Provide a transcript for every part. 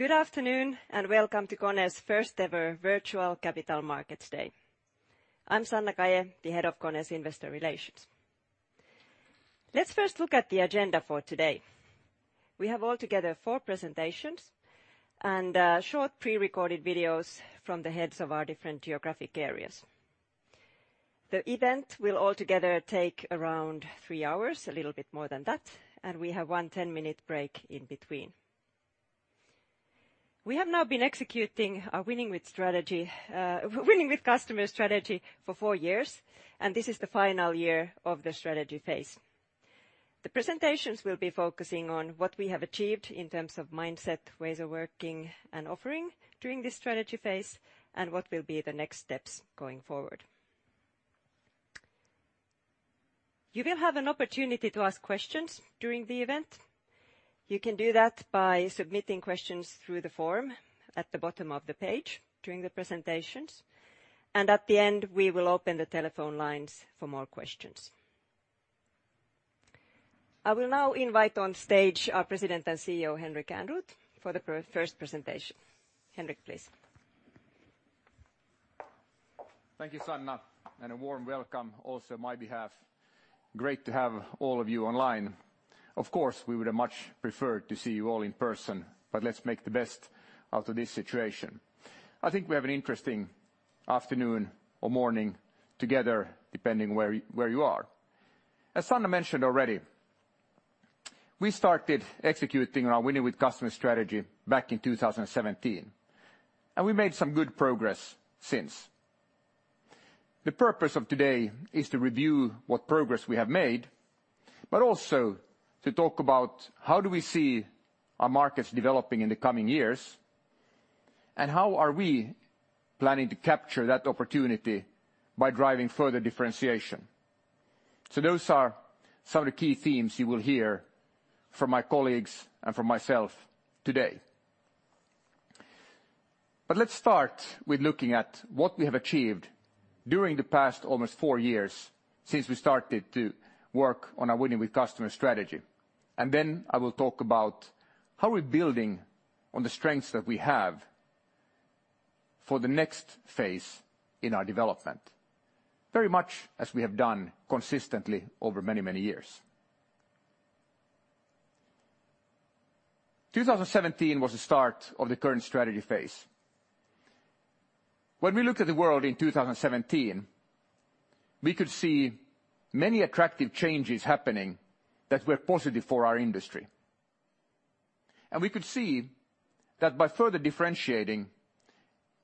Good afternoon, welcome to KONE's first-ever virtual Capital Markets Day. I'm Sanna Kaje, the head of KONE's investor relations. Let's first look at the agenda for today. We have altogether four presentations, short pre-recorded videos from the heads of our different geographic areas. The event will altogether take around three hours, a little bit more than that, we have one 10-minute break in between. We have now been executing our Winning with Customers strategy for four years, this is the final year of the strategy phase. The presentations will be focusing on what we have achieved in terms of mindset, ways of working, and offering during this strategy phase, what will be the next steps going forward. You will have an opportunity to ask questions during the event. You can do that by submitting questions through the form at the bottom of the page during the presentations, and at the end, we will open the telephone lines for more questions. I will now invite on stage our President and CEO, Henrik Ehrnrooth, for the first presentation. Henrik, please. Thank you, Sanna. A warm welcome also on my behalf. Great to have all of you online. Of course, we would have much preferred to see you all in person, but let's make the best out of this situation. I think we have an interesting afternoon or morning together, depending where you are. As Sanna mentioned already, we started executing our Winning with Customers strategy back in 2017, and we made some good progress since. The purpose of today is to review what progress we have made, but also to talk about how do we see our markets developing in the coming years, and how are we planning to capture that opportunity by driving further differentiation. Those are some of the key themes you will hear from my colleagues and from myself today. Let's start with looking at what we have achieved during the past almost four years since we started to work on our Winning with Customers strategy, and then I will talk about how are we building on the strengths that we have for the next phase in our development, very much as we have done consistently over many years. 2017 was the start of the current strategy phase. When we looked at the world in 2017, we could see many attractive changes happening that were positive for our industry. We could see that by further differentiating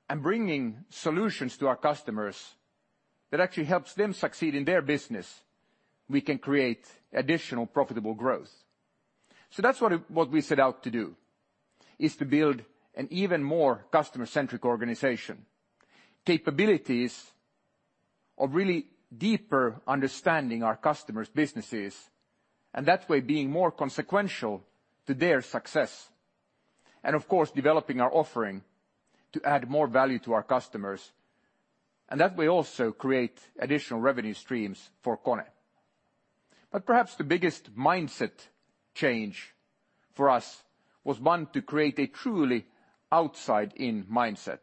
and bringing solutions to our customers that actually helps them succeed in their business, we can create additional profitable growth. That's what we set out to do, is to build an even more customer-centric organization. Capabilities of really deeper understanding our customers' businesses, and that way, being more consequential to their success. Of course, developing our offering to add more value to our customers. That way, also create additional revenue streams for KONE. Perhaps the biggest mindset change for us was one to create a truly outside-in mindset.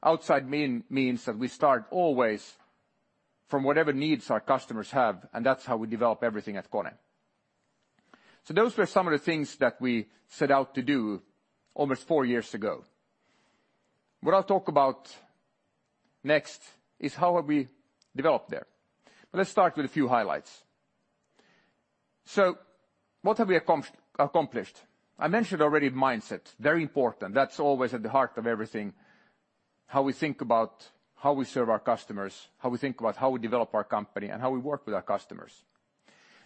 Outside-in means that we start always from whatever needs our customers have, and that's how we develop everything at KONE. Those were some of the things that we set out to do almost four years ago. What I'll talk about next is how have we developed there. Let's start with a few highlights. What have we accomplished? I mentioned already mindset, very important. That's always at the heart of everything. How we think about how we serve our customers, how we think about how we develop our company, and how we work with our customers.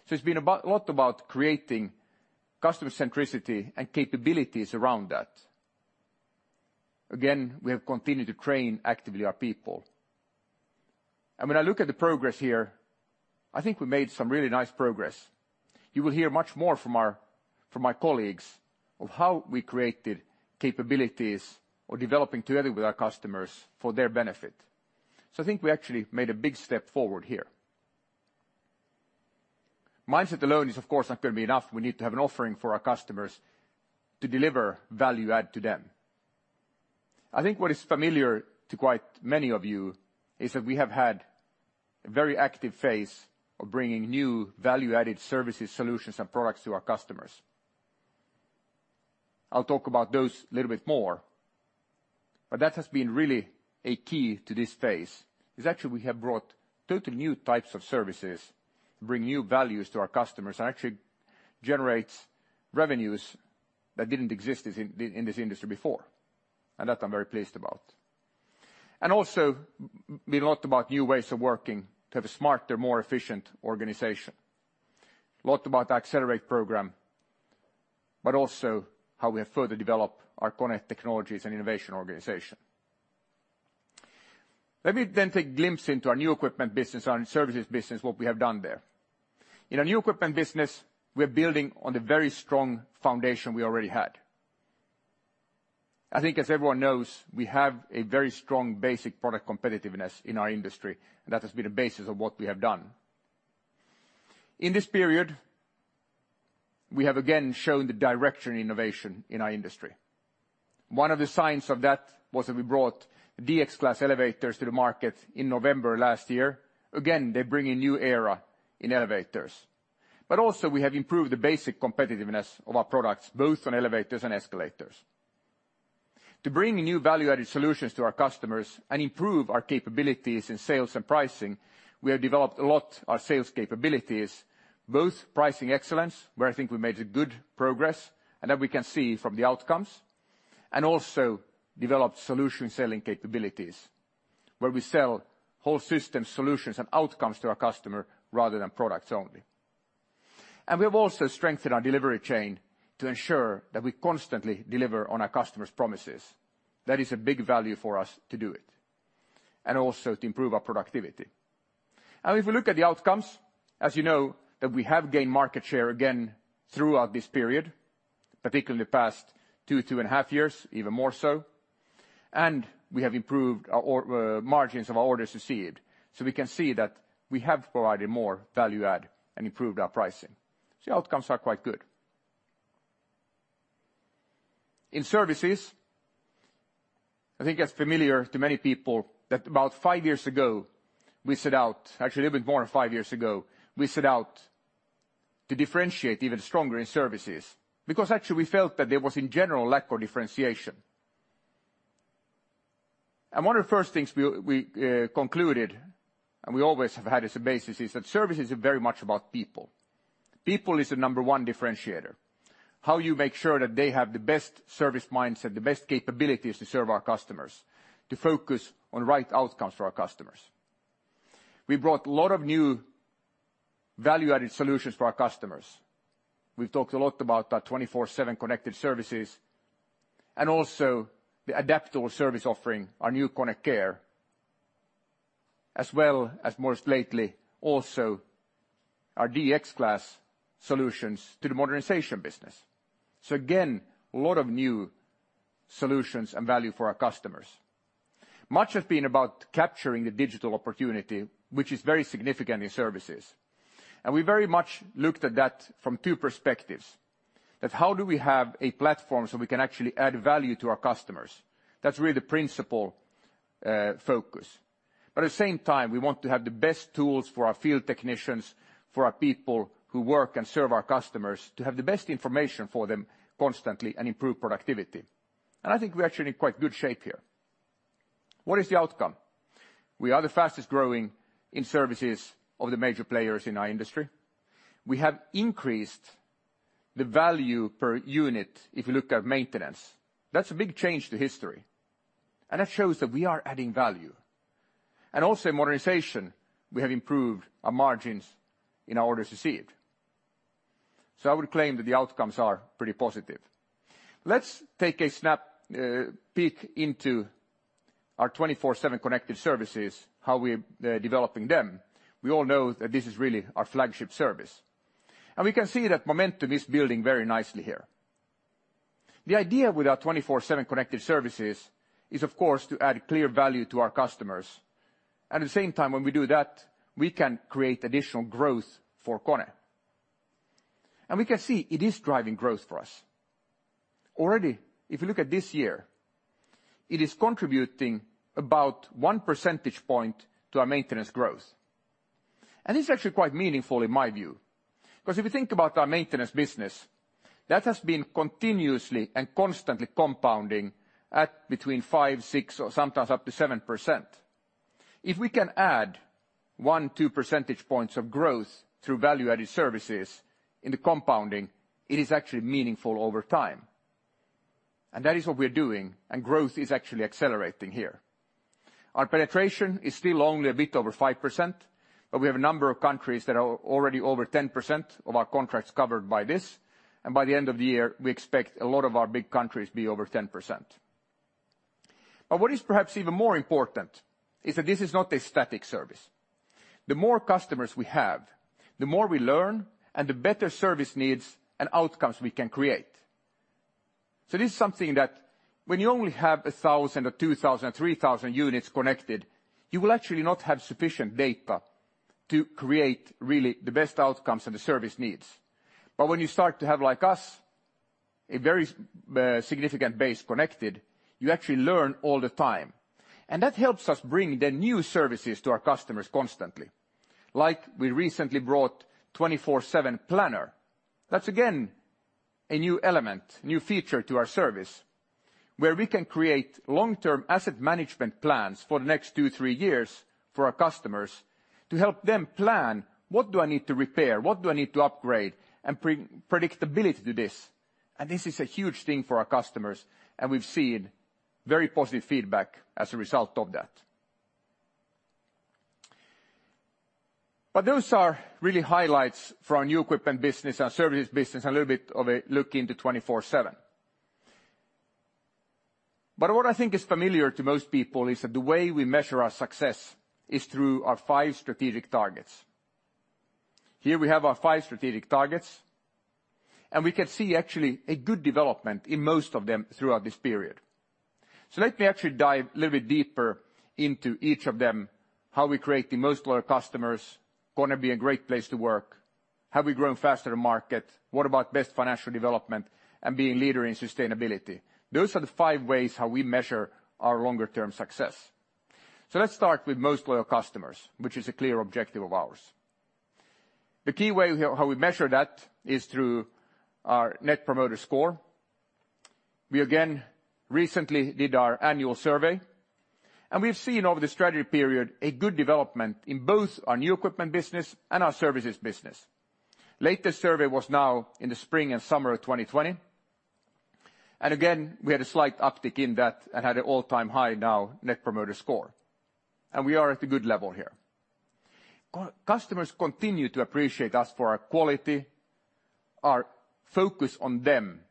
It's been a lot about creating customer centricity and capabilities around that. Again, we have continued to train actively our people. When I look at the progress here, I think we made some really nice progress. You will hear much more from my colleagues of how we created capabilities or developing together with our customers for their benefit. I think we actually made a big step forward here. Mindset alone is, of course, not going to be enough. We need to have an offering for our customers to deliver value add to them. I think what is familiar to quite many of you is that we have had a very active phase of bringing new value-added services, solutions, and products to our customers. I'll talk about those a little bit more. That has been really a key to this phase, is actually we have brought total new types of services to bring new values to our customers and actually generate revenues that didn't exist in this industry before. That I'm very pleased about. Also, been a lot about new ways of working to have a smarter, more efficient organization. A lot about the Accelerate program, also how we have further developed our KONE Technology and Innovation organization. Let me take glimpse into our new equipment business, our services business, what we have done there. In our new equipment business, we're building on the very strong foundation we already had. I think as everyone knows, we have a very strong basic product competitiveness in our industry, that has been the basis of what we have done. In this period, we have again shown the direction innovation in our industry. One of the signs of that was that we brought the DX Class elevators to the market in November last year. They bring a new era in elevators. Also we have improved the basic competitiveness of our products, both on elevators and escalators. To bring new value-added solutions to our customers and improve our capabilities in sales and pricing, we have developed a lot our sales capabilities, both pricing excellence, where I think we made a good progress and that we can see from the outcomes, and also developed solution selling capabilities, where we sell whole system solutions and outcomes to our customer rather than products only. We have also strengthened our delivery chain to ensure that we constantly deliver on our customers' promises. That is a big value for us to do it, and also to improve our productivity. If we look at the outcomes, as you know, that we have gained market share again throughout this period, particularly the past two and a half years, even more so, we have improved our margins of orders received. We can see that we have provided more value add and improved our pricing. The outcomes are quite good. In services, I think that's familiar to many people that about five years ago, we set out, actually a bit more than five years ago, we set out to differentiate even stronger in services. Actually we felt that there was in general lack of differentiation. One of the first things we concluded, and we always have had as a basis, is that services are very much about people. People is the number one differentiator. How you make sure that they have the best service mindset, the best capabilities to serve our customers, to focus on right outcomes for our customers. We brought a lot of new value-added solutions to our customers. We've talked a lot about our 24/7 Connected Services, and also the adaptable service offering, our new KONE Care, as well as most lately, also our DX Class solutions to the modernization business. Again, a lot of new solutions and value for our customers. Much has been about capturing the digital opportunity, which is very significant in services. We very much looked at that from two perspectives. That how do we have a platform so we can actually add value to our customers? That's really the principle focus. At the same time, we want to have the best tools for our field technicians, for our people who work and serve our customers, to have the best information for them constantly and improve productivity. I think we're actually in quite good shape here. What is the outcome? We are the fastest growing in services of the major players in our industry. We have increased the value per unit, if you look at maintenance. That's a big change to history. That shows that we are adding value. Also modernization, we have improved our margins in our orders received. I would claim that the outcomes are pretty positive. Let's take a sneak peek into our 24/7 Connected Services, how we're developing them. We all know that this is really our flagship service. We can see that momentum is building very nicely here. The idea with our 24/7 Connected Services is of course to add clear value to our customers. At the same time when we do that, we can create additional growth for KONE. We can see it is driving growth for us. Already, if you look at this year, it is contributing about 1 percentage point to our maintenance growth. It's actually quite meaningful in my view, because if you think about our maintenance business, that has been continuously and constantly compounding at between 5%, 6%, or sometimes up to 7%. If we can add one, two percentage points of growth through value-added services in the compounding, it is actually meaningful over time. That is what we're doing, and growth is actually accelerating here. Our penetration is still only a bit over 5%, but we have a number of countries that are already over 10% of our contracts covered by this, and by the end of the year, we expect a lot of our big countries be over 10%. What is perhaps even more important is that this is not a static service. The more customers we have, the more we learn and the better service needs and outcomes we can create. This is something that when you only have 1,000 or 2,000, 3,000 units connected, you will actually not have sufficient data to create really the best outcomes and the service needs. When you start to have, like us, a very significant base connected, you actually learn all the time. That helps us bring the new services to our customers constantly. Like we recently brought 24/7 Planner. That's again, a new element, new feature to our service, where we can create long-term asset management plans for the next two, three years for our customers to help them plan, what do I need to repair? What do I need to upgrade? Predictability to this. This is a huge thing for our customers, and we've seen very positive feedback as a result of that. Those are really highlights for our new equipment business, our services business, and a little bit of a look into 24/7. What I think is familiar to most people is that the way we measure our success is through our five strategic targets. Here we have our five strategic targets, and we can see actually a good development in most of them throughout this period. Let me actually dive a little bit deeper into each of them, how we create the most loyal customers, KONE being a great place to work. Have we grown faster than the market? What about best financial development and being a leader in sustainability? Those are the five ways how we measure our longer term success. Let's start with most loyal customers, which is a clear objective of ours. The key way how we measure that is through our Net Promoter Score. We again recently did our annual survey, and we've seen over the strategy period a good development in both our New Equipment Business and our services business. Latest survey was now in the spring and summer of 2020. Again, we had a slight uptick in that and had an all-time high now Net Promoter Score. We are at a good level here. Customers continue to appreciate us for our quality, our focus on them,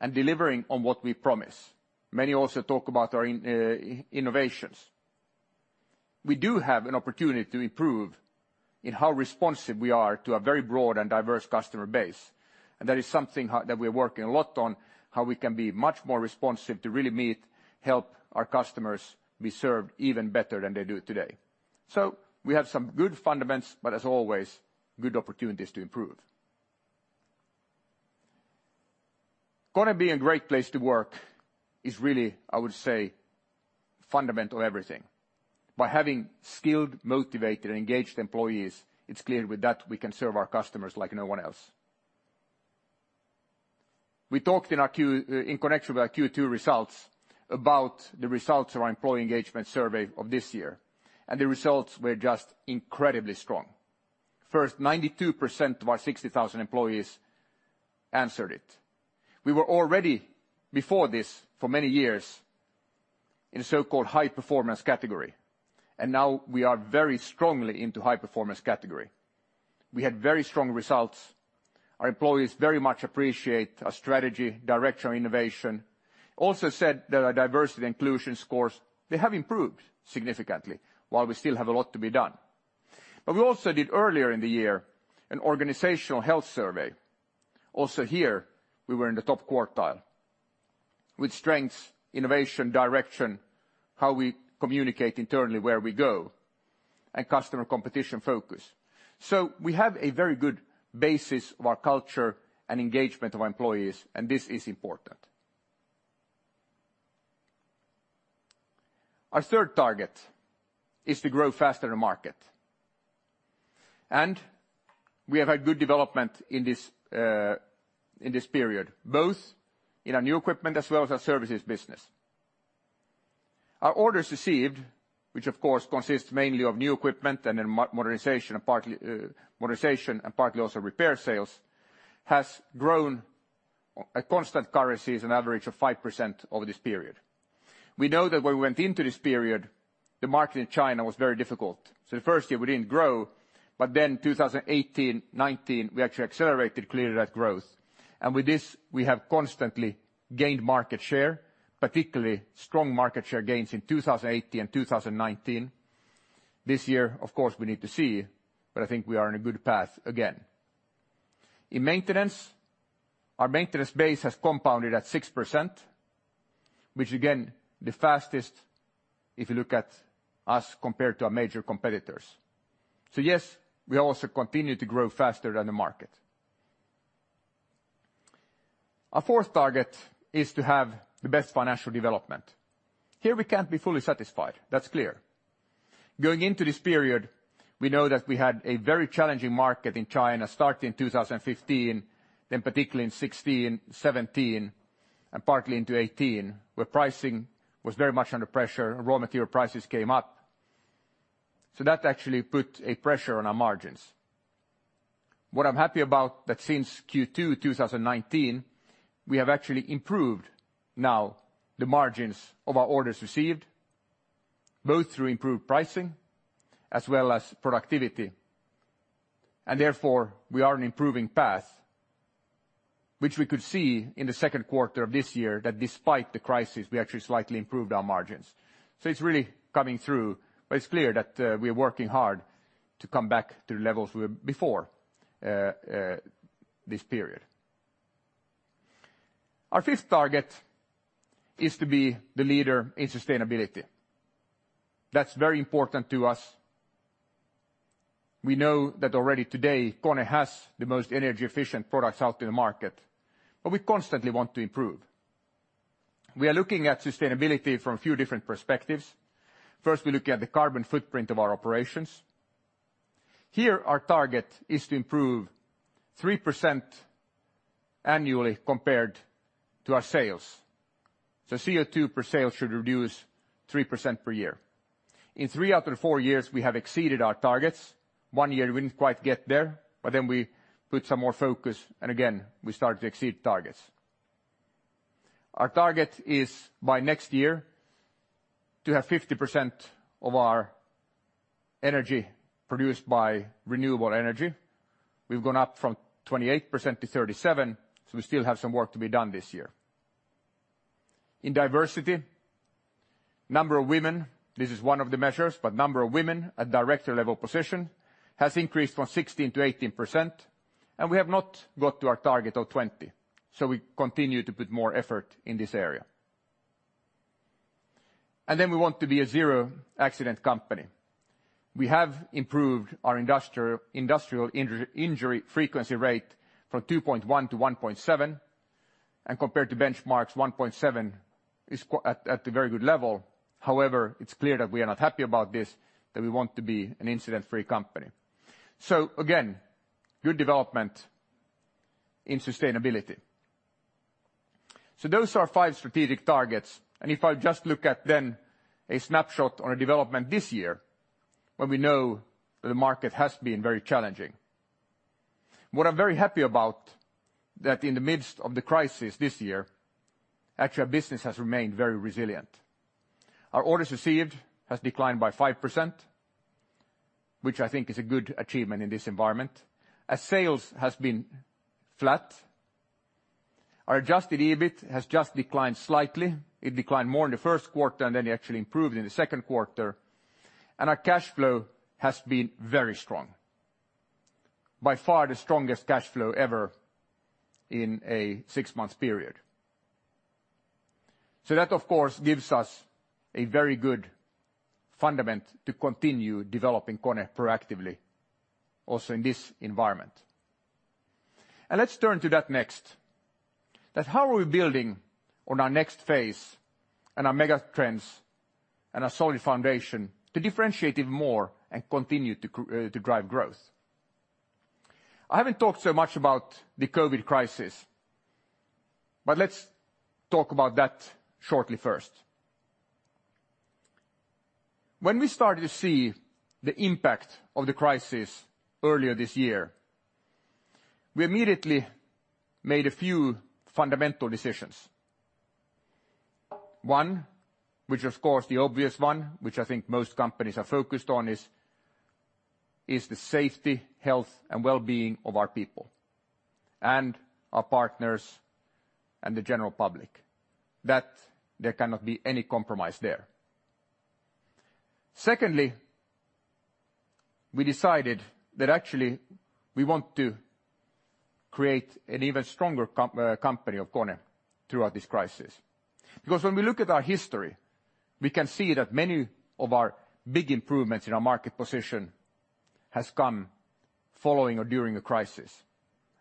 and delivering on what we promise. Many also talk about our innovations. We do have an opportunity to improve in how responsive we are to a very broad and diverse customer base. That is something that we are working a lot on, how we can be much more responsive to really meet, help our customers be served even better than they do today. We have some good fundamentals, but as always, good opportunities to improve. KONE being a great place to work is really, I would say, fundamental to everything. By having skilled, motivated, and engaged employees, it's clear with that we can serve our customers like no one else. We talked in connection with our Q2 results about the results of our employee engagement survey of this year, and the results were just incredibly strong. First, 92% of our 60,000 employees answered it. We were already before this for many years in a so-called high performance category, and now we are very strongly into high performance category. We had very strong results. Our employees very much appreciate our strategy, direction, innovation, also said that our diversity and inclusion scores, they have improved significantly while we still have a lot to be done. We also did earlier in the year an organizational health survey. Here we were in the top quartile with strengths, innovation, direction, how we communicate internally where we go, and customer competition focus. We have a very good basis of our culture and engagement of our employees. This is important. Our third target is to grow faster than the market. We have had good development in this period, both in our new equipment as well as our services business. Our orders received, which of course consists mainly of new equipment and modernization, and partly also repair sales, has grown at constant currencies an average of 5% over this period. We know that when we went into this period, the market in China was very difficult. The first year we didn't grow, but then 2018, 2019, we actually accelerated clearly that growth. With this, we have constantly gained market share, particularly strong market share gains in 2018 and 2019. This year, of course, we need to see, but I think we are on a good path again. In maintenance, our maintenance base has compounded at 6%, which again, the fastest if you look at us compared to our major competitors. Yes, we also continue to grow faster than the market. Our fourth target is to have the best financial development. Here we can't be fully satisfied. That's clear. Going into this period, we know that we had a very challenging market in China starting in 2015, then particularly in 2016, 2017, and partly into 2018, where pricing was very much under pressure and raw material prices came up. That actually put a pressure on our margins. What I'm happy about, that since Q2 2019, we have actually improved now the margins of our orders received, both through improved pricing as well as productivity. Therefore, we are on an improving path, which we could see in the second quarter of this year that despite the crisis, we actually slightly improved our margins. It's really coming through, but it's clear that we are working hard to come back to the levels we were before this period. Our fifth target is to be the leader in sustainability. That's very important to us. We know that already today, KONE has the most energy efficient products out in the market, but we constantly want to improve. We are looking at sustainability from a few different perspectives. First, we look at the carbon footprint of our operations. Here, our target is to improve 3% annually compared to our sales. CO2 per sale should reduce 3% per year. In three out of the four years, we have exceeded our targets. One year we didn't quite get there, but then we put some more focus, and again, we started to exceed targets. Our target is by next year to have 50% of our energy produced by renewable energy. We've gone up from 28% to 37%, so we still have some work to be done this year. In diversity, number of women, this is one of the measures, but number of women at director level position has increased from 16% to 18%, and we have not got to our target of 20%. We continue to put more effort in this area. We want to be a zero accident company. We have improved our Industrial Injury Frequency Rate from 2.1 to 1.7, and compared to benchmarks, 1.7 is at a very good level. However, it's clear that we are not happy about this, that we want to be an incident-free company. Again, good development in sustainability. Those are our five strategic targets, and if I just look at then a snapshot on a development this year, when we know that the market has been very challenging. What I'm very happy about, that in the midst of the crisis this year, actually our business has remained very resilient. Our orders received has declined by 5%, which I think is a good achievement in this environment. As sales has been flat, our adjusted EBIT has just declined slightly. It declined more in the first quarter, and then it actually improved in the second quarter. Our cash flow has been very strong. By far the strongest cash flow ever in a six months period. That, of course, gives us a very good fundament to continue developing KONE proactively also in this environment. Let's turn to that next. How are we building on our next phase and our mega trends and our solid foundation to differentiate even more and continue to drive growth? I haven't talked so much about the COVID crisis. Let's talk about that shortly first. When we started to see the impact of the crisis earlier this year, we immediately made a few fundamental decisions. One, which of course the obvious one, which I think most companies are focused on, is the safety, health, and wellbeing of our people and our partners and the general public, that there cannot be any compromise there. Secondly, we decided that actually we want to create an even stronger company of KONE throughout this crisis. When we look at our history, we can see that many of our big improvements in our market position has come following or during a crisis,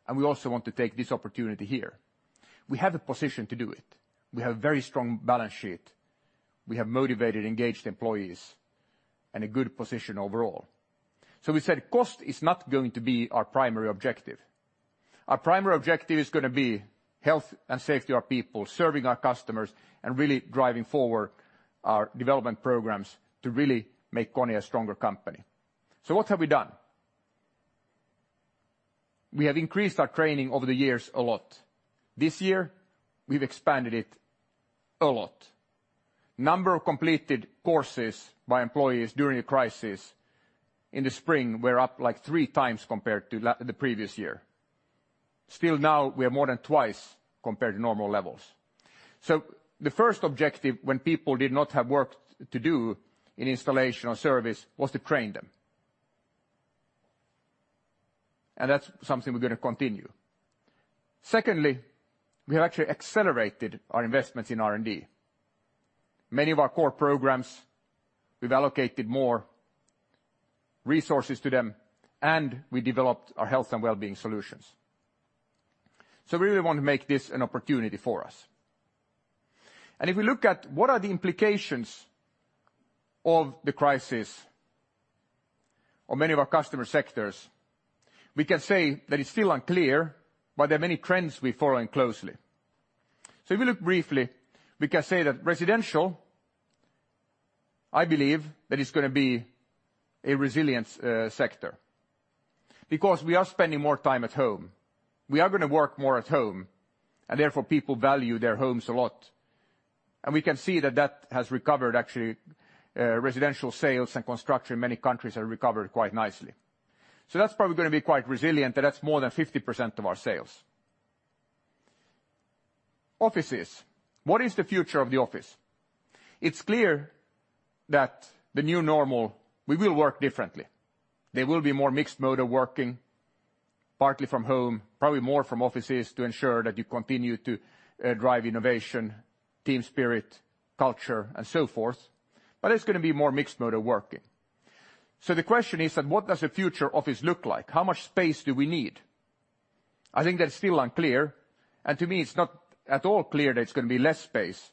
and we also want to take this opportunity here. We have the position to do it. We have very strong balance sheet, we have motivated, engaged employees, and a good position overall. We said cost is not going to be our primary objective. Our primary objective is going to be health and safety of our people, serving our customers, and really driving forward our development programs to really make KONE a stronger company. What have we done? We have increased our training over the years a lot. This year, we've expanded it a lot. Number of completed courses by employees during the crisis in the spring were up three times compared to the previous year. Still now we are more than twice compared to normal levels. The first objective when people did not have work to do in installation or service was to train them, and that's something we're going to continue. Secondly, we have actually accelerated our investments in R&D. Many of our core programs, we've allocated more resources to them, and we developed our health and wellbeing solutions. We really want to make this an opportunity for us. If we look at what are the implications of the crisis on many of our customer sectors, we can say that it's still unclear, but there are many trends we're following closely. If we look briefly, we can say that residential, I believe, that is going to be a resilient sector because we are spending more time at home. We are going to work more at home, and therefore people value their homes a lot, and we can see that that has recovered, actually, residential sales and construction in many countries have recovered quite nicely. That's probably going to be quite resilient, and that's more than 50% of our sales. Offices. What is the future of the office? It's clear that the new normal, we will work differently. There will be more mixed mode of working, partly from home, probably more from offices to ensure that you continue to drive innovation, team spirit, culture, and so forth, but it's going to be more mixed mode of working. The question is that what does a future office look like? How much space do we need? I think that's still unclear, and to me it's not at all clear that it's going to be less space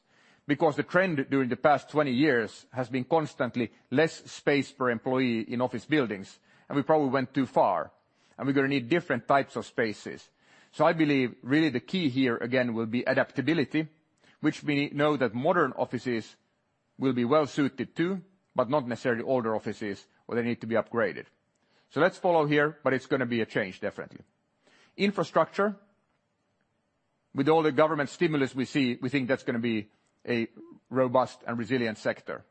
because the trend during the past 20 years has been constantly less space per employee in office buildings, and we probably went too far, and we're going to need different types of spaces. I believe really the key here, again, will be adaptability, which we know that modern offices will be well-suited to, but not necessarily older offices or they need to be upgraded. Let's follow here, but it's going to be a change, definitely. Infrastructure. With all the government stimulus we see, we think that's going to be a robust and resilient sector.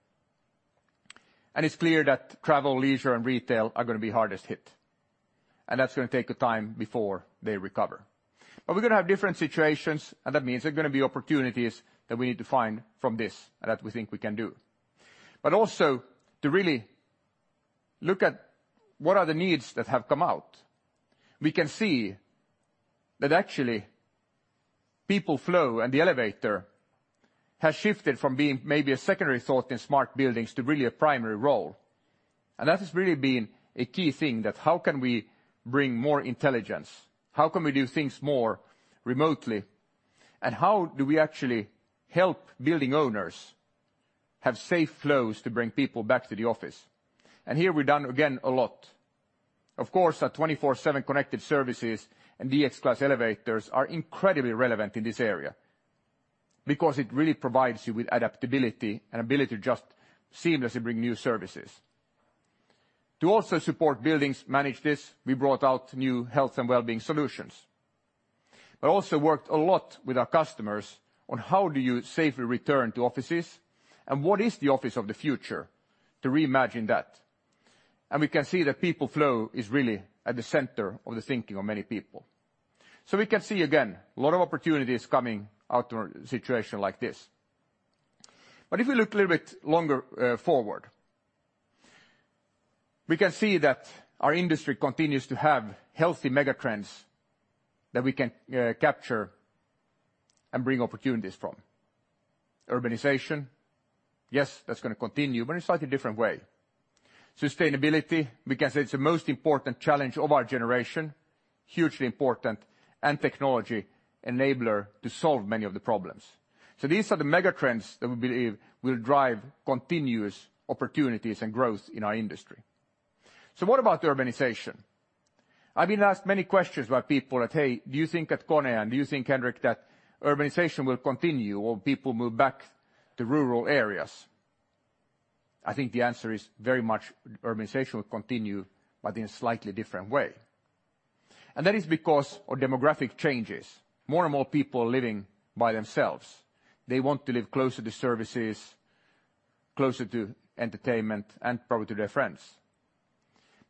It's clear that travel, leisure, and retail are going to be hardest hit, and that's going to take a time before they recover. We're going to have different situations, and that means there are going to be opportunities that we need to find from this that we think we can do. Also to really look at what are the needs that have come out. We can see that actually People Flow and the elevator has shifted from being maybe a secondary thought in smart buildings to really a primary role. That has really been a key thing, that how can we bring more intelligence? How can we do things more remotely? How do we actually help building owners have safe flows to bring people back to the office? Here we've done, again, a lot. Of course, our KONE 24/7 Connected Services and KONE DX Class elevators are incredibly relevant in this area because it really provides you with adaptability and ability to just seamlessly bring new services. To also support buildings manage this, we brought out new health and wellbeing solutions, but also worked a lot with our customers on how do you safely return to offices, and what is the office of the future to reimagine that. We can see that People Flow is really at the center of the thinking of many people. We can see, again, a lot of opportunities coming out of a situation like this. If we look a little bit longer forward, we can see that our industry continues to have healthy megatrends that we can capture and bring opportunities from. Urbanization, yes, that's going to continue, but in a slightly different way. Sustainability, we can say it's the most important challenge of our generation, hugely important, and technology enabler to solve many of the problems. These are the megatrends that we believe will drive continuous opportunities and growth in our industry. What about urbanization? I've been asked many questions by people that, Hey, do you think at KONE, do you think, Henrik, that urbanization will continue or people move back to rural areas? I think the answer is very much urbanization will continue, but in a slightly different way. That is because of demographic changes. More and more people are living by themselves. They want to live closer to services, closer to entertainment, and probably to their friends.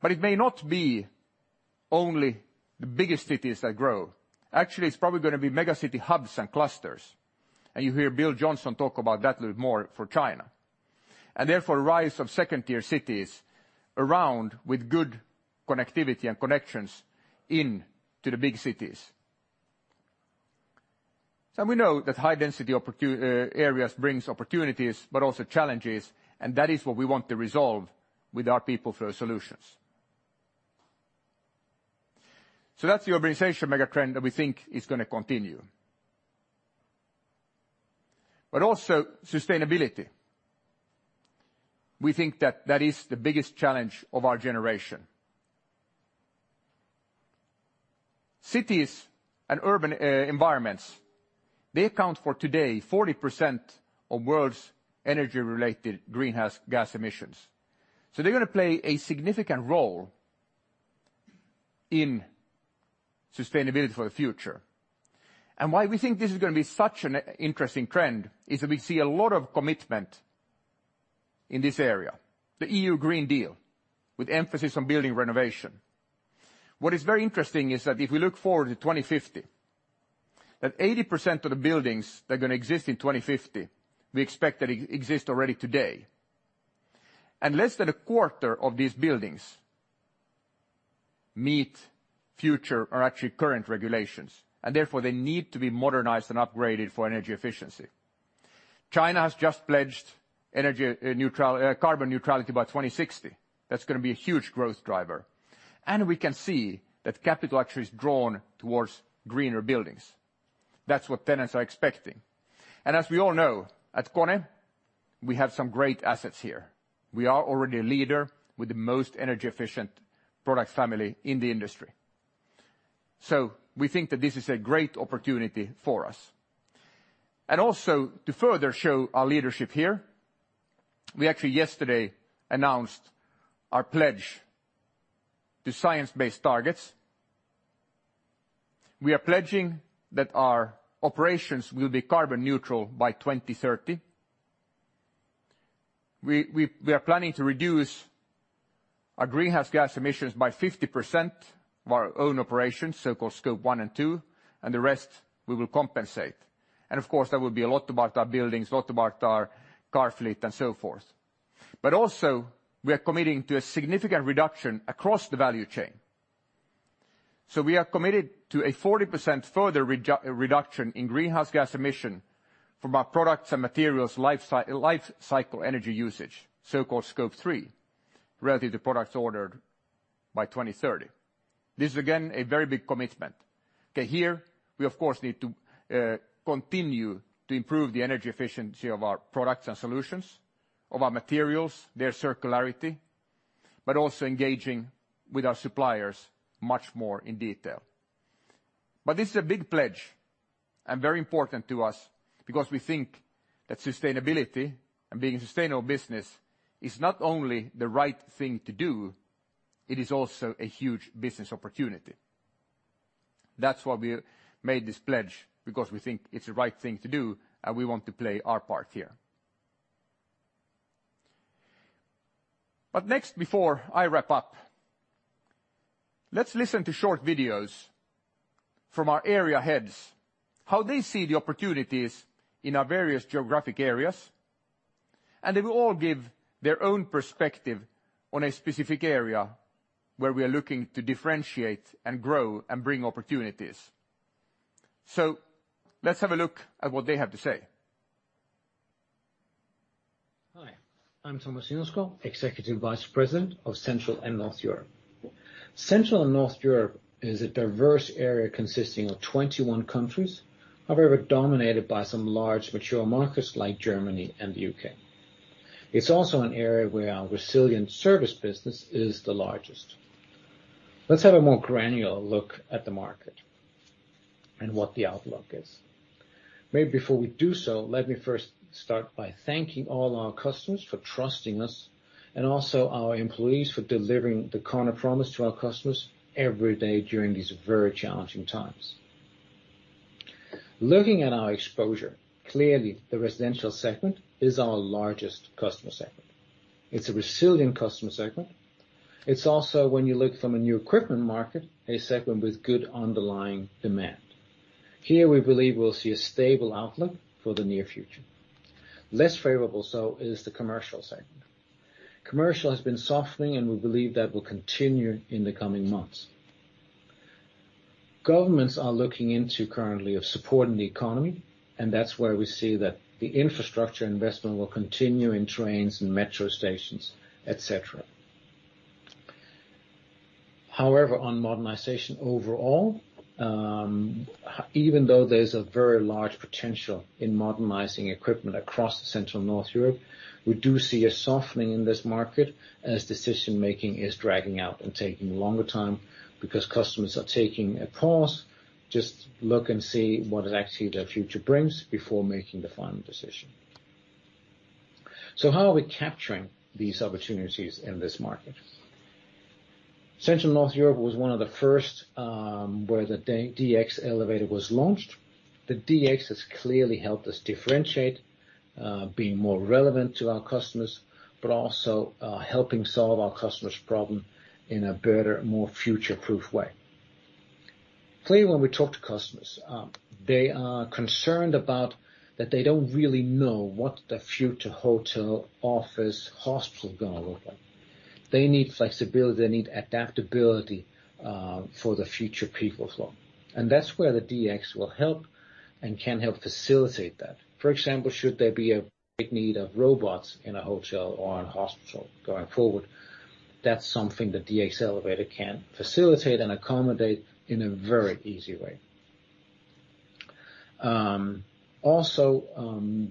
It may not be only the biggest cities that grow. Actually, it's probably going to be mega city hubs and clusters, and you'll hear Bill Johnson talk about that a little more for China. Therefore, a rise of second-tier cities around with good connectivity and connections into the big cities. We know that high-density areas brings opportunities, but also challenges, and that is what we want to resolve with our People Flow solutions. That's the urbanization megatrend that we think is going to continue. Also sustainability. We think that that is the biggest challenge of our generation. Cities and urban environments, they account for today 40% of world's energy-related greenhouse gas emissions. They're going to play a significant role in sustainability for the future. Why we think this is going to be such an interesting trend is that we see a lot of commitment in this area, the European Green Deal, with emphasis on building renovation. What is very interesting is that if we look forward to 2050, that 80% of the buildings that are going to exist in 2050, we expect that exist already today. Less than a quarter of these buildings meet future or actually current regulations, and therefore they need to be modernized and upgraded for energy efficiency. China has just pledged carbon neutrality by 2060. That's going to be a huge growth driver. We can see that capital actually is drawn towards greener buildings. That's what tenants are expecting. As we all know, at KONE, we have some great assets here. We are already a leader with the most energy efficient product family in the industry. We think that this is a great opportunity for us. Also to further show our leadership here, we actually yesterday announced our pledge to Science Based Targets. We are pledging that our operations will be carbon neutral by 2030. We are planning to reduce our greenhouse gas emissions by 50% of our own operations, so-called Scope 1 and 2. The rest we will compensate. Of course, that will be a lot about our buildings, a lot about our car fleet, and so forth. Also we are committing to a significant reduction across the value chain. We are committed to a 40% further reduction in greenhouse gas emission from our products and materials life cycle energy usage, so-called Scope 3, relative to products ordered by 2030. This is again, a very big commitment. Okay, here we of course, need to continue to improve the energy efficiency of our products and solutions, of our materials, their circularity, also engaging with our suppliers much more in detail. This is a big pledge and very important to us because we think that sustainability and being a sustainable business is not only the right thing to do, it is also a huge business opportunity. That's why we made this pledge, because we think it's the right thing to do, and we want to play our part here. Next, before I wrap up, let's listen to short videos from our area heads, how they see the opportunities in our various geographic areas, and they will all give their own perspective on a specific area where we are looking to differentiate and grow and bring opportunities. Let's have a look at what they have to say. Hi, I'm Thomas Hinnerskov, Executive Vice President of Central and North Europe. Central and North Europe is a diverse area consisting of 21 countries. Dominated by some large mature markets like Germany and the U.K. It's also an area where our resilient service business is the largest. Let's have a more granular look at the market and what the outlook is. Maybe before we do so, let me first start by thanking all our customers for trusting us and also our employees for delivering the KONE promise to our customers every day during these very challenging times. Looking at our exposure, clearly the residential segment is our largest customer segment. It's a resilient customer segment. It's also, when you look from a new equipment market, a segment with good underlying demand. Here, we believe we'll see a stable outlook for the near future. Less favorable is the commercial segment. Commercial has been softening, we believe that will continue in the coming months. Governments are looking into currently of supporting the economy, that's where we see that the infrastructure investment will continue in trains and metro stations, et cetera. However, on modernization overall, even though there's a very large potential in modernizing equipment across Central and North Europe, we do see a softening in this market as decision-making is dragging out and taking longer time because customers are taking a pause, just look and see what actually the future brings before making the final decision. How are we capturing these opportunities in this market? Central and North Europe was one of the first, where the DX elevator was launched. The DX has clearly helped us differentiate, be more relevant to our customers, but also helping solve our customers' problem in a better, more future-proof way. Clearly, when we talk to customers, they are concerned about that they don't really know what the future hotel, office, hospital is going to look like. They need flexibility, they need adaptability for the future People Flow. That's where the DX will help and can help facilitate that. For example, should there be a big need of robots in a hotel or in a hospital going forward, that's something the DX elevator can facilitate and accommodate in a very easy way. Also,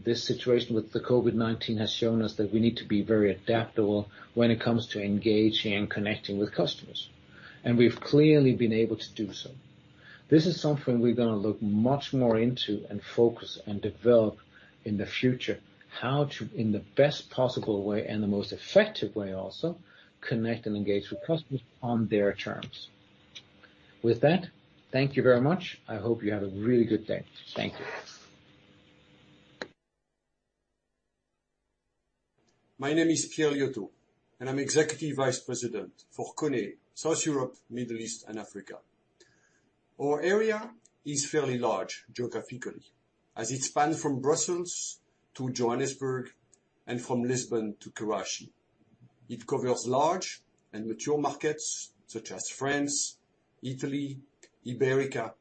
this situation with the COVID-19 has shown us that we need to be very adaptable when it comes to engaging and connecting with customers. We've clearly been able to do so. This is something we're going to look much more into and focus and develop in the future, how to, in the best possible way, and the most effective way also, connect and engage with customers on their terms. With that, thank you very much. I hope you have a really good day. Thank you. My name is Pierre Liautaud, I'm Executive Vice President for KONE South Europe, Middle East and Africa. Our area is fairly large geographically as it spans from Brussels to Johannesburg and from Lisbon to Karachi. It covers large and mature markets such as France, Italy, Iberia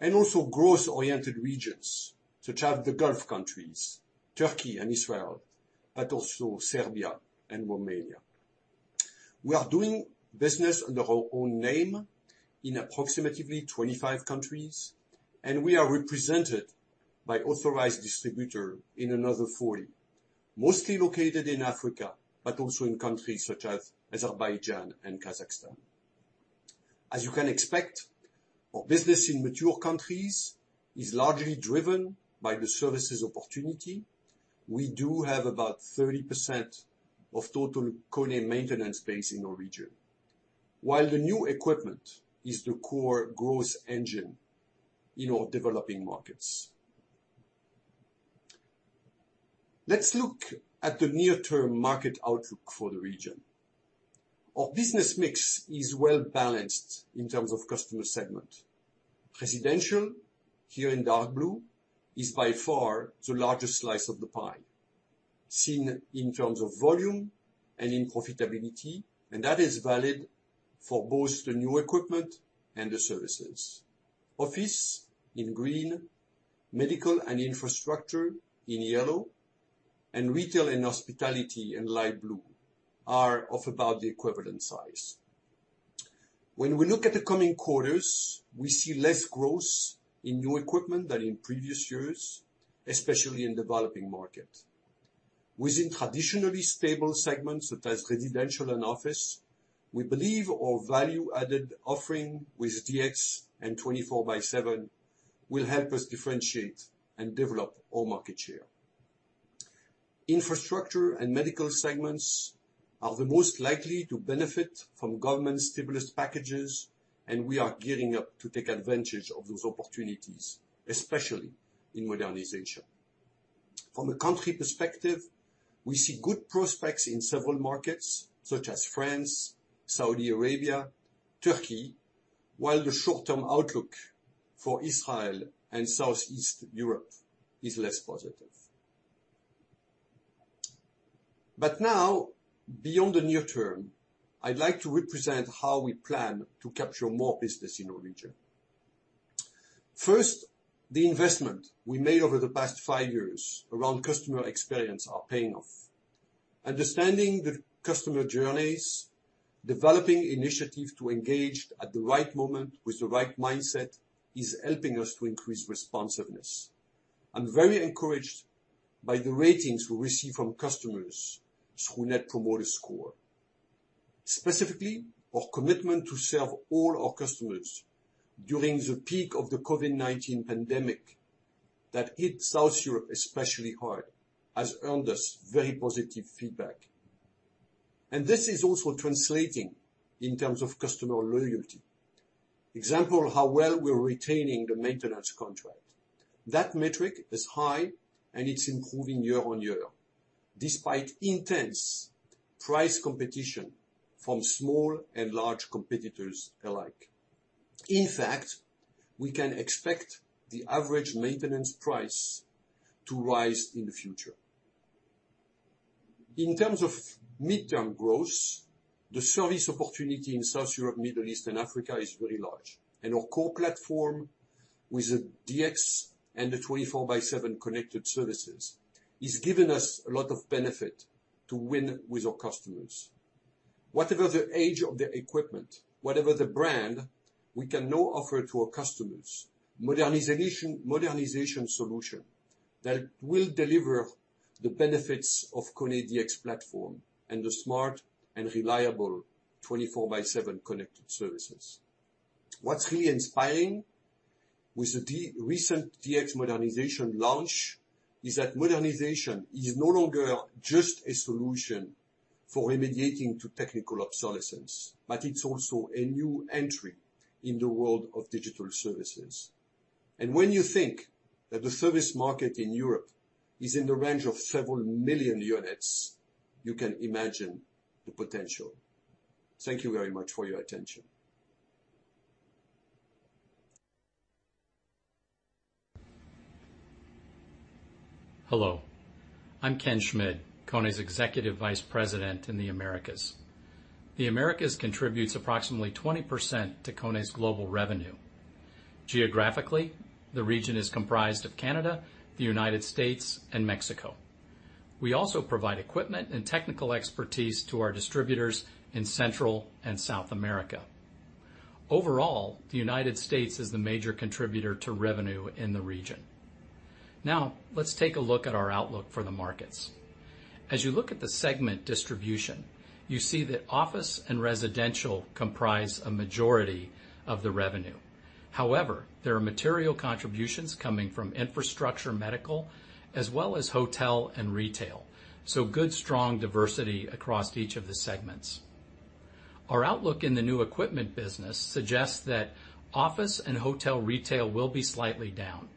and also growth-oriented regions such as the Gulf countries, Turkey and Israel, also Serbia and Romania. We are doing business under our own name in approximately 25 countries, we are represented by authorized distributor in another 40, mostly located in Africa, also in countries such as Azerbaijan and Kazakhstan. As you can expect, our business in mature countries is largely driven by the services opportunity. We do have about 30% of total KONE maintenance base in our region. While the new equipment is the core growth engine in our developing markets. Let's look at the near term market outlook for the region. Our business mix is well-balanced in terms of customer segment. Residential, here in dark blue, is by far the largest slice of the pie, seen in terms of volume and in profitability, and that is valid for both the new equipment and the services. Office, in green, medical and infrastructure, in yellow, and retail and hospitality in light blue, are of about the equivalent size. When we look at the coming quarters, we see less growth in new equipment than in previous years, especially in developing markets. Within traditionally stable segments such as residential and office, we believe our value-added offering with DX and 24/7 will help us differentiate and develop our market share. Infrastructure and medical segments are the most likely to benefit from government stimulus packages, and we are gearing up to take advantage of those opportunities, especially in modernization. From a country perspective, we see good prospects in several markets, such as France, Saudi Arabia, Turkey, while the short-term outlook for Israel and Southeast Europe is less positive. Now, beyond the near term, I'd like to represent how we plan to capture more business in our region. First, the investment we made over the past five years around customer experience are paying off. Understanding the customer journeys, developing initiatives to engage at the right moment with the right mindset is helping us to increase responsiveness. I'm very encouraged by the ratings we receive from customers through Net Promoter Score. Specifically, our commitment to serve all our customers during the peak of the COVID-19 pandemic that hit South Europe especially hard, has earned us very positive feedback. This is also translating in terms of customer loyalty. For example, how well we're retaining the maintenance contract. That metric is high, and it's improving year-over-year, despite intense price competition from small and large competitors alike. In fact, we can expect the average maintenance price to rise in the future. In terms of midterm growth, the service opportunity in South Europe, Middle East, and Africa is very large. Our core platform with the DX and the 24/7 Connected Services is giving us a lot of benefit to win with our customers. Whatever the age of the equipment, whatever the brand, we can now offer to our customers modernization solution that will deliver the benefits of KONE DX platform and the smart and reliable KONE 24/7 Connected Services. What's really inspiring with the recent DX modernization launch is that modernization is no longer just a solution for remediating to technical obsolescence, but it's also a new entry in the world of digital services. When you think that the service market in Europe is in the range of several million units, you can imagine the potential. Thank you very much for your attention. Hello, I'm Ken Schmid, KONE's Executive Vice President in the Americas. The Americas contributes approximately 20% to KONE's global revenue. Geographically, the region is comprised of Canada, the United States, and Mexico. We also provide equipment and technical expertise to our distributors in Central and South America. Overall, the United States is the major contributor to revenue in the region. Now, let's take a look at our outlook for the markets. As you look at the segment distribution, you see that office and residential comprise a majority of the revenue. However, there are material contributions coming from infrastructure medical as well as hotel and retail, so good, strong diversity across each of the segments. Our outlook in the new equipment business suggests that office and hotel retail will be slightly down.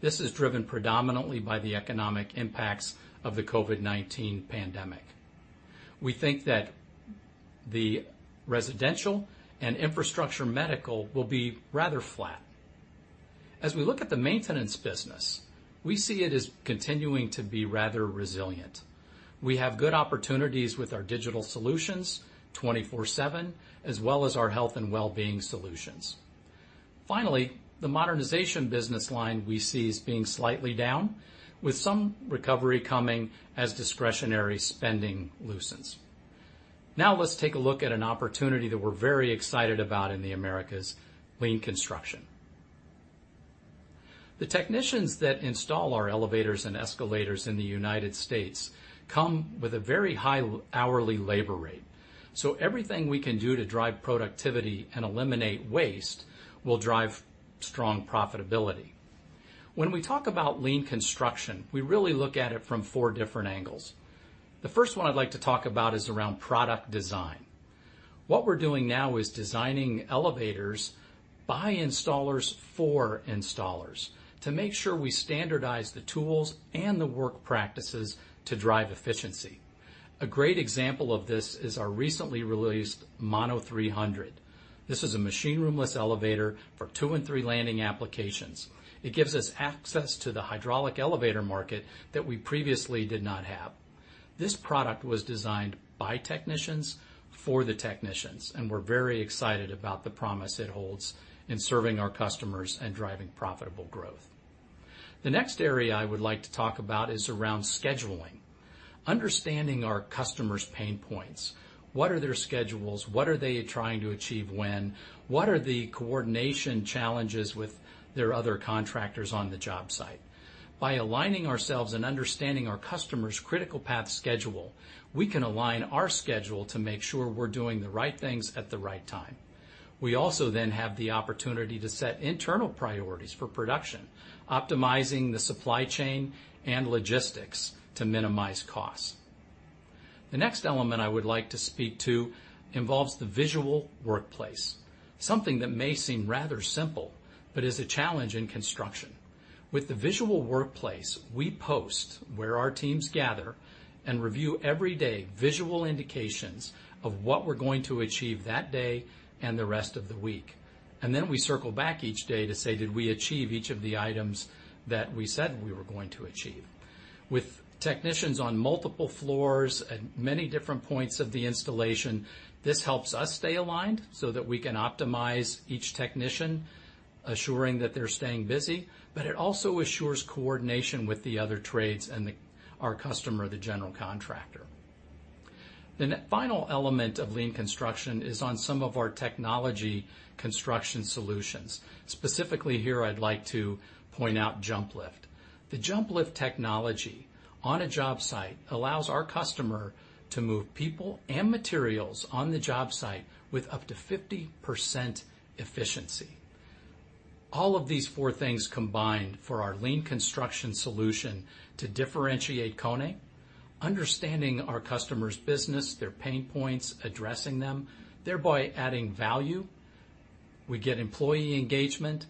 This is driven predominantly by the economic impacts of the COVID-19 pandemic. We think that the residential and infrastructure medical will be rather flat. As we look at the maintenance business, we see it as continuing to be rather resilient. We have good opportunities with our digital solutions, 24/7, as well as our health and wellbeing solutions. Finally, the modernization business line we see as being slightly down, with some recovery coming as discretionary spending loosens. Now let's take a look at an opportunity that we're very excited about in the Americas, lean construction. The technicians that install our elevators and escalators in the United States come with a very high hourly labor rate, so everything we can do to drive productivity and eliminate waste will drive strong profitability. When we talk about lean construction, we really look at it from four different angles. The first one I'd like to talk about is around product design. What we're doing now is designing elevators by installers for installers to make sure we standardize the tools and the work practices to drive efficiency. A great example of this is our recently released MonoSpace 300. This is a machine room-less elevator for two and three landing applications. It gives us access to the hydraulic elevator market that we previously did not have. This product was designed by technicians for the technicians, and we're very excited about the promise it holds in serving our customers and driving profitable growth. The next area I would like to talk about is around scheduling. Understanding our customers' pain points. What are their schedules? What are they trying to achieve when? What are the coordination challenges with their other contractors on the job site? By aligning ourselves and understanding our customer's critical path schedule, we can align our schedule to make sure we're doing the right things at the right time. We also then have the opportunity to set internal priorities for production, optimizing the supply chain and logistics to minimize costs. The next element I would like to speak to involves the visual workplace. Something that may seem rather simple, but is a challenge in construction. With the visual workplace, we post where our teams gather and review every day visual indications of what we're going to achieve that day and the rest of the week. We circle back each day to say, "Did we achieve each of the items that we said we were going to achieve?" With technicians on multiple floors and many different points of the installation, this helps us stay aligned so that we can optimize each technician, assuring that they're staying busy, but it also assures coordination with the other trades and our customer, the general contractor. The final element of lean construction is on some of our technology construction solutions. Specifically here, I'd like to point out JumpLift. The JumpLift technology on a job site allows our customer to move people and materials on the job site with up to 50% efficiency. All of these four things combined for our lean construction solution to differentiate KONE, understanding our customer's business, their pain points, addressing them, thereby adding value. We get employee engagement,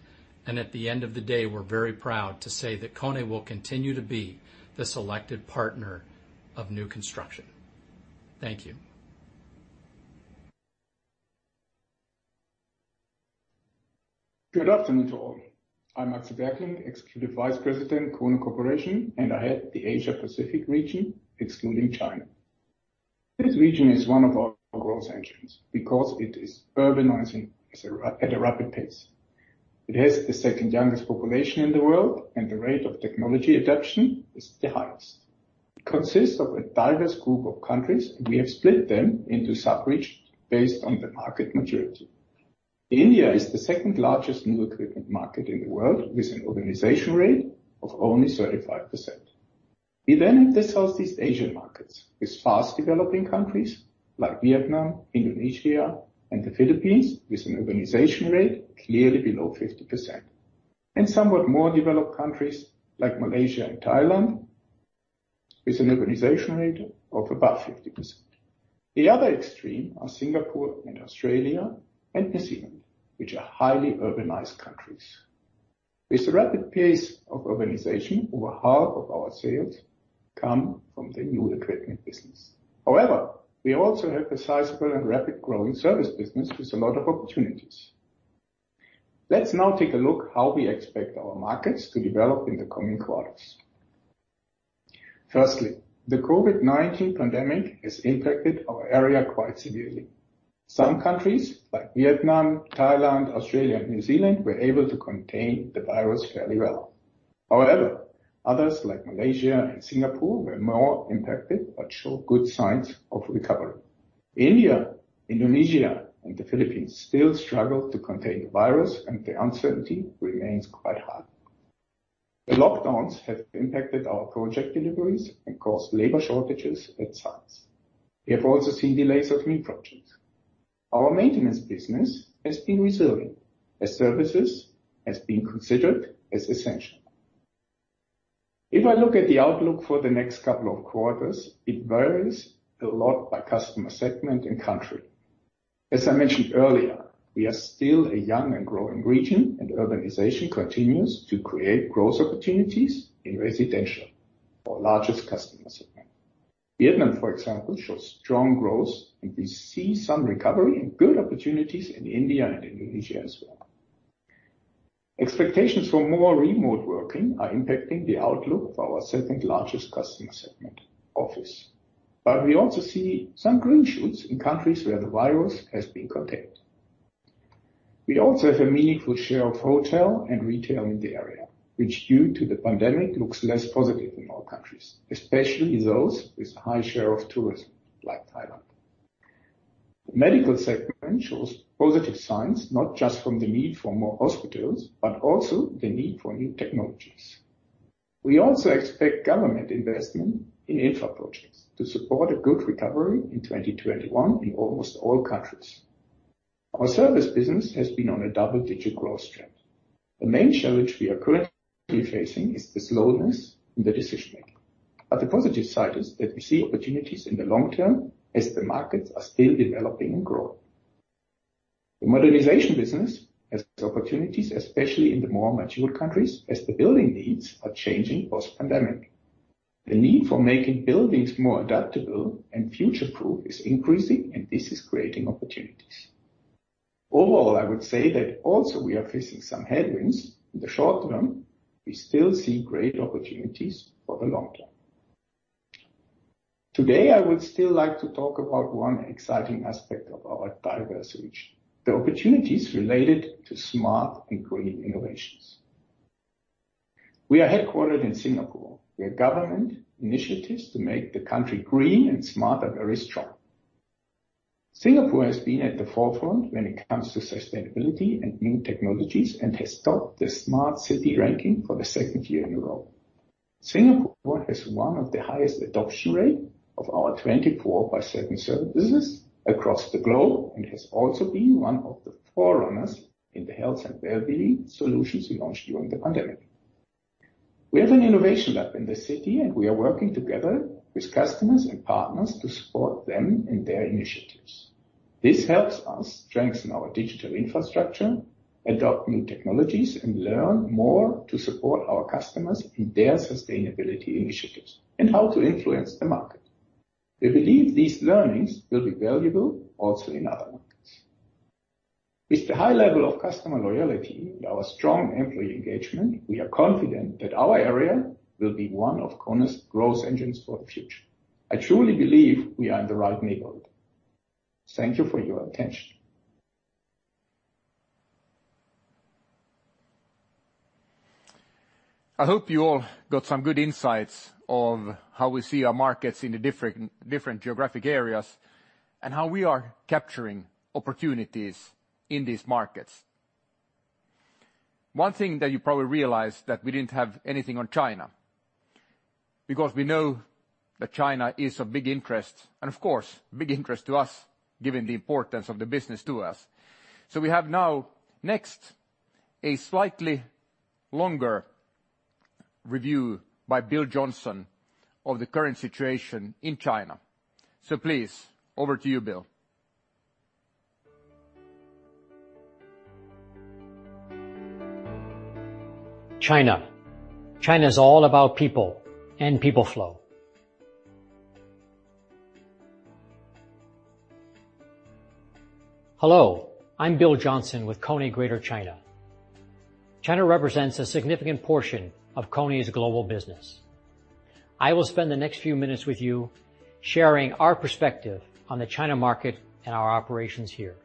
and at the end of the day, we're very proud to say that KONE will continue to be the selected partner of new construction. Thank you. Good afternoon to all. I'm Axel Berkling, Executive Vice President, KONE Corporation, and I head the Asia Pacific region, excluding China. This region is one of our growth engines because it is urbanizing at a rapid pace. It has the second youngest population in the world, the rate of technology adoption is the highest. It consists of a diverse group of countries, we have split them into sub-regions based on the market maturity. India is the second-largest new equipment market in the world, with an urbanization rate of only 35%. We have the Southeast Asian markets, with fast-developing countries like Vietnam, Indonesia, and the Philippines, with an urbanization rate clearly below 50%. Somewhat more developed countries like Malaysia and Thailand, with an urbanization rate of above 50%. The other extreme are Singapore and Australia and New Zealand, which are highly urbanized countries. With the rapid pace of urbanization, over half of our sales come from the new equipment business. We also have a sizable and rapid growing service business with a lot of opportunities. Let's now take a look how we expect our markets to develop in the coming quarters. Firstly, the COVID-19 pandemic has impacted our area quite severely. Some countries, like Vietnam, Thailand, Australia, and New Zealand, were able to contain the virus fairly well. Others like Malaysia and Singapore were more impacted, but show good signs of recovery. India, Indonesia, and the Philippines still struggle to contain the virus, and the uncertainty remains quite high. The lockdowns have impacted our project deliveries and caused labor shortages at sites. We have also seen delays of new projects. Our maintenance business has been resilient as services has been considered as essential. If I look at the outlook for the next couple of quarters, it varies a lot by customer segment and country. As I mentioned earlier, we are still a young and growing region, and urbanization continues to create growth opportunities in residential, our largest customer segment. Vietnam, for example, shows strong growth, and we see some recovery and good opportunities in India and Indonesia as well. Expectations for more remote working are impacting the outlook of our second-largest customer segment, office. We also see some green shoots in countries where the virus has been contained. We also have a meaningful share of hotel and retail in the area, which due to the pandemic, looks less positive in all countries, especially those with high share of tourism, like Thailand. The medical segment shows positive signs, not just from the need for more hospitals, but also the need for new technologies. We also expect government investment in infra projects to support a good recovery in 2021 in almost all countries. Our service business has been on a double-digit growth trend. The main challenge we are currently facing is the slowness in the decision-making. The positive side is that we see opportunities in the long term as the markets are still developing and growing. The modernization business has opportunities, especially in the more mature countries, as the building needs are changing post-pandemic. The need for making buildings more adaptable and future-proof is increasing, and this is creating opportunities. Overall, I would say that also we are facing some headwinds in the short term. We still see great opportunities for the long term. Today, I would still like to talk about one exciting aspect of our diverse region, the opportunities related to smart and green innovations. We are headquartered in Singapore, where government initiatives to make the country green and smarter are very strong. Singapore has been at the forefront when it comes to sustainability and new technologies and has topped the smart city ranking for the second year in a row. Singapore has one of the highest adoption rate of our 24/7 service business across the globe and has also been one of the forerunners in the health and well-being solutions we launched during the pandemic. We have an innovation lab in the city, and we are working together with customers and partners to support them in their initiatives. This helps us strengthen our digital infrastructure, adopt new technologies, and learn more to support our customers in their sustainability initiatives and how to influence the market. We believe these learnings will be valuable also in other markets. With the high level of customer loyalty and our strong employee engagement, we are confident that our area will be one of KONE's growth engines for the future. I truly believe we are in the right neighborhood. Thank you for your attention. I hope you all got some good insights on how we see our markets in the different geographic areas and how we are capturing opportunities in these markets. One thing that you probably realized that we didn't have anything on China, because we know that China is of big interest, and of course, big interest to us, given the importance of the business to us. We have now next, a slightly longer review by Bill Johnson of the current situation in China. Please, over to you, Bill. China. China's all about people and People Flow. Hello, I'm Bill Johnson with KONE Greater China. China represents a significant portion of KONE's global business. I will spend the next few minutes with you sharing our perspective on the China market and our operations here.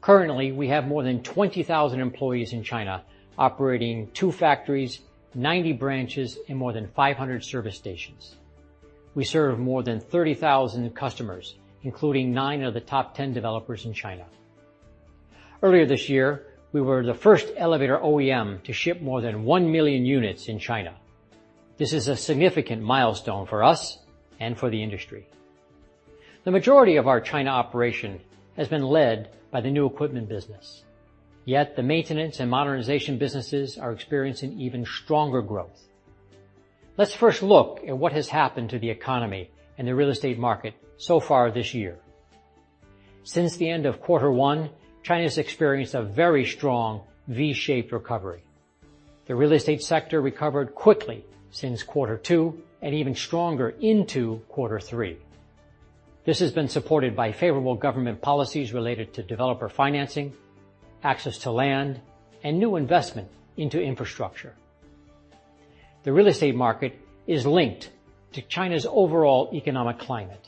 Currently, we have more than 20,000 employees in China operating two factories, 90 branches, and more than 500 service stations. We serve more than 30,000 customers, including nine of the top 10 developers in China. Earlier this year, we were the first elevator OEM to ship more than 1 million units in China. This is a significant milestone for us and for the industry. The majority of our China operation has been led by the new equipment business. Yet, the maintenance and modernization businesses are experiencing even stronger growth. Let's first look at what has happened to the economy and the real estate market so far this year. Since the end of Q1, China's experienced a very strong V-shaped recovery. The real estate sector recovered quickly since Q2 and even stronger into Q3. This has been supported by favorable government policies related to developer financing, access to land, and new investment into infrastructure. The real estate market is linked to China's overall economic climate.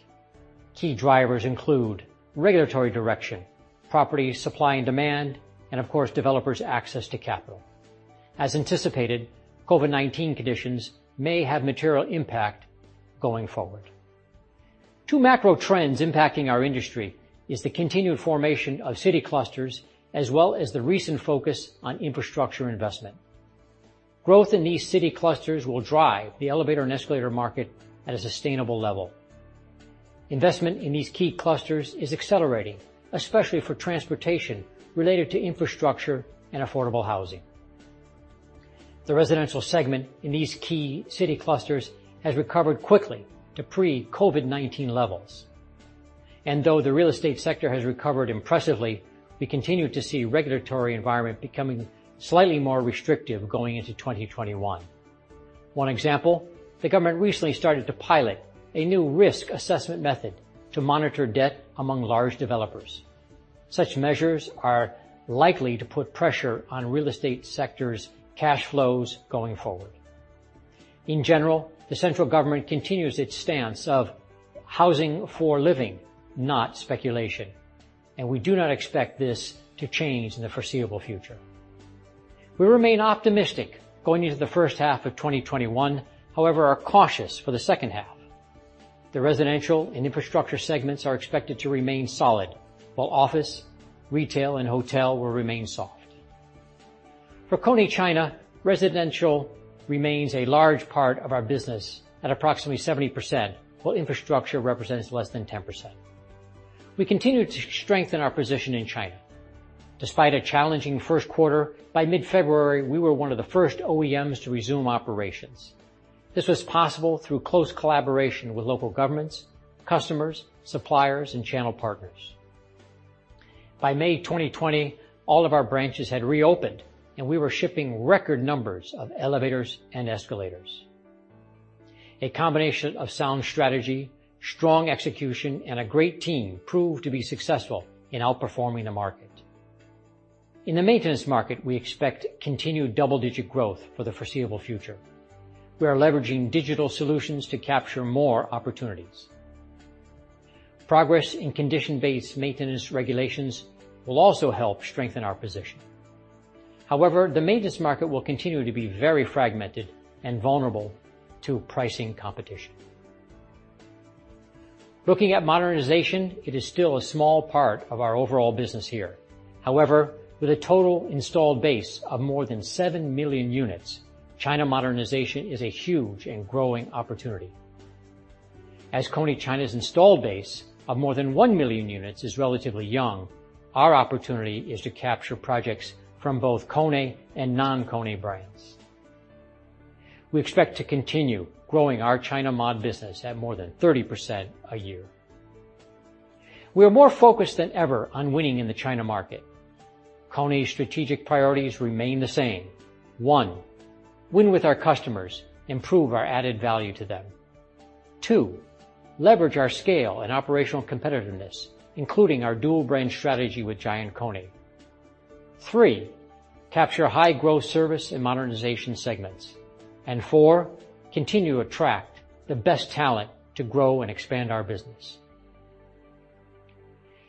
Key drivers include regulatory direction, property supply and demand, and of course, developers' access to capital. As anticipated, COVID-19 conditions may have material impact going forward. Two macro trends impacting our industry is the continued formation of city clusters, as well as the recent focus on infrastructure investment. Growth in these city clusters will drive the elevator and escalator market at a sustainable level. Investment in these key clusters is accelerating, especially for transportation related to infrastructure and affordable housing. The residential segment in these key city clusters has recovered quickly to pre-COVID-19 levels. Though the real estate sector has recovered impressively, we continue to see regulatory environment becoming slightly more restrictive going into 2021. One example, the government recently started to pilot a new risk assessment method to monitor debt among large developers. Such measures are likely to put pressure on real estate sector's cash flows going forward. In general, the central government continues its stance of housing for living, not speculation, and we do not expect this to change in the foreseeable future. We remain optimistic going into the first half of 2021, however, are cautious for the second half. The residential and infrastructure segments are expected to remain solid, while office, retail, and hotel will remain soft. For KONE China, residential remains a large part of our business at approximately 70%, while infrastructure represents less than 10%. We continue to strengthen our position in China. Despite a challenging first quarter, by mid-February, we were one of the first OEMs to resume operations. This was possible through close collaboration with local governments, customers, suppliers, and channel partners. By May 2020, all of our branches had reopened, and we were shipping record numbers of elevators and escalators. A combination of sound strategy, strong execution, and a great team proved to be successful in outperforming the market. In the maintenance market, we expect continued double-digit growth for the foreseeable future. We are leveraging digital solutions to capture more opportunities. Progress in condition-based maintenance regulations will also help strengthen our position. However, the maintenance market will continue to be very fragmented and vulnerable to pricing competition. With a total installed base of more than seven million units, China modernization is a huge and growing opportunity. KONE China's install base of more than one million units is relatively young, our opportunity is to capture projects from both KONE and non-KONE brands. We expect to continue growing our China mod business at more than 30% a year. We are more focused than ever on winning in the China market. KONE's strategic priorities remain the same. One. Winning with Customers, improve our added value to them. Two. Leverage our scale and operational competitiveness, including our dual-brand strategy with GiantKONE. Three. Capture high-growth service in modernization segments. Four. Continue to attract the best talent to grow and expand our business.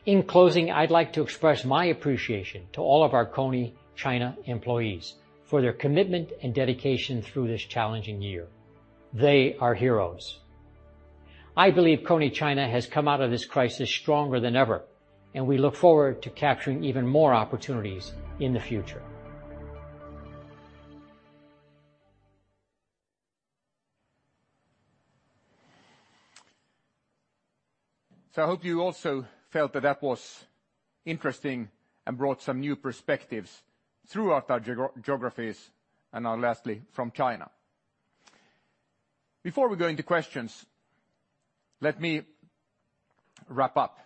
In closing, I'd like to express my appreciation to all of our KONE China employees for their commitment and dedication through this challenging year. They are heroes. I believe KONE China has come out of this crisis stronger than ever, and we look forward to capturing even more opportunities in the future. I hope you also felt that was interesting and brought some new perspectives throughout our geographies, and now lastly, from China. Before we go into questions, let me wrap up.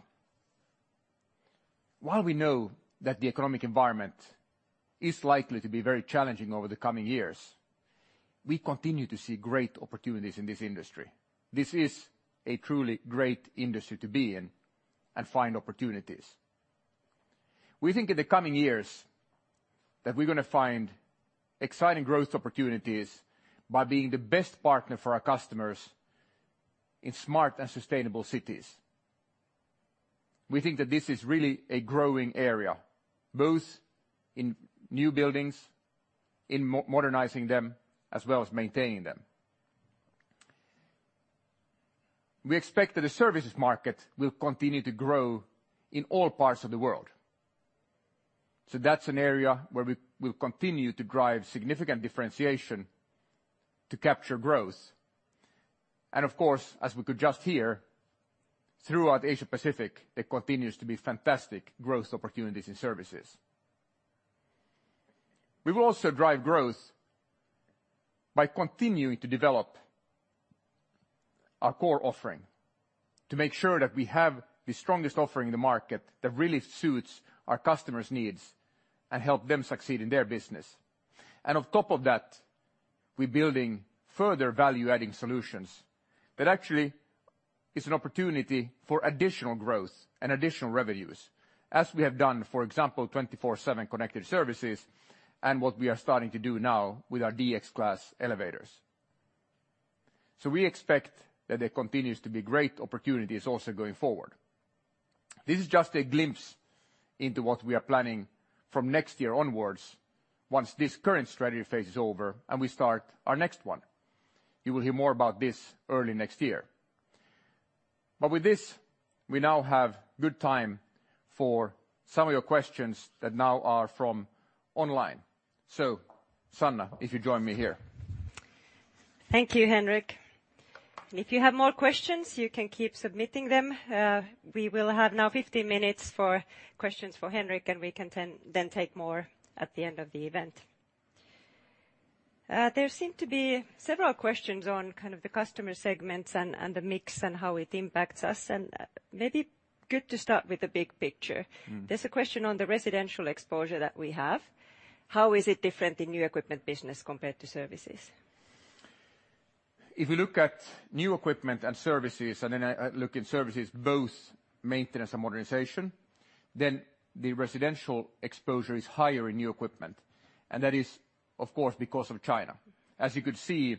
While we know that the economic environment is likely to be very challenging over the coming years, we continue to see great opportunities in this industry. This is a truly great industry to be in and find opportunities. We think in the coming years that we're going to find exciting growth opportunities by being the best partner for our customers in smart and sustainable cities. We think that this is really a growing area, both in new buildings, in modernizing them, as well as maintaining them. We expect that the services market will continue to grow in all parts of the world. That's an area where we will continue to drive significant differentiation to capture growth. Of course, as we could just hear, throughout Asia Pacific, there continues to be fantastic growth opportunities in services. We will also drive growth by continuing to develop our core offering to make sure that we have the strongest offering in the market that really suits our customers' needs and help them succeed in their business. On top of that, we're building further value-adding solutions that actually is an opportunity for additional growth and additional revenues, as we have done, for example, 24/7 Connected Services, and what we are starting to do now with our KONE DX Class elevators. We expect that there continues to be great opportunities also going forward. This is just a glimpse into what we are planning from next year onwards, once this current strategy phase is over, and we start our next one. You will hear more about this early next year. With this, we now have good time for some of your questions that now are from online. Sanna, if you join me here. Thank you, Henrik. If you have more questions, you can keep submitting them. We will have now 15 minutes for questions for Henrik, and we can then take more at the end of the event. There seem to be several questions on the customer segments and the mix and how it impacts us. Maybe good to start with the big picture. There's a question on the residential exposure that we have. How is it different in new equipment business compared to services? If we look at new equipment and services, then look in services, both maintenance and modernization, the residential exposure is higher in new equipment, that is, of course, because of China. As you could see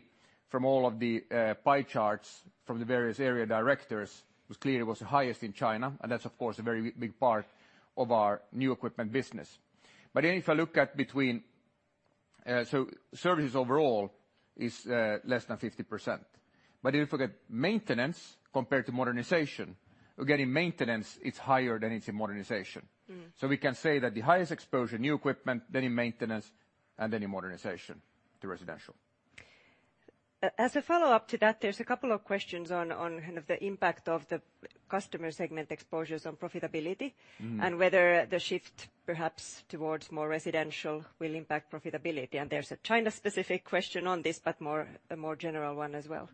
from all of the pie charts from the various area directors, it was clear it was the highest in China, that's, of course, a very big part of our new equipment business. If I look at services overall is less than 50%. If you look at maintenance compared to modernization, again, in maintenance, it's higher than it's in modernization. We can say that the highest exposure, new equipment, then in maintenance, and then in modernization, to residential. As a follow-up to that, there's a couple of questions on the impact of the customer segment exposures on profitability. Whether the shift perhaps towards more residential will impact profitability. There's a China-specific question on this, but a more general one as well.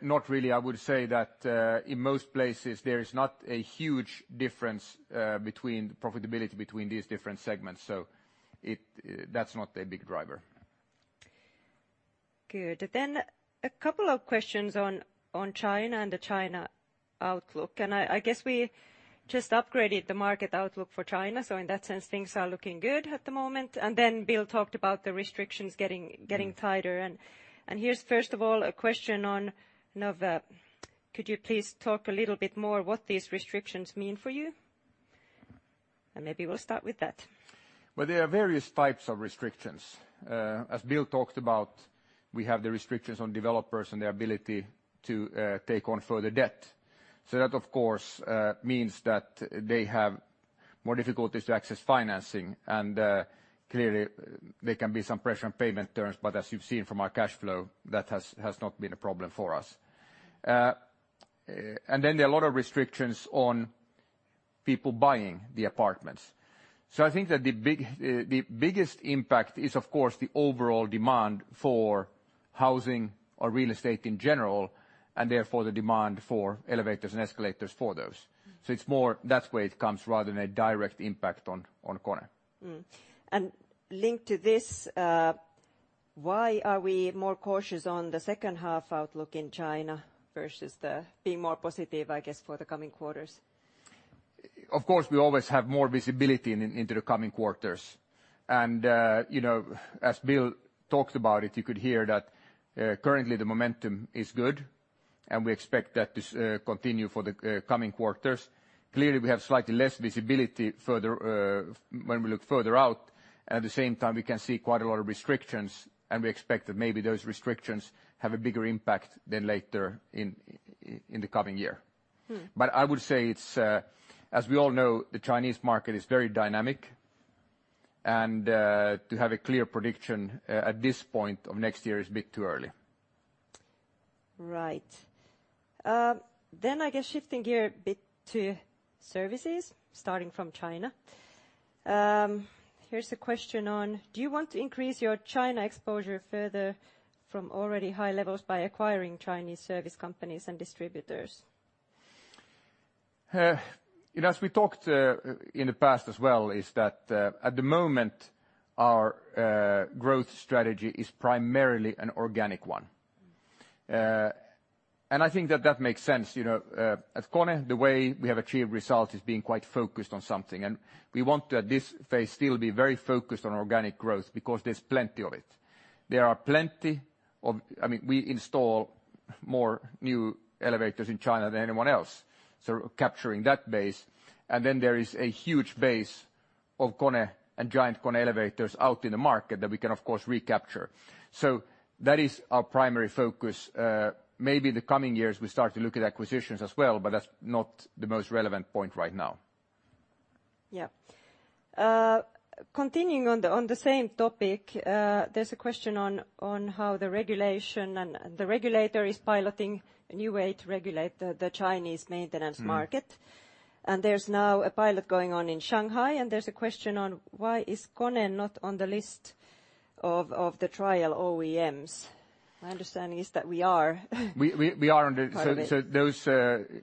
Not really. I would say that in most places, there is not a huge difference between profitability between these different segments, so that's not a big driver. Good. A couple of questions on China and the China outlook. I guess we just upgraded the market outlook for China, so in that sense, things are looking good at the moment. Bill talked about the restrictions getting tighter. Here's, first of all, a question on, could you please talk a little bit more what these restrictions mean for you? Maybe we'll start with that. Well, there are various types of restrictions. As Bill talked about, we have the restrictions on developers and their ability to take on further debt. That, of course, means that they have more difficulties to access financing, and clearly there can be some pressure on payment terms, but as you've seen from our cash flow, that has not been a problem for us. Then there are a lot of restrictions on people buying the apartments. I think that the biggest impact is, of course, the overall demand for housing or real estate in general, and therefore the demand for elevators and escalators for those. It's more that way it comes, rather than a direct impact on KONE. Linked to this, why are we more cautious on the second half outlook in China versus being more positive, I guess, for the coming quarters? Of course, we always have more visibility into the coming quarters. As Bill talked about it, you could hear that currently the momentum is good, and we expect that to continue for the coming quarters. Clearly, we have slightly less visibility when we look further out. At the same time, we can see quite a lot of restrictions, and we expect that maybe those restrictions have a bigger impact than later in the coming year. I would say, as we all know, the Chinese market is very dynamic, and to have a clear prediction at this point of next year is a bit too early. Right. I guess shifting gear a bit to services, starting from China. Here's a question on, do you want to increase your China exposure further from already high levels by acquiring Chinese service companies and distributors? As we talked in the past as well, is that at the moment, our growth strategy is primarily an organic one. I think that makes sense. At KONE, the way we have achieved result is being quite focused on something. We want to, at this phase, still be very focused on organic growth, because there's plenty of it. I mean, we install more new elevators in China than anyone else, so capturing that base. Then there is a huge base of KONE and GiantKONE elevators out in the market that we can, of course, recapture. That is our primary focus. Maybe in the coming years, we start to look at acquisitions as well, but that's not the most relevant point right now. Yeah. Continuing on the same topic, there is a question on how the regulation and the regulator is piloting a new way to regulate the Chinese maintenance market. There's now a pilot going on in Shanghai, and there's a question on why is KONE not on the list of the trial OEMs. My understanding is that we are part of it. We are. Those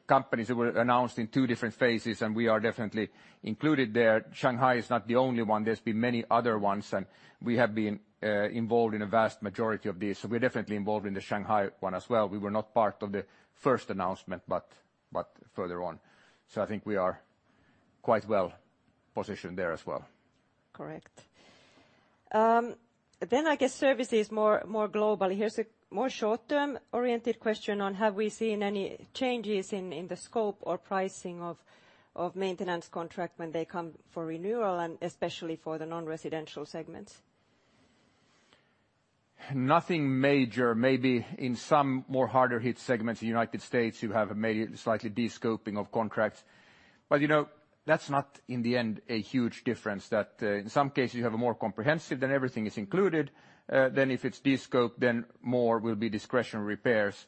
companies that were announced in two different phases, and we are definitely included there. Shanghai is not the only one. There's been many other ones, and we have been involved in a vast majority of these. We're definitely involved in the Shanghai one as well. We were not part of the first announcement, but further on. I think we are quite well positioned there as well. Correct. I guess services more globally. Here's a more short-term-oriented question on have we seen any changes in the scope or pricing of maintenance contract when they come for renewal, and especially for the non-residential segments? Nothing major. Maybe in some more harder hit segments in U.S., you have a slightly de-scoping of contracts. That's not, in the end, a huge difference, that in some cases you have a more comprehensive, then everything is included. If it's de-scope, then more will be discretionary repairs.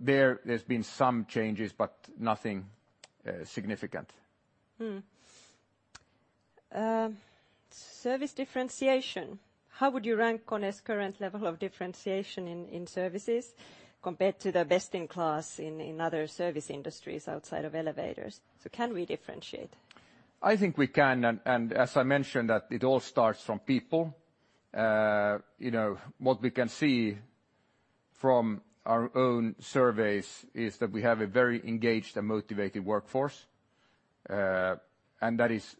There's been some changes, but nothing significant. Service differentiation. How would you rank KONE's current level of differentiation in services compared to the best in class in other service industries outside of elevators? Can we differentiate? As I mentioned, that it all starts from people. What we can see from our own surveys is that we have a very engaged and motivated workforce. That is,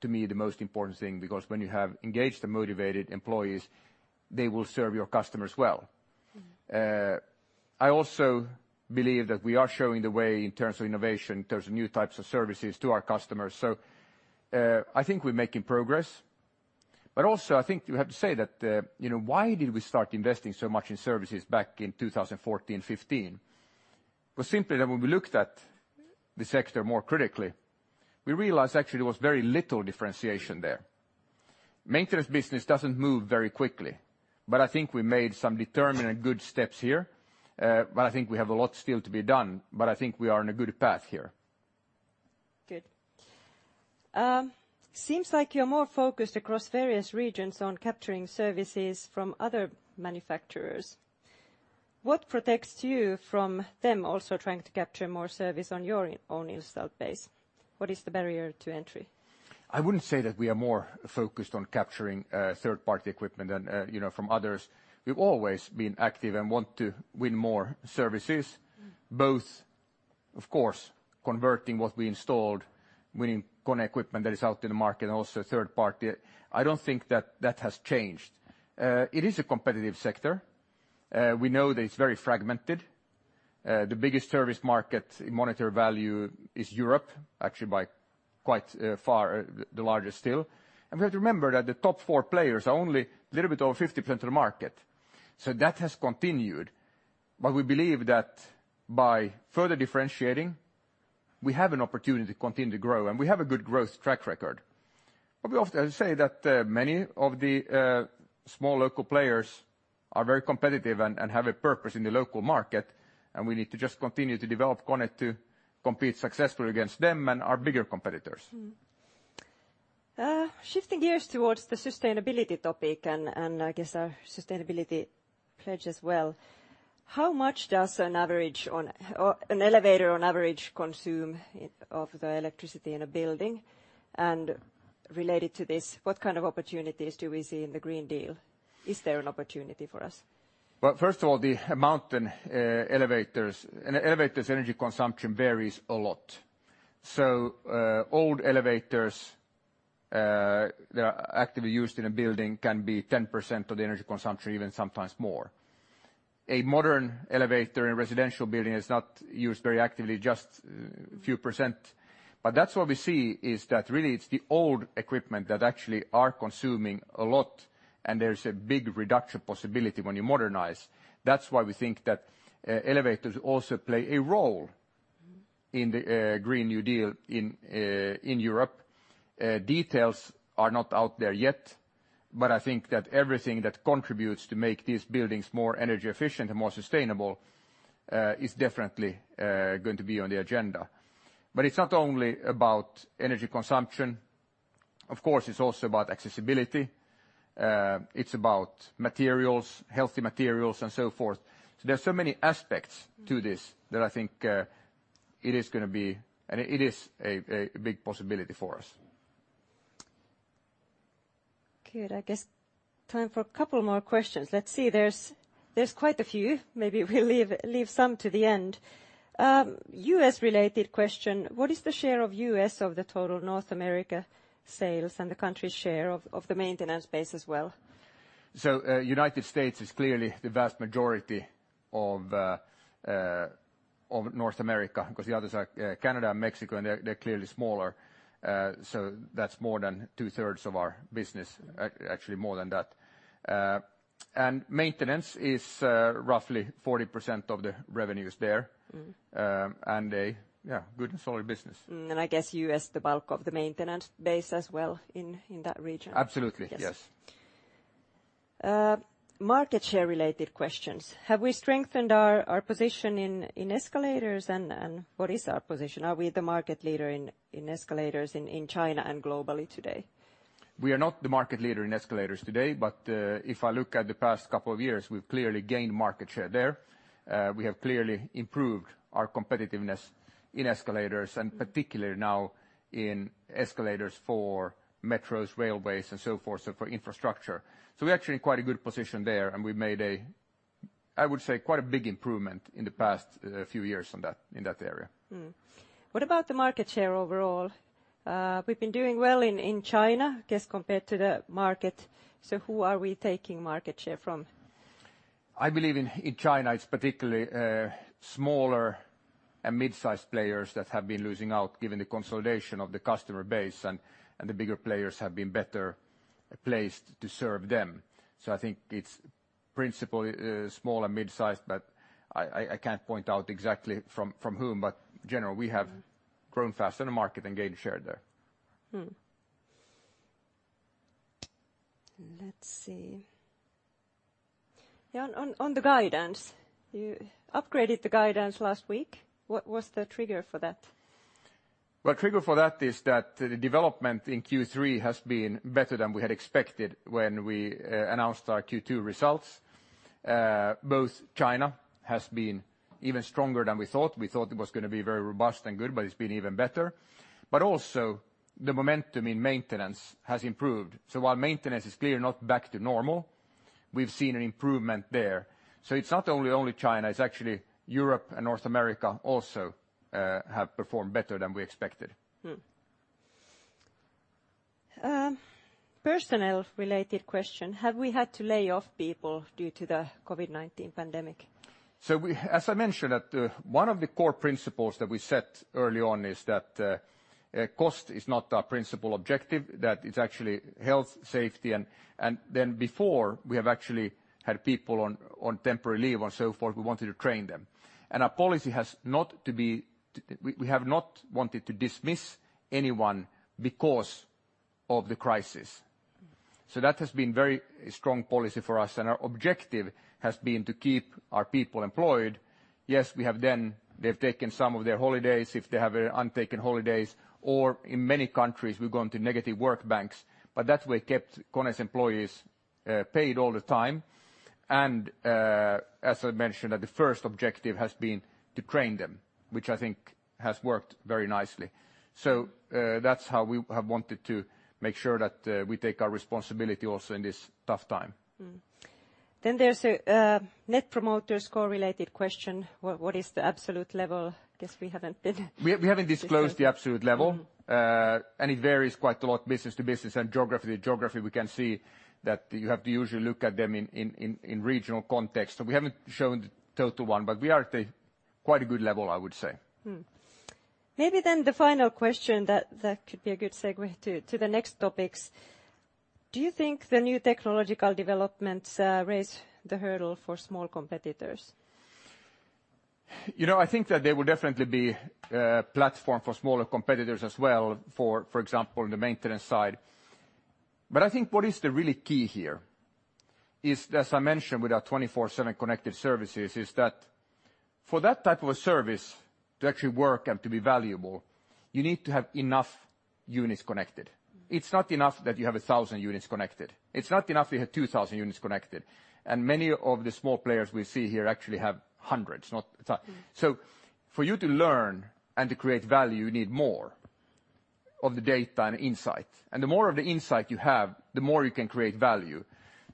to me, the most important thing, because when you have engaged and motivated employees, they will serve your customers well. I also believe that we are showing the way in terms of innovation, in terms of new types of services to our customers. I think we're making progress. Also, I think you have to say that why did we start investing so much in services back in 2014, 2015? Was simply that when we looked at the sector more critically, we realized actually there was very little differentiation there. Maintenance business doesn't move very quickly, but I think we made some determined good steps here. I think we have a lot still to be done. I think we are on a good path here. Good. Seems like you're more focused across various regions on capturing services from other manufacturers. What protects you from them also trying to capture more service on your own installed base? What is the barrier to entry? I wouldn't say that we are more focused on capturing third-party equipment from others. We've always been active and want to win more services. both, of course, converting what we installed, winning KONE equipment that is out in the market and also third party. I don't think that has changed. It is a competitive sector. We know that it's very fragmented. The biggest service market in monetary value is Europe, actually by quite far the largest still. We have to remember that the top four players are only a little bit over 50% of the market. That has continued. We believe that by further differentiating, we have an opportunity to continue to grow, and we have a good growth track record. We often say that many of the small local players are very competitive and have a purpose in the local market, and we need to just continue to develop KONE to compete successfully against them and our bigger competitors. Mm-hmm. Shifting gears towards the sustainability topic and I guess our sustainability pledge as well, how much does an elevator on average consume of the electricity in a building? Related to this, what kind of opportunities do we see in the Green Deal? Is there an opportunity for us? First of all, the amount in elevators. An elevator's energy consumption varies a lot. Old elevators that are actively used in a building can be 10% of the energy consumption, even sometimes more. A modern elevator in a residential building is not used very actively, just a few %. That's what we see, is that really it's the old equipment that actually are consuming a lot, and there's a big reduction possibility when you modernize. That's why we think that elevators also play a role in the European Green Deal in Europe. Details are not out there yet, I think that everything that contributes to make these buildings more energy efficient and more sustainable is definitely going to be on the agenda. It's not only about energy consumption. Of course, it's also about accessibility. It's about materials, healthy materials, and so forth. There's so many aspects to this that I think it is going to be, and it is a big possibility for us. Good. I guess time for a couple more questions. Let's see. There's quite a few. Maybe we'll leave some to the end. U.S.-related question: what is the share of U.S. of the total North America sales and the country share of the maintenance base as well? United States is clearly the vast majority of North America, because the others are Canada and Mexico, and they're clearly smaller. That's more than two-thirds of our business. Actually, more than that. Maintenance is roughly 40% of the revenues there. Yeah, good and solid business. I guess U.S., the bulk of the maintenance base as well in that region. Absolutely, yes. Yes. Market share related questions. Have we strengthened our position in escalators, and what is our position? Are we the market leader in escalators in China and globally today? We are not the market leader in escalators today, but if I look at the past couple of years, we've clearly gained market share there. We have clearly improved our competitiveness in escalators and particularly now in escalators for metros, railways, and so forth, so for infrastructure. We're actually in quite a good position there, and we've made, I would say, quite a big improvement in the past few years in that area. What about the market share overall? We've been doing well in China, I guess, compared to the market. Who are we taking market share from? I believe in China, it's particularly smaller and mid-size players that have been losing out given the consolidation of the customer base, and the bigger players have been better placed to serve them. I think it's principally small and mid-size, but I can't point out exactly from whom, but in general, we have grown faster than market and gained share there. Let's see. On the guidance, you upgraded the guidance last week. What was the trigger for that? Well, trigger for that is that the development in Q3 has been better than we had expected when we announced our Q2 results. Both China has been even stronger than we thought. We thought it was going to be very robust and good, but it's been even better. Also, the momentum in maintenance has improved. While maintenance is clearly not back to normal, we've seen an improvement there. It's not only China, it's actually Europe and North America also have performed better than we expected. Personnel-related question: have we had to lay off people due to the COVID-19 pandemic? As I mentioned, one of the core principles that we set early on is that cost is not our principal objective, that it's actually health, safety, and then before, we have actually had people on temporary leave or so forth, we wanted to train them. We have not wanted to dismiss anyone because of the crisis. That has been very strong policy for us, and our objective has been to keep our people employed. Yes, they've taken some of their holidays, if they have untaken holidays, or in many countries, we've gone to negative work banks, but that way kept KONE's employees paid all the time. As I mentioned, the first objective has been to train them, which I think has worked very nicely. That's how we have wanted to make sure that we take our responsibility also in this tough time. Mm-hmm. There's a Net Promoter Score related question. What is the absolute level? Guess we haven't been specific. We haven't disclosed the absolute level. It varies quite a lot business to business and geography to geography. We can see that you have to usually look at them in regional context. We haven't shown the total one, but we are at a quite a good level, I would say. Maybe the final question that could be a good segue to the next topics. Do you think the new technological developments raise the hurdle for small competitors? I think that there will definitely be a platform for smaller competitors as well, for example, in the maintenance side. I think what is really key here is, as I mentioned, with our 24/7 Connected Services, is that for that type of a service to actually work and to be valuable, you need to have enough units connected. It's not enough that you have 1,000 units connected. It's not enough you have 2,000 units connected. Many of the small players we see here actually have hundreds, not 1,000. For you to learn and to create value, you need more of the data and insight. The more of the insight you have, the more you can create value.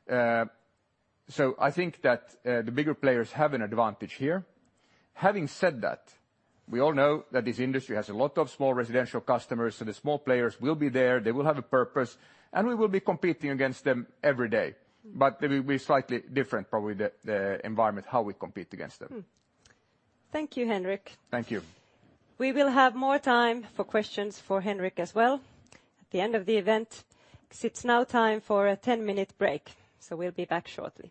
I think that the bigger players have an advantage here. Having said that, we all know that this industry has a lot of small residential customers, the small players will be there, they will have a purpose, and we will be competing against them every day. They will be slightly different, probably the environment, how we compete against them. Thank you, Henrik. Thank you. We will have more time for questions for Henrik as well at the end of the event. It's now time for a 10-minute break, so we'll be back shortly.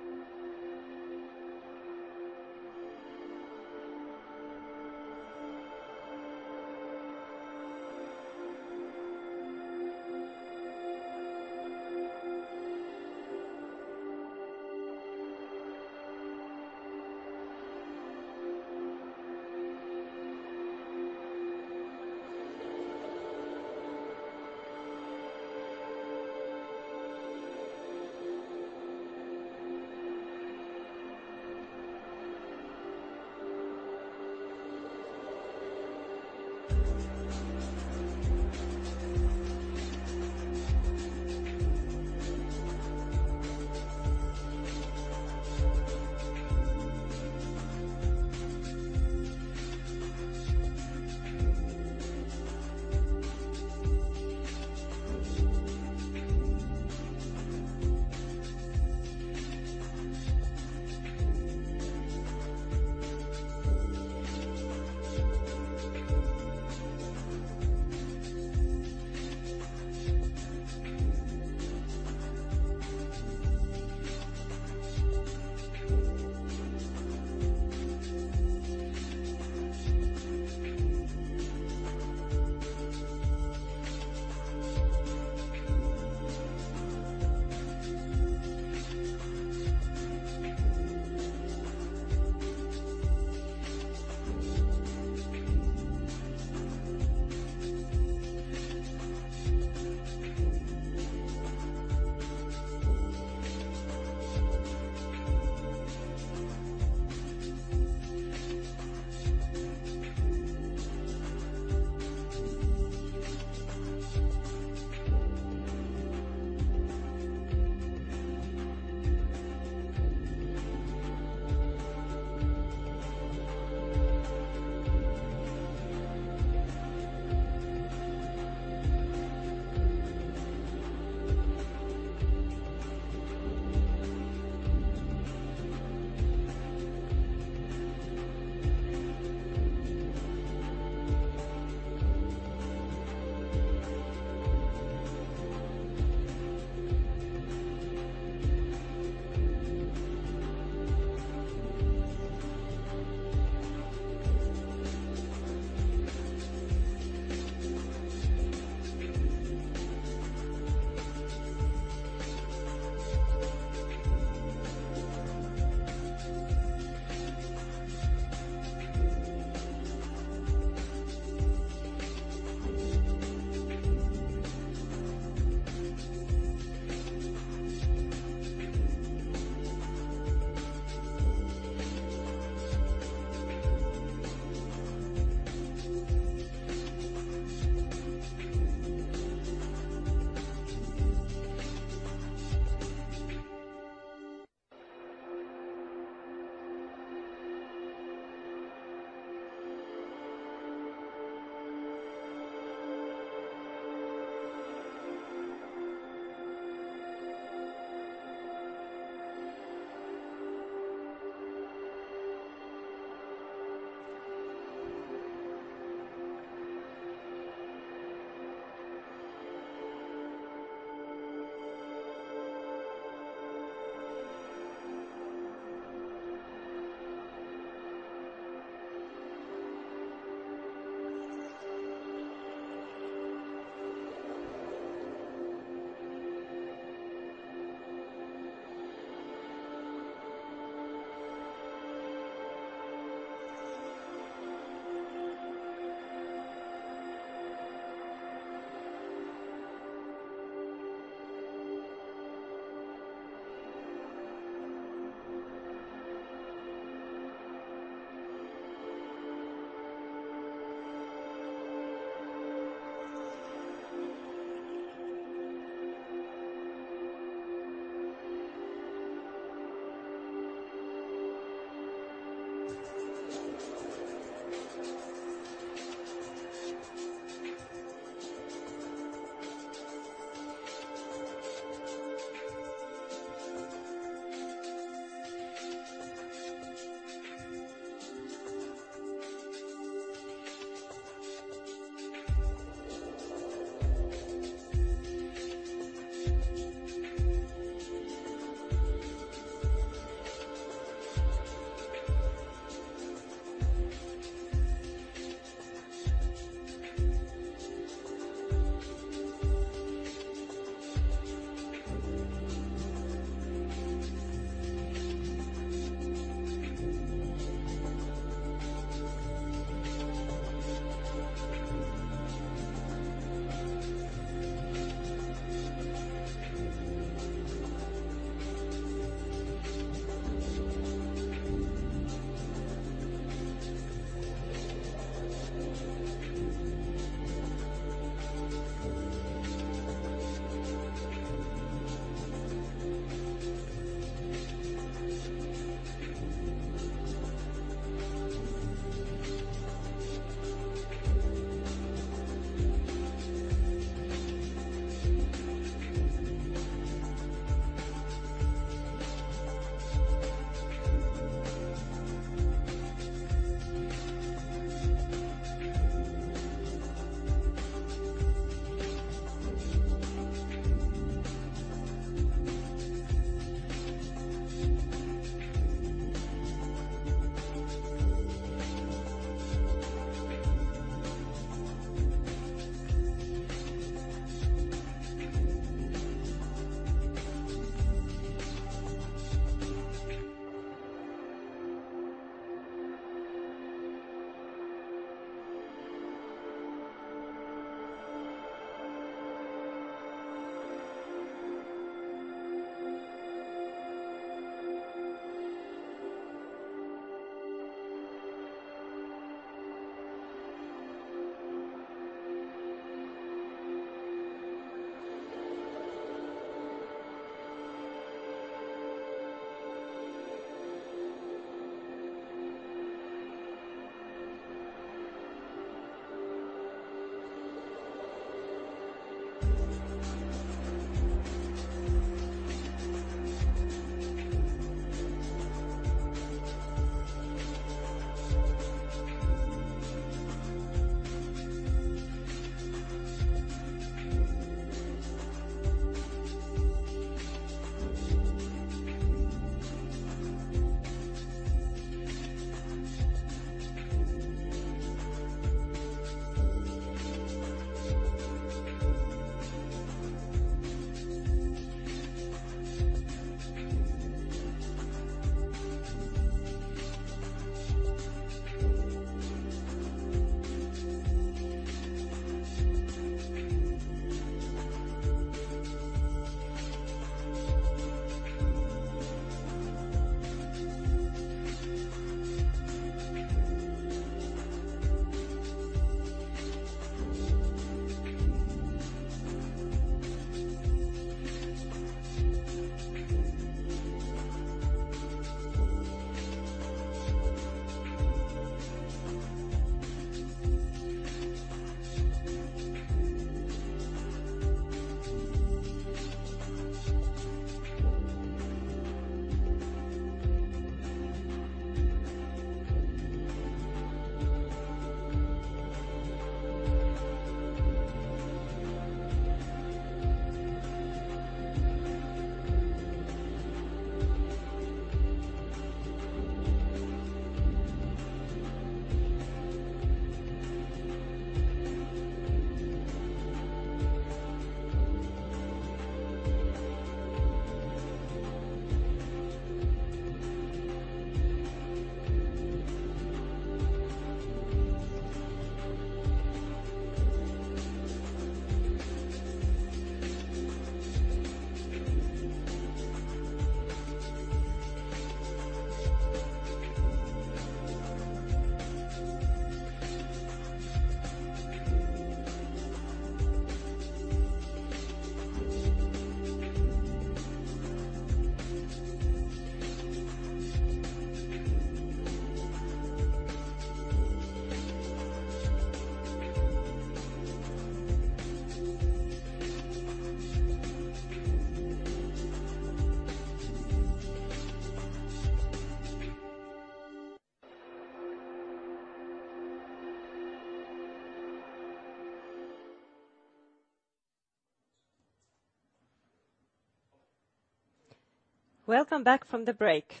Welcome back from the break.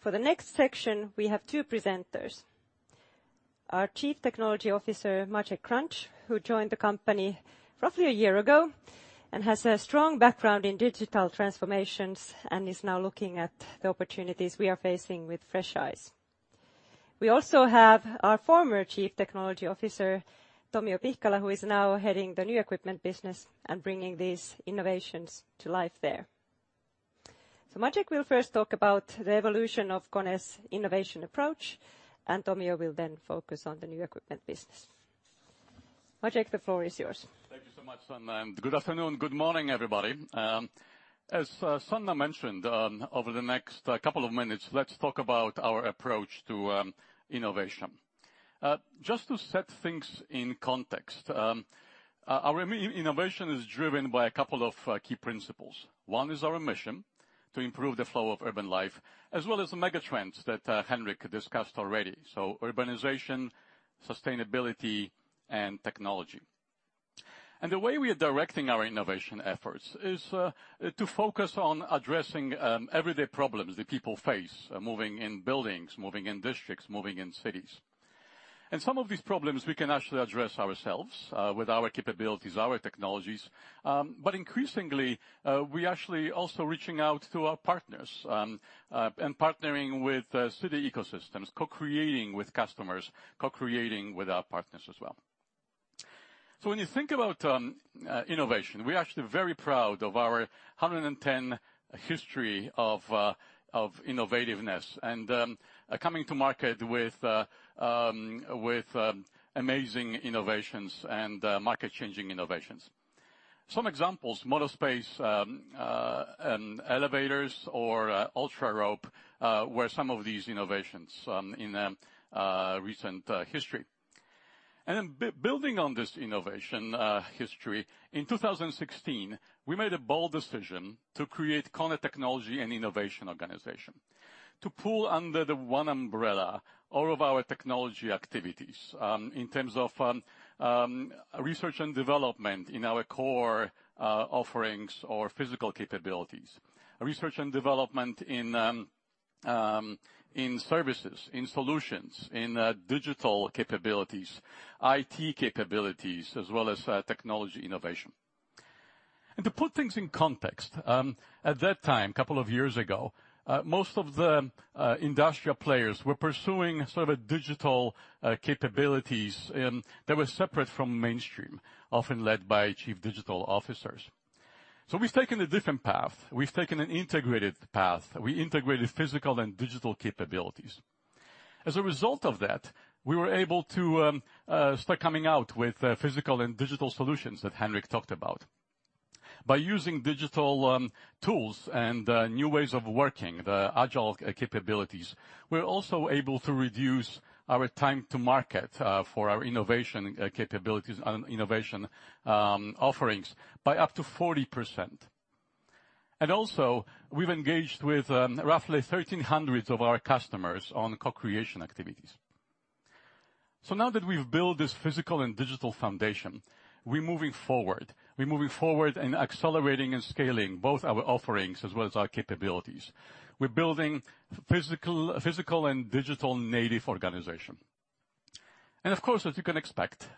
For the next section, we have two presenters. Our Chief Technology Officer, Maciej Kranz, who joined the company roughly a year ago and has a strong background in digital transformations and is now looking at the opportunities we are facing with fresh eyes. We also have our former Chief Technology Officer, Tomi Pihkala, who is now heading the New Equipment Business and bringing these innovations to life there. Maciej will first talk about the evolution of KONE's innovation approach, and Tomi will then focus on the New Equipment Business. Maciej, the floor is yours. Thank you so much, Sanna. Good afternoon, good morning, everybody. As Sanna mentioned, over the next couple of minutes, let's talk about our approach to innovation. Just to set things in context, our innovation is driven by a couple of key principles. One is our mission to improve the flow of urban life, as well as the mega trends that Henrik discussed already. Urbanization, sustainability, and technology. The way we are directing our innovation efforts is to focus on addressing everyday problems that people face moving in buildings, moving in districts, moving in cities. Some of these problems we can actually address ourselves with our capabilities, our technologies. Increasingly, we actually also reaching out to our partners, and partnering with city ecosystems, co-creating with customers, co-creating with our partners as well. When you think about innovation, we're actually very proud of our 110 history of innovativeness and coming to market with amazing innovations and market-changing innovations. Some examples, MonoSpace, and elevators, or UltraRope, were some of these innovations in recent history. Building on this innovation history, in 2016, we made a bold decision to create KONE Technology and Innovation organization to pool under the one umbrella all of our technology activities, in terms of research and development in our core offerings or physical capabilities. Research and development in services, in solutions, in digital capabilities, IT capabilities, as well as technology innovation. To put things in context, at that time, a couple of years ago, most of the industrial players were pursuing sort of digital capabilities that were separate from mainstream, often led by chief digital officers. We've taken a different path. We've taken an integrated path. We integrated physical and digital capabilities. We were able to start coming out with physical and digital solutions that Henrik talked about. By using digital tools and new ways of working, the agile capabilities, we're also able to reduce our time to market for our innovation capabilities and innovation offerings by up to 40%. We've engaged with roughly 1,300 of our customers on co-creation activities. Now that we've built this physical and digital foundation, we're moving forward. We're moving forward and accelerating and scaling both our offerings as well as our capabilities. We're building physical and digital native organization. Of course, as you can expect,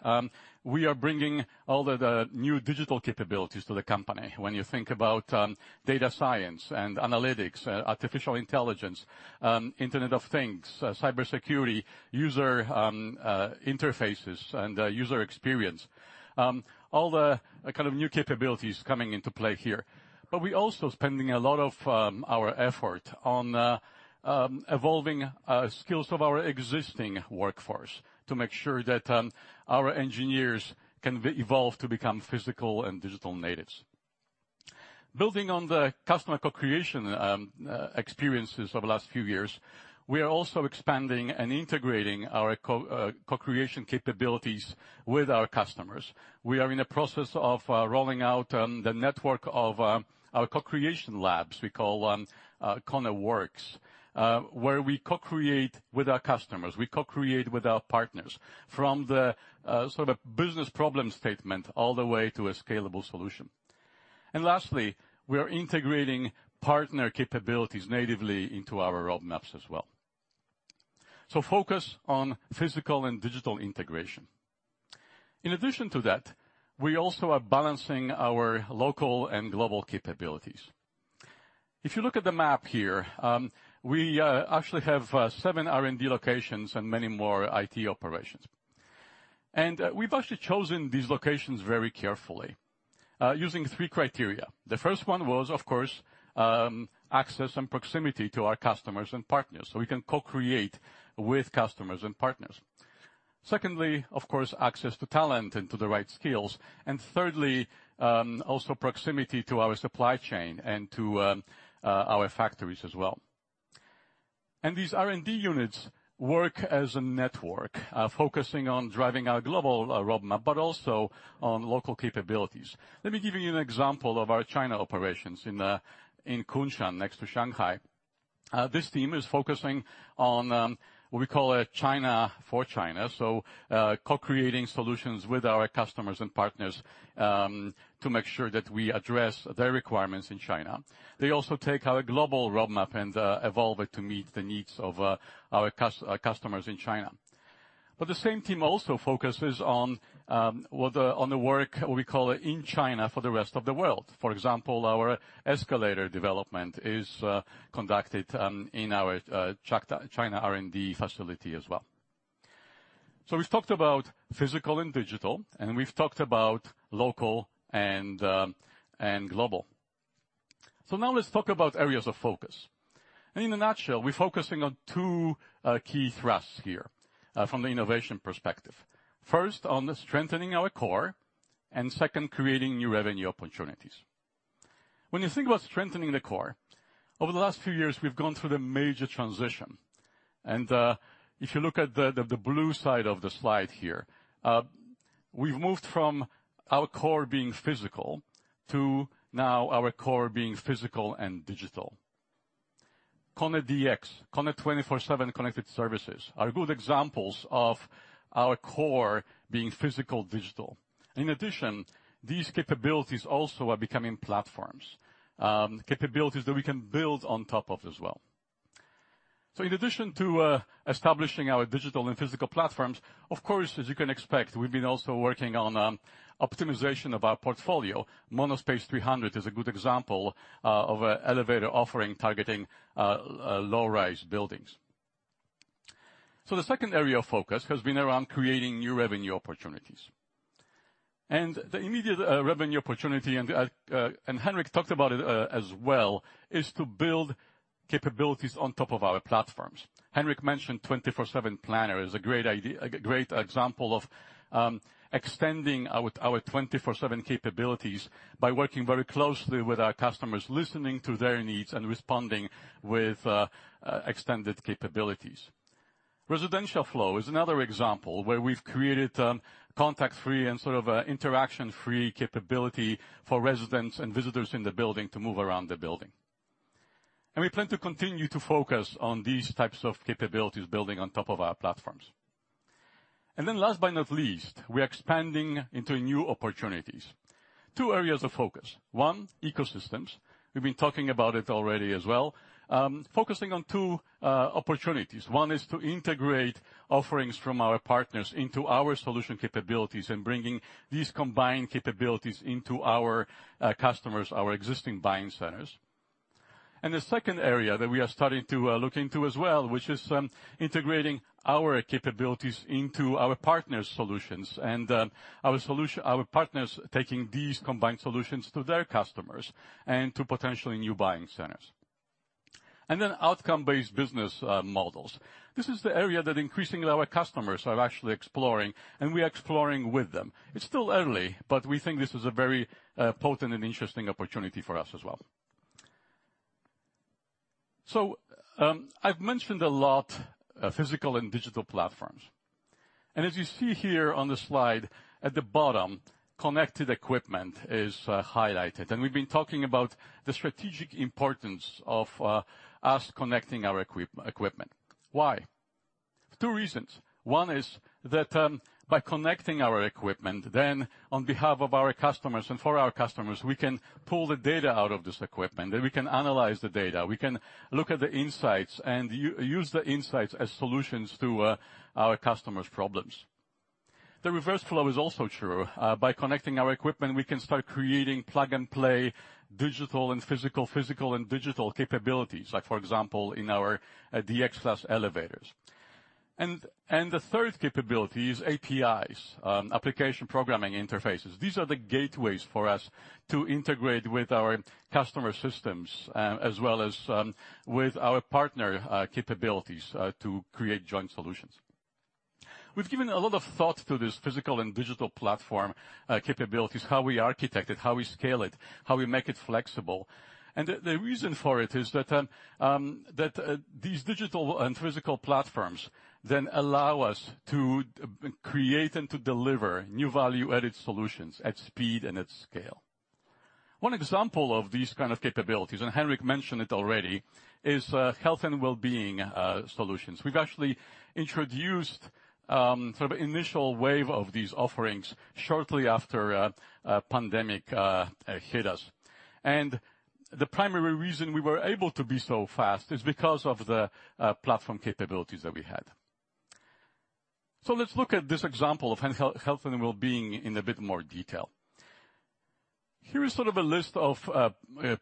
we are bringing all the new digital capabilities to the company. When you think about data science and analytics, artificial intelligence, Internet of Things, cybersecurity, user interfaces, and user experience, all the kind of new capabilities coming into play here. We also spending a lot of our effort on evolving skills of our existing workforce to make sure that our engineers can evolve to become physical and digital natives. Building on the customer co-creation experiences over the last few years, we are also expanding and integrating our co-creation capabilities with our customers. We are in the process of rolling out the network of our co-creation labs we call KONE Works, where we co-create with our customers, we co-create with our partners from the sort of business problem statement all the way to a scalable solution. Lastly, we are integrating partner capabilities natively into our roadmaps as well. Focus on physical and digital integration. In addition to that, we also are balancing our local and global capabilities. If you look at the map here, we actually have seven R&D locations and many more IT operations. We've actually chosen these locations very carefully using three criteria. The first one was, of course, access and proximity to our customers and partners so we can co-create with customers and partners. Secondly, of course, access to talent and to the right skills, and thirdly, also proximity to our supply chain and to our factories as well. These R&D units work as a network, focusing on driving our global roadmap, but also on local capabilities. Let me give you an example of our China operations in Kunshan, next to Shanghai. This team is focusing on what we call China for China, so co-creating solutions with our customers and partners to make sure that we address their requirements in China. They also take our global roadmap and evolve it to meet the needs of our customers in China. The same team also focuses on the work we call China for the Rest of the World. For example, our escalator development is conducted in our China R&D facility as well. We've talked about physical and digital, we've talked about local and global. Now let's talk about areas of focus. In a nutshell, we're focusing on two key thrusts here from the innovation perspective. First, on strengthening our core, and second, creating new revenue opportunities. When you think about strengthening the core, over the last few years, we've gone through the major transition. If you look at the blue side of the slide here, we've moved from our core being physical to now our core being physical and digital. KONE DX, KONE 24/7 Connected Services are good examples of our core being physical digital. In addition, these capabilities also are becoming platforms. Capabilities that we can build on top of as well. So in addition to establishing our digital and physical platforms, of course, as you can expect, we've been also working on optimization of our portfolio. MonoSpace 300 is a good example of an elevator offering targeting low-rise buildings. The second area of focus has been around creating new revenue opportunities. The immediate revenue opportunity, and Henrik talked about it as well, is to build capabilities on top of our platforms. Henrik mentioned 24/7 Planner. It is a great example of extending our 24/7 capabilities by working very closely with our customers, listening to their needs, and responding with extended capabilities. Residential Flow is another example where we've created a contact-free and sort of interaction-free capability for residents and visitors in the building to move around the building. We plan to continue to focus on these types of capabilities building on top of our platforms. Last but not least, we're expanding into new opportunities. Two areas of focus. One, ecosystems. We've been talking about it already as well. Focusing on two opportunities. One is to integrate offerings from our partners into our solution capabilities and bringing these combined capabilities into our customers, our existing buying centers. The second area that we are starting to look into as well, which is integrating our capabilities into our partners' solutions, and our partners taking these combined solutions to their customers and to potentially new buying centers. Outcome-based business models. This is the area that increasingly our customers are actually exploring, and we are exploring with them. It's still early, but we think this is a very potent and interesting opportunity for us as well. I've mentioned a lot physical and digital platforms. As you see here on the slide at the bottom, connected equipment is highlighted. We've been talking about the strategic importance of us connecting our equipment. Why? Two reasons. One is that by connecting our equipment then on behalf of our customers and for our customers, we can pull the data out of this equipment, and we can analyze the data. We can look at the insights and use the insights as solutions to our customers' problems. The reverse flow is also true. By connecting our equipment, we can start creating plug-and-play digital and physical and digital capabilities, like for example, in our KONE DX Class elevators. The third capability is APIs, application programming interfaces. These are the gateways for us to integrate with our customer systems as well as with our partner capabilities to create joint solutions. We've given a lot of thought to this physical and digital platform capabilities, how we architect it, how we scale it, how we make it flexible. The reason for it is that these digital and physical platforms then allow us to create and to deliver new value-added solutions at speed and at scale. One example of these kind of capabilities, and Henrik mentioned it already, is health and wellbeing solutions. We've actually introduced sort of initial wave of these offerings shortly after pandemic hit us. The primary reason we were able to be so fast is because of the platform capabilities that we had. Let's look at this example of health and wellbeing in a bit more detail. Here is sort of a list of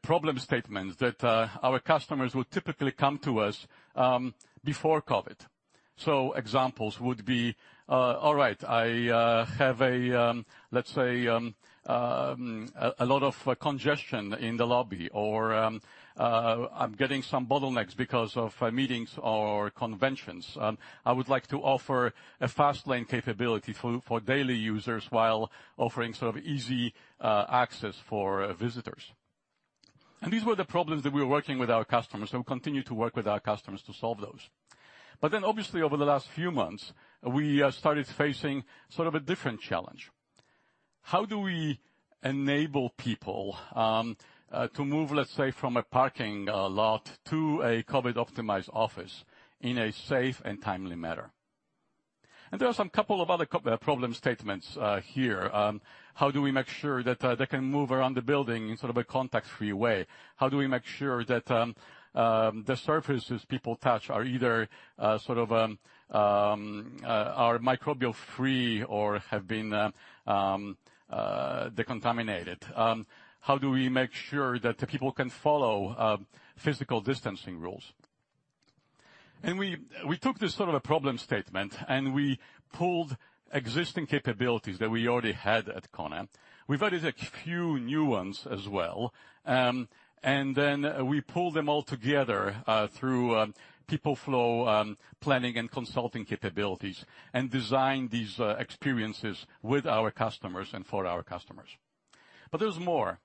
problem statements that our customers would typically come to us before COVID. Examples would be, all right, I have, let's say, a lot of congestion in the lobby, or I'm getting some bottlenecks because of meetings or conventions. I would like to offer a fast-lane capability for daily users while offering sort of easy access for visitors. These were the problems that we were working with our customers and continue to work with our customers to solve those. Obviously, over the last few months, we started facing sort of a different challenge. How do we enable people to move, let's say, from a parking lot to a COVID-optimized office in a safe and timely manner? There are some couple of other problem statements here. How do we make sure that they can move around the building in a contact-free way? How do we make sure that the surfaces people touch are either microbial-free or have been decontaminated? How do we make sure that people can follow physical distancing rules? We took this problem statement, and we pooled existing capabilities that we already had at KONE. We've added a few new ones as well. We pool them all together through People Flow, planning, and consulting capabilities, and design these experiences with our customers and for our customers. There's more.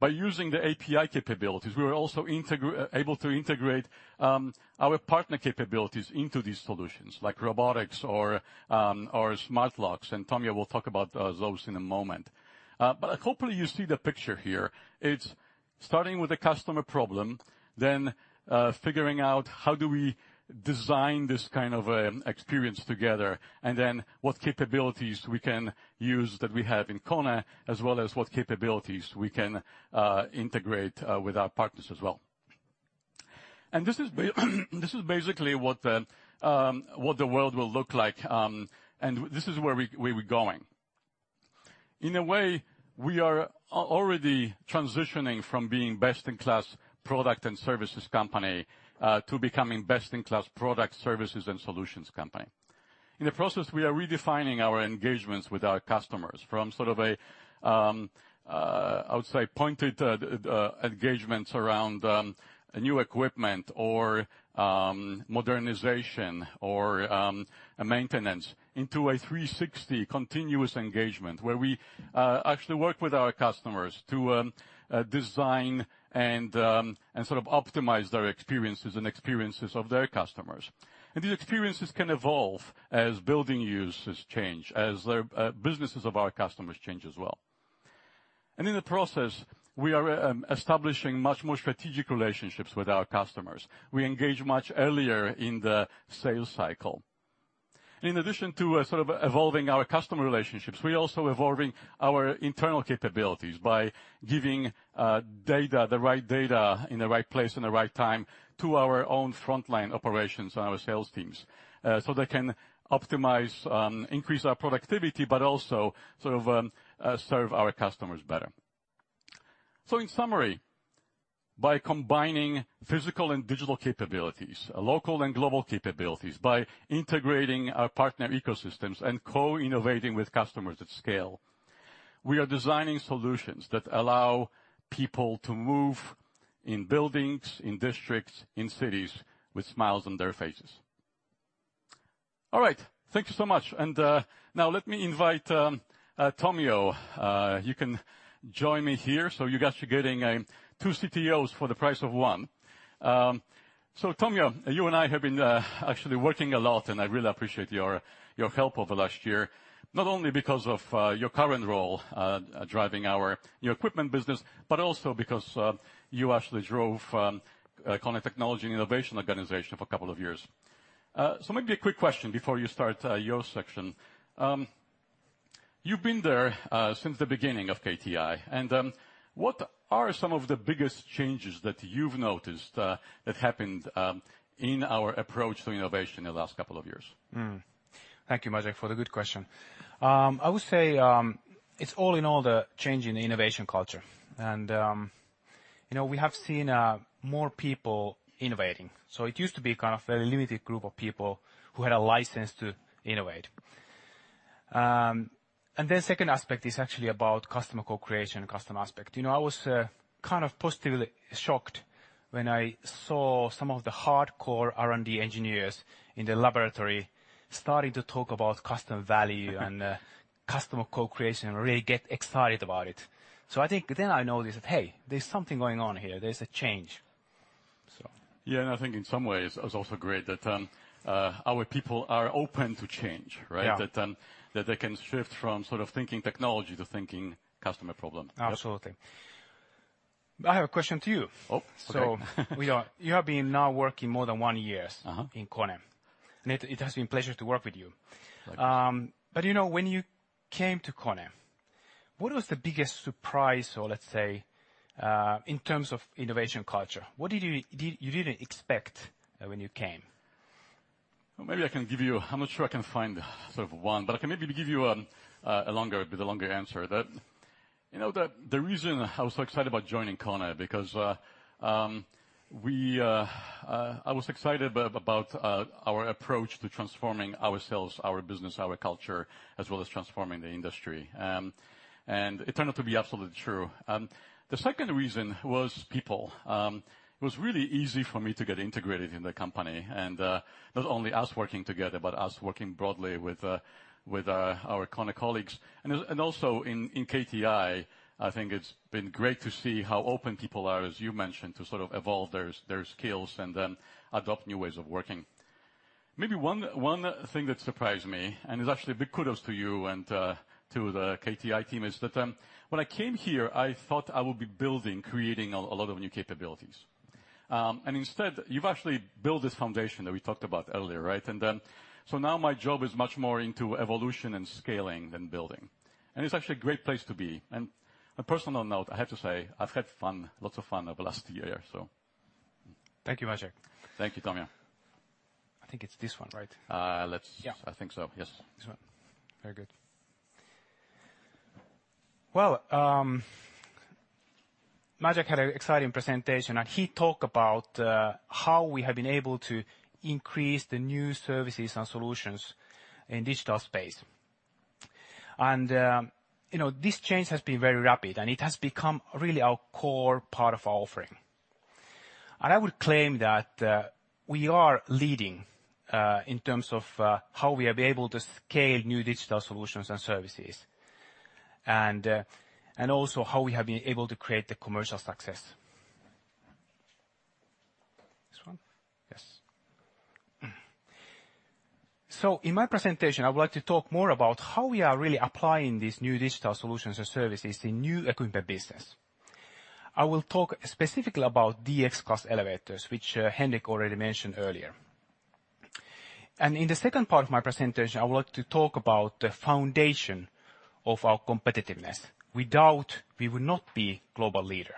By using the API capabilities, we're also able to integrate our partner capabilities into these solutions, like robotics or smart locks, and Tomio will talk about those in a moment. Hopefully, you see the picture here. It's starting with a customer problem, then figuring out how do we design this kind of experience together, and then what capabilities we can use that we have in KONE, as well as what capabilities we can integrate with our partners as well. This is basically what the world will look like. This is where we're going. In a way, we are already transitioning from being best-in-class product and services company, to becoming best-in-class product, services, and solutions company. In the process, we are redefining our engagements with our customers from a, I would say, pointed engagements around new equipment or modernization or maintenance into a 360 continuous engagement, where we actually work with our customers to design and optimize their experiences and experiences of their customers. These experiences can evolve as building uses change, as the businesses of our customers change as well. In the process, we are establishing much more strategic relationships with our customers. We engage much earlier in the sales cycle. In addition to evolving our customer relationships, we are also evolving our internal capabilities by giving the right data in the right place and the right time to our own frontline operations and our sales teams, so they can optimize, increase our productivity, but also serve our customers better. In summary, by combining physical and digital capabilities, local and global capabilities, by integrating our partner ecosystems and co-innovating with customers at scale, we are designing solutions that allow people to move in buildings, in districts, in cities with smiles on their faces. All right. Thank you so much. Now let me invite Tomio. You can join me here. You guys are getting two CTOs for the price of one. Tomio, you and I have been actually working a lot, and I really appreciate your help over last year. Not only because of your current role driving our new equipment business, but also because you actually drove KONE Technology and Innovation organization for a couple of years. Maybe a quick question before you start your section. You've been there since the beginning of KTI. What are some of the biggest changes that you've noticed that happened in our approach to innovation in the last couple of years? Thank you, Maciej, for the good question. I would say it's all in all the change in innovation culture. We have seen more people innovating. It used to be kind of a limited group of people who had a license to innovate. Then second aspect is actually about customer co-creation, customer aspect. I was kind of positively shocked when I saw some of the hardcore R&D engineers in the laboratory starting to talk about customer value and customer co-creation, and really get excited about it. I think then I noticed that, hey, there's something going on here. There's a change. Yeah, I think in some ways, it's also great that our people are open to change, right? Yeah. They can shift from thinking technology to thinking customer problem. Absolutely. I have a question to you. Oh, okay. You have been now working more than one years. in KONE. It has been pleasure to work with you. Thank you. When you came to KONE, what was the biggest surprise or let's say, in terms of innovation culture? What did you didn't expect when you came? Well, maybe I can give you I'm not sure I can find sort of one, but I can maybe give you a longer answer. The reason I was so excited about joining KONE because I was excited about our approach to transforming ourselves, our business, our culture, as well as transforming the industry. It turned out to be absolutely true. The second reason was people. It was really easy for me to get integrated in the company, and not only us working together, but us working broadly with our KONE colleagues. Also in KTI, I think it's been great to see how open people are, as you mentioned, to sort of evolve their skills and then adopt new ways of working. Maybe one thing that surprised me, and is actually a big kudos to you and to the KTI team, is that when I came here, I thought I would be building, creating a lot of new capabilities. Instead, you've actually built this foundation that we talked about earlier, right? Now my job is much more into evolution and scaling than building. It's actually a great place to be. A personal note, I have to say, I've had fun, lots of fun over the last year or so. Thank you, Maciek. Thank you, Tomi. I think it's this one, right? Let's- Yeah. I think so. Yes. Very good. Maciej had an exciting presentation. He talked about how we have been able to increase the new services and solutions in digital space. This change has been very rapid. It has become really our core part of our offering. I would claim that we are leading in terms of how we are able to scale new digital solutions and services. Also, how we have been able to create the commercial success. This one? Yes. In my presentation, I would like to talk more about how we are really applying these new digital solutions and services in new equipment business. I will talk specifically about KONE DX Class elevators, which Henrik already mentioned earlier. In the second part of my presentation, I would like to talk about the foundation of our competitiveness. Without, we would not be global leader.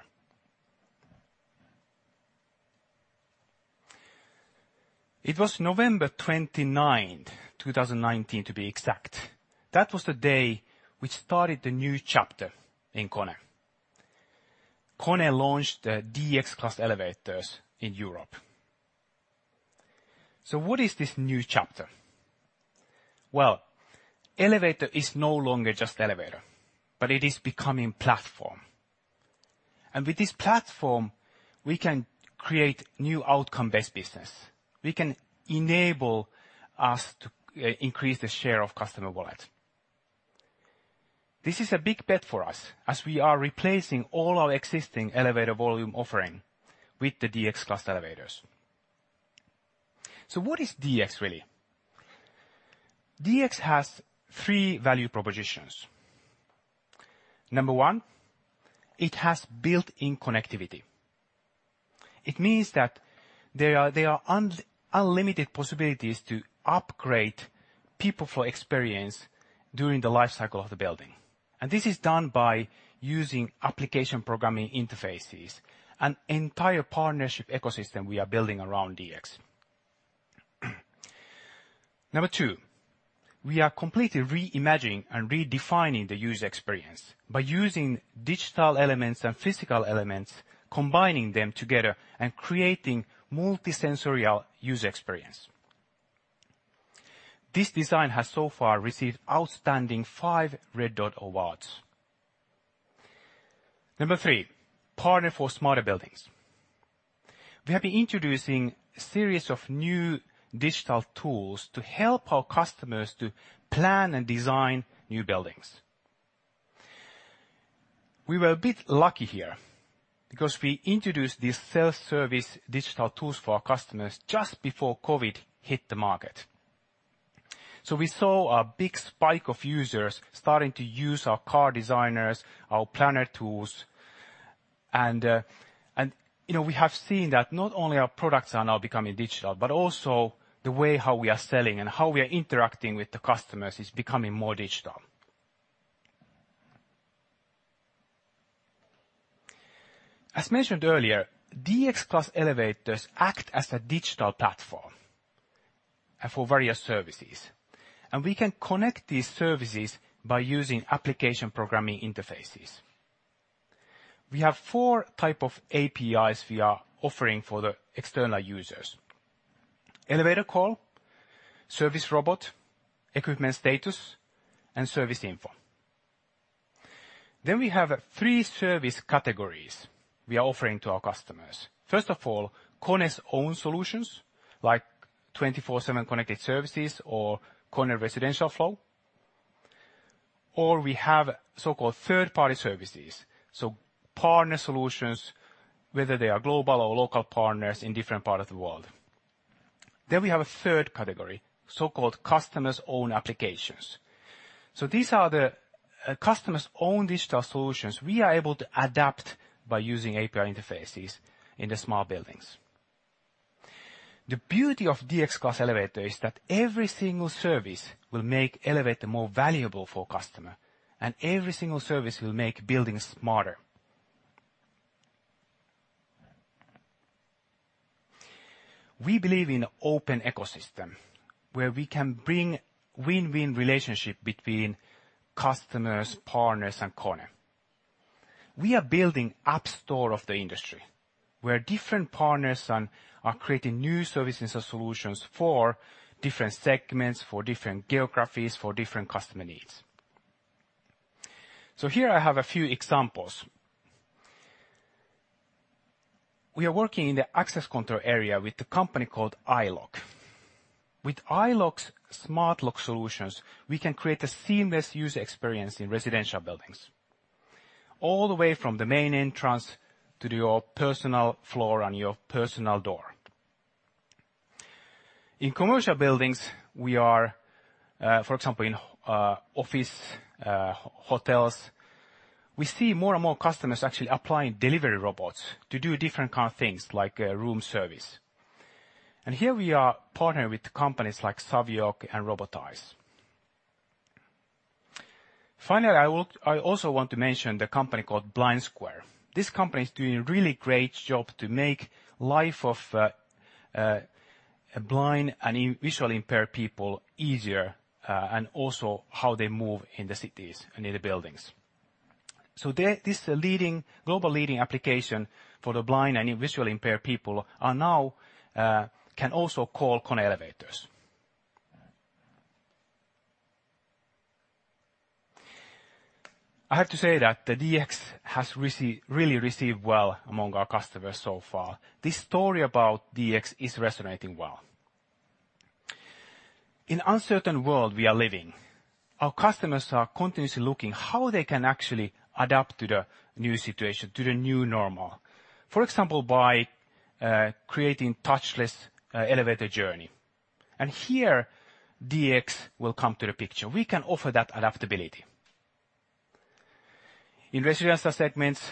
It was November 29th, 2019, to be exact. That was the day we started the new chapter in KONE. KONE launched the KONE DX Class elevators in Europe. What is this new chapter? Elevator is no longer just elevator, but it is becoming platform. With this platform, we can create new outcome-based business. We can enable us to increase the share of customer wallet. This is a big bet for us as we are replacing all our existing elevator volume offering with the KONE DX Class elevators. What is DX, really? DX has three value propositions. Number one, it has built-in connectivity. It means that there are unlimited possibilities to upgrade People Flow experience during the life cycle of the building. This is done by using application programming interfaces and entire partnership ecosystem we are building around DX. Number two, we are completely reimagining and redefining the user experience by using digital elements and physical elements, combining them together and creating multisensorial user experience. This design has so far received outstanding five Red Dot Design Award. Number three, partner for smarter buildings. We have been introducing series of new digital tools to help our customers to plan and design new buildings. We were a bit lucky here because we introduced these self-service digital tools for our customers just before COVID hit the market. We saw a big spike of users starting to use our CAD designers, our planner tools. We have seen that not only our products are now becoming digital, but also the way how we are selling and how we are interacting with the customers is becoming more digital. As mentioned earlier, KONE DX Class elevators act as a digital platform for various services. We can connect these services by using application programming interfaces. We have four type of APIs we are offering for the external users. Elevator call, service robot, equipment status, and service info. We have 3 service categories we are offering to our customers. First of all, KONE's own solutions, like KONE 24/7 Connected Services or KONE Residential Flow. We have so-called third-party services, so partner solutions, whether they are global or local partners in different part of the world. We have a third category, so-called customer's own applications. These are the customer's own digital solutions we are able to adapt by using API interfaces in the smart buildings. The beauty of DX Class elevator is that every single service will make elevator more valuable for customer, and every single service will make buildings smarter. We believe in open ecosystem where we can bring win-win relationship between customers, partners, and KONE. We are building app store of the industry, where different partners are creating new services and solutions for different segments, for different geographies, for different customer needs. Here I have a few examples. We are working in the access control area with a company called iLOQ. With iLOQ's smart lock solutions, we can create a seamless user experience in residential buildings. All the way from the main entrance to your personal floor and your personal door. In commercial buildings, for example, in office, hotels, we see more and more customers actually applying delivery robots to do different kind of things, like room service. Here we are partnering with companies like Savioke and Robotise. Finally, I also want to mention the company called BlindSquare. This company is doing a really great job to make life of blind and visually impaired people easier, and also how they move in the cities and in the buildings. This global leading application for the blind and visually impaired people now can also call KONE Elevators. I have to say that the DX has really received well among our customers so far. This story about DX is resonating well. In uncertain world we are living, our customers are continuously looking how they can actually adapt to the new situation, to the new normal. For example, by creating touchless elevator journey. Here DX will come to the picture. We can offer that adaptability. In residential segments,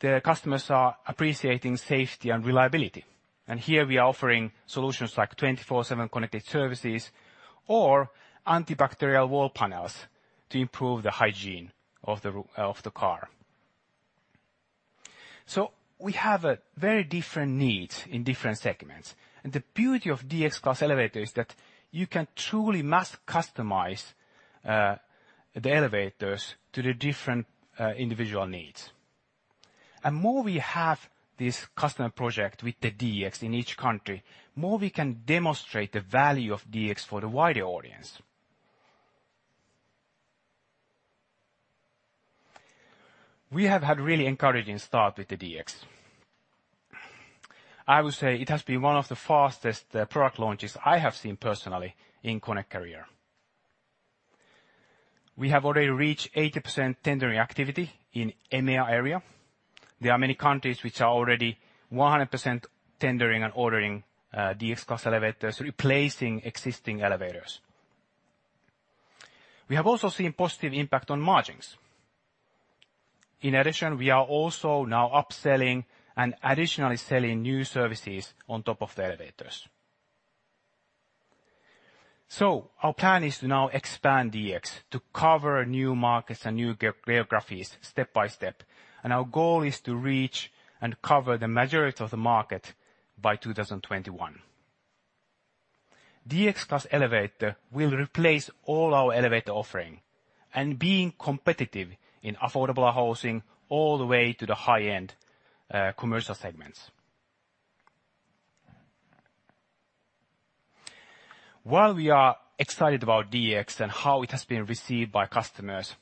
the customers are appreciating safety and reliability. Here we are offering solutions like 24/7 Connected Services or antibacterial wall panels to improve the hygiene of the car. We have very different needs in different segments, and the beauty of DX Class elevator is that you can truly mass customize the elevators to the different individual needs. More we have this customer project with the DX in each country, more we can demonstrate the value of DX for the wider audience. We have had really encouraging start with the DX. I would say it has been one of the fastest product launches I have seen personally in KONE career. We have already reached 80% tendering activity in EMEA area. There are many countries which are already 100% tendering and ordering DX Class elevators, replacing existing elevators. We have also seen positive impact on margins. We are also now upselling and additionally selling new services on top of the elevators. Our plan is to now expand DX to cover new markets and new geographies step by step, and our goal is to reach and cover the majority of the market by 2021. DX Class elevator will replace all our elevator offering and being competitive in affordable housing all the way to the high-end commercial segments. While we are excited about DX and how it has been received by customers,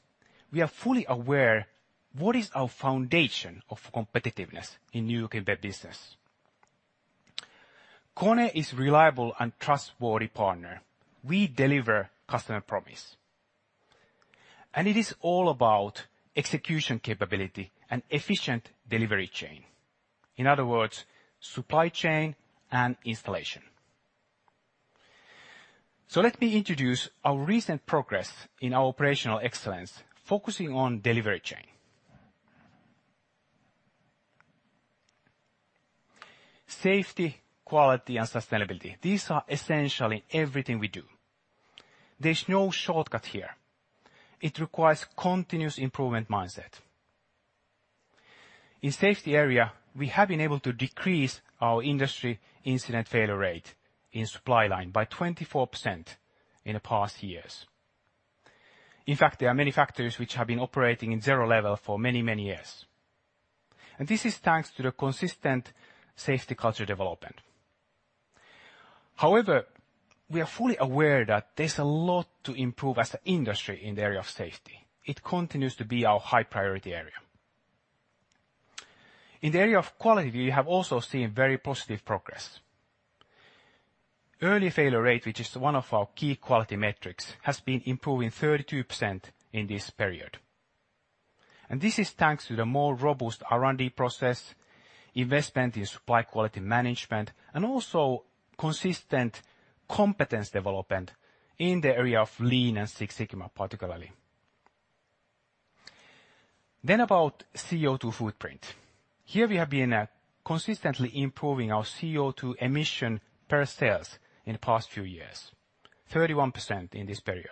we are fully aware what is our foundation of competitiveness in new competitive business. KONE is reliable and trustworthy partner. We deliver customer promise. It is all about execution capability and efficient delivery chain. In other words, supply chain and installation. Let me introduce our recent progress in our operational excellence, focusing on delivery chain. Safety, quality, and sustainability. These are essentially everything we do. There's no shortcut here. It requires continuous improvement mindset. In safety area, we have been able to decrease our Industrial Injury Frequency Rate in supply line by 24% in the past years. There are many factors which have been operating in zero level for many, many years. This is thanks to the consistent safety culture development. However, we are fully aware that there's a lot to improve as an industry in the area of safety. It continues to be our high priority area. In the area of quality, we have also seen very positive progress. early failure rate, which is one of our key quality metrics, has been improving 32% in this period. This is thanks to the more robust R&D process, investment in supply quality management, and also consistent competence development in the area of Lean and Six Sigma, particularly. About CO2 footprint. Here we have been consistently improving our CO2 emission per sales in past few years, 31% in this period.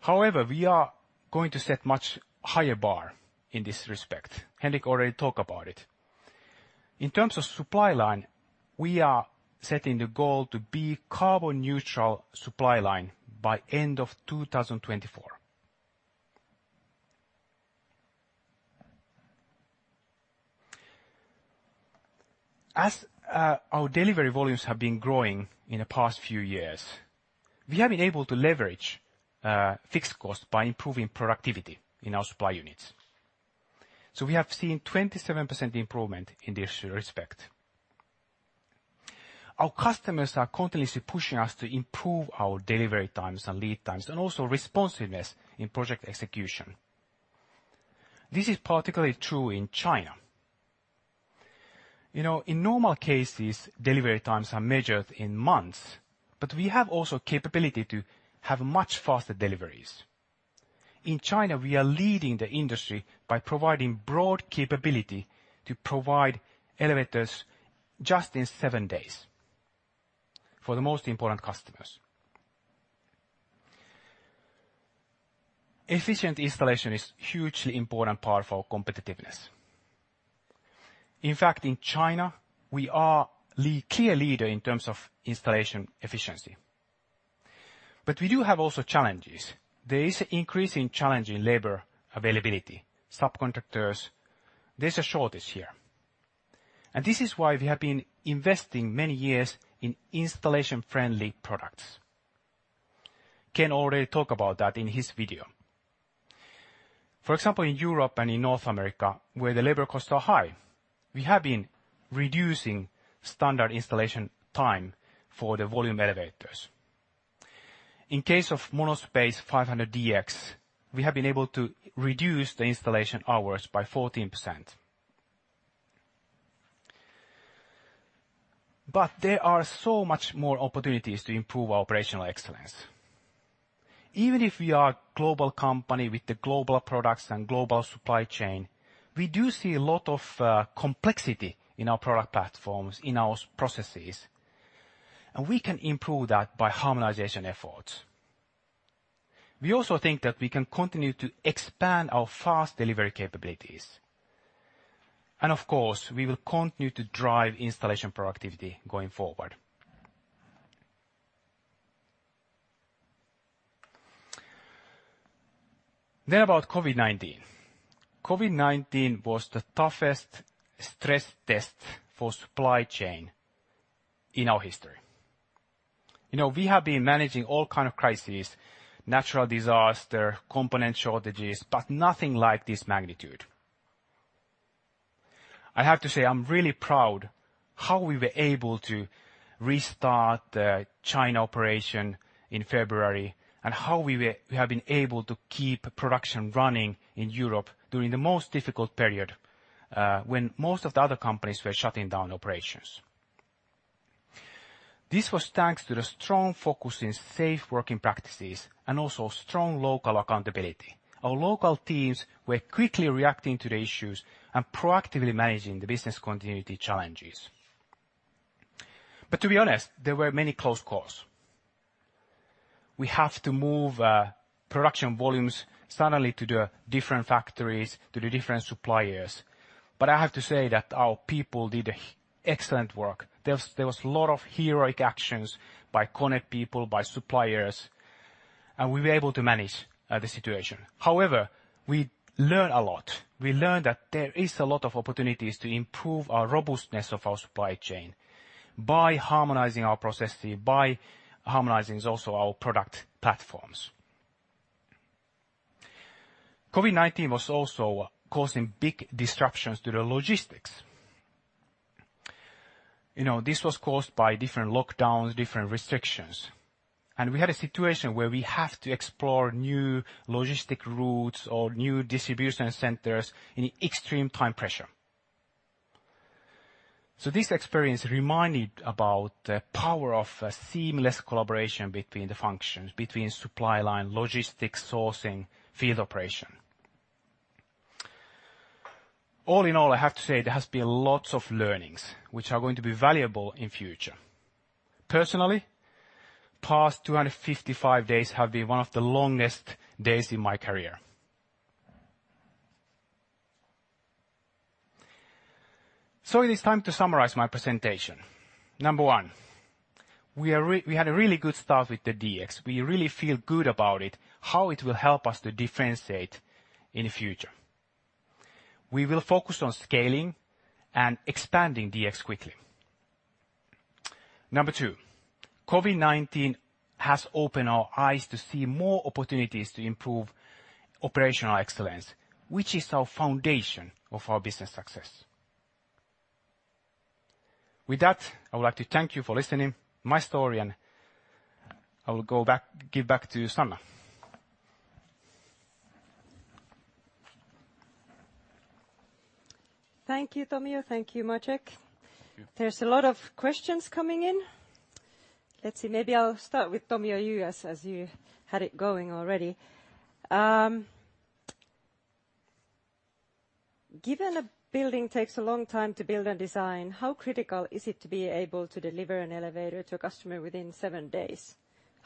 However, we are going to set much higher bar in this respect. Henrik already talk about it. In terms of supply line, we are setting the goal to be carbon neutral supply line by end of 2024. As our delivery volumes have been growing in the past few years, we have been able to leverage fixed cost by improving productivity in our supply units. We have seen 27% improvement in this respect. Our customers are continuously pushing us to improve our delivery times and lead times, and also responsiveness in project execution. This is particularly true in China. In normal cases, delivery times are measured in months, we have also capability to have much faster deliveries. In China, we are leading the industry by providing broad capability to provide elevators just in seven days for the most important customers. Efficient installation is hugely important part for competitiveness. In fact, in China, we are clear leader in terms of installation efficiency. We do have also challenges. There is increasing challenge in labor availability, subcontractors. There's a shortage here. This is why we have been investing many years in installation-friendly products. Ken already talk about that in his video. For example, in Europe and in North America, where the labor costs are high, we have been reducing standard installation time for the volume elevators. In case of MonoSpace 500 DX, we have been able to reduce the installation hours by 14%. There are so much more opportunities to improve our operational excellence. Even if we are global company with the global products and global supply chain, we do see a lot of complexity in our product platforms, in our processes, and we can improve that by harmonization efforts. We also think that we can continue to expand our fast delivery capabilities. Of course, we will continue to drive installation productivity going forward. About COVID-19. COVID-19 was the toughest stress test for supply chain in our history. We have been managing all kind of crises, natural disaster, component shortages, but nothing like this magnitude. I have to say, I am really proud how we were able to restart the China operation in February, and how we have been able to keep production running in Europe during the most difficult period, when most of the other companies were shutting down operations. This was thanks to the strong focus in safe working practices, and also strong local accountability. Our local teams were quickly reacting to the issues and proactively managing the business continuity challenges. To be honest, there were many close calls. We have to move production volumes suddenly to the different factories, to the different suppliers. I have to say that our people did excellent work. There was a lot of heroic actions by KONE people, by suppliers, and we were able to manage the situation. However, we learn a lot. We learn that there is a lot of opportunities to improve our robustness of our supply chain by harmonizing our processes, by harmonizing also our product platforms. COVID-19 was also causing big disruptions to the logistics. This was caused by different lockdowns, different restrictions. We had a situation where we have to explore new logistic routes or new distribution centers in extreme time pressure. This experience reminded about the power of seamless collaboration between the functions, between supply line logistics, sourcing, field operation. All in all, I have to say, there has been lots of learnings which are going to be valuable in future. Personally, past 255 days have been one of the longest days in my career. It is time to summarize my presentation. Number one, We had a really good start with the DX. We really feel good about it, how it will help us to differentiate in the future. We will focus on scaling and expanding DX quickly. Number 2, COVID-19 has opened our eyes to see more opportunities to improve operational excellence, which is our foundation of our business success. With that, I would like to thank you for listening my story, and I will give back to Sanna. Thank you, Tomio. Thank you, Maciek. There's a lot of questions coming in. Let's see. Maybe I'll start with Tomio, you, as you had it going already. Given a building takes a long time to build and design, how critical is it to be able to deliver an elevator to a customer within seven days? Yeah.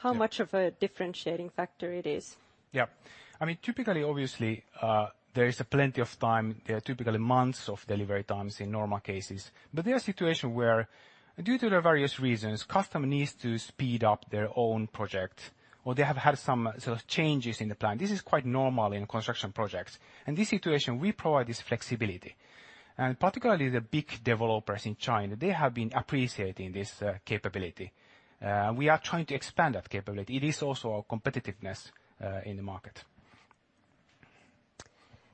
How much of a differentiating factor it is? Yeah. Typically, obviously, there is plenty of time. There are typically months of delivery times in normal cases. There are situation where, due to the various reasons, customer needs to speed up their own project, or they have had some sort of changes in the plan. This is quite normal in construction projects. In this situation, we provide this flexibility. Particularly the big developers in China, they have been appreciating this capability. We are trying to expand that capability. It is also our competitiveness in the market.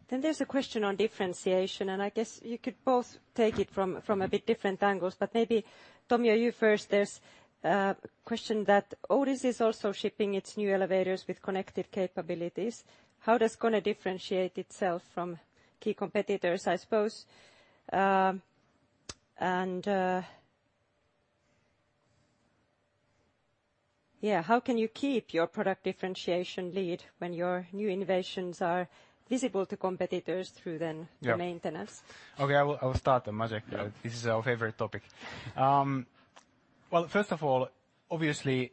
There's a question on differentiation, and I guess you could both take it from a bit different angles. Maybe, Tomio, you first. There is a question that Otis is also shipping its new elevators with connected capabilities. How does KONE differentiate itself from key competitors, I suppose? How can you keep your product differentiation lead when your new innovations are visible to competitors through the maintenance? Okay, I will start, Maciej. This is our favorite topic. First of all, obviously,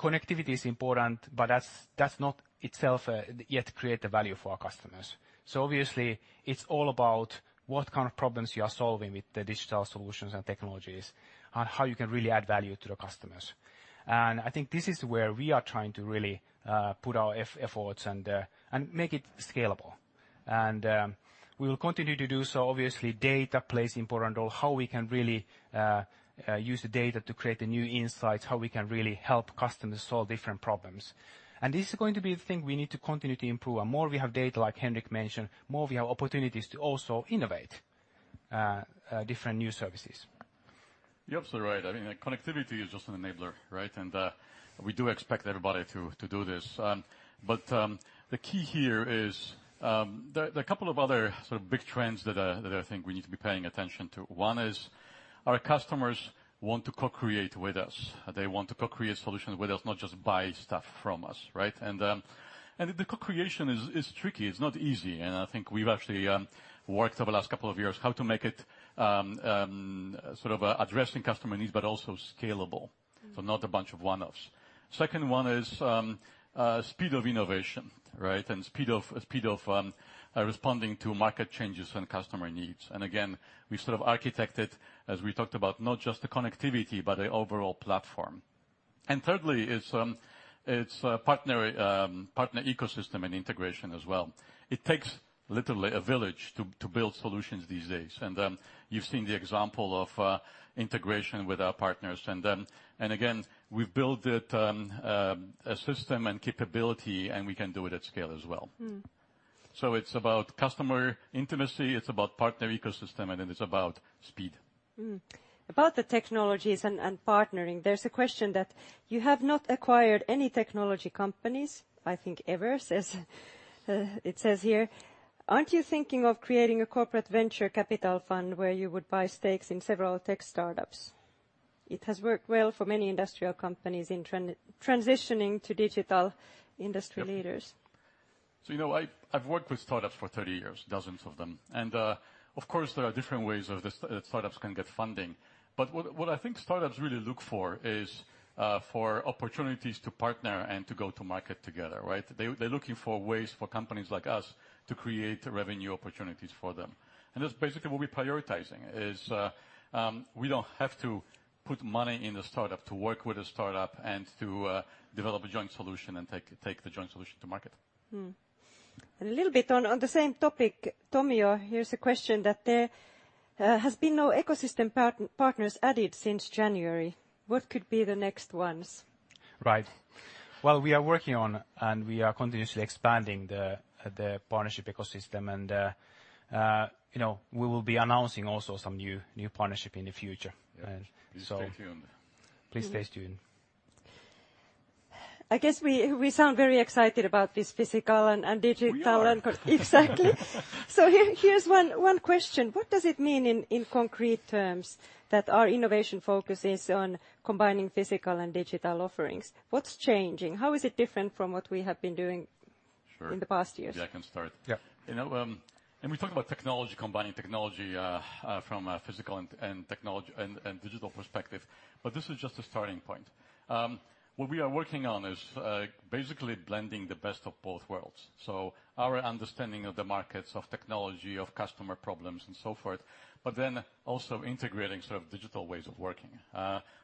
connectivity is important, that's not itself yet create the value for our customers. Obviously, it's all about what kind of problems you are solving with the digital solutions and technologies, and how you can really add value to the customers. I think this is where we are trying to really put our efforts and make it scalable. We will continue to do so. Obviously data plays important role. How we can really use the data to create the new insights, how we can really help customers solve different problems. This is going to be the thing we need to continue to improve. More we have data, like Henrik mentioned, more we have opportunities to also innovate different new services. You're absolutely right. Connectivity is just an enabler, and we do expect everybody to do this. The key here is there are a couple of other sort of big trends that I think we need to be paying attention to. One is our customers want to co-create with us. They want to co-create solutions with us, not just buy stuff from us. The co-creation is tricky. It's not easy, and I think we've actually worked over the last couple of years how to make it sort of addressing customer needs, but also scalable. Not a bunch of one-offs. Second one is speed of innovation, and speed of responding to market changes when customer needs. Again, we sort of architect it, as we talked about, not just the connectivity, but the overall platform. Thirdly, it's partner ecosystem and integration as well. It takes literally a village to build solutions these days. You've seen the example of integration with our partners. Again, we've built a system and capability, and we can do it at scale as well. It's about customer intimacy, it's about partner ecosystem, and it is about speed. About the technologies and partnering, there's a question that you have not acquired any technology companies, I think ever, it says here. Aren't you thinking of creating a corporate venture capital fund where you would buy stakes in several tech startups? It has worked well for many industrial companies in transitioning to digital industry leaders. You know, I've worked with startups for 30 years, dozens of them. Of course, there are different ways that startups can get funding. What I think startups really look for is for opportunities to partner and to go to market together. They're looking for ways for companies like us to create revenue opportunities for them. That's basically what we're prioritizing, is we don't have to put money in the startup to work with a startup and to develop a joint solution and take the joint solution to market. A little bit on the same topic, Tomio, here's a question that there has been no ecosystem partners added since January. What could be the next ones? Right. Well, we are working on, and we are continuously expanding the partnership ecosystem. We will be announcing also some new partnership in the future. Please stay tuned. Please stay tuned. I guess we sound very excited about this physical and digital- We are. Exactly. Here's one question. What does it mean in concrete terms that our innovation focus is on combining physical and digital offerings? What's changing? How is it different from what we have been doing? Sure in the past years? Yeah, I can start. Yeah. When we talk about combining technology from a physical and digital perspective, this is just a starting point. What we are working on is basically blending the best of both worlds. Our understanding of the markets, of technology, of customer problems, and so forth, also integrating sort of digital ways of working.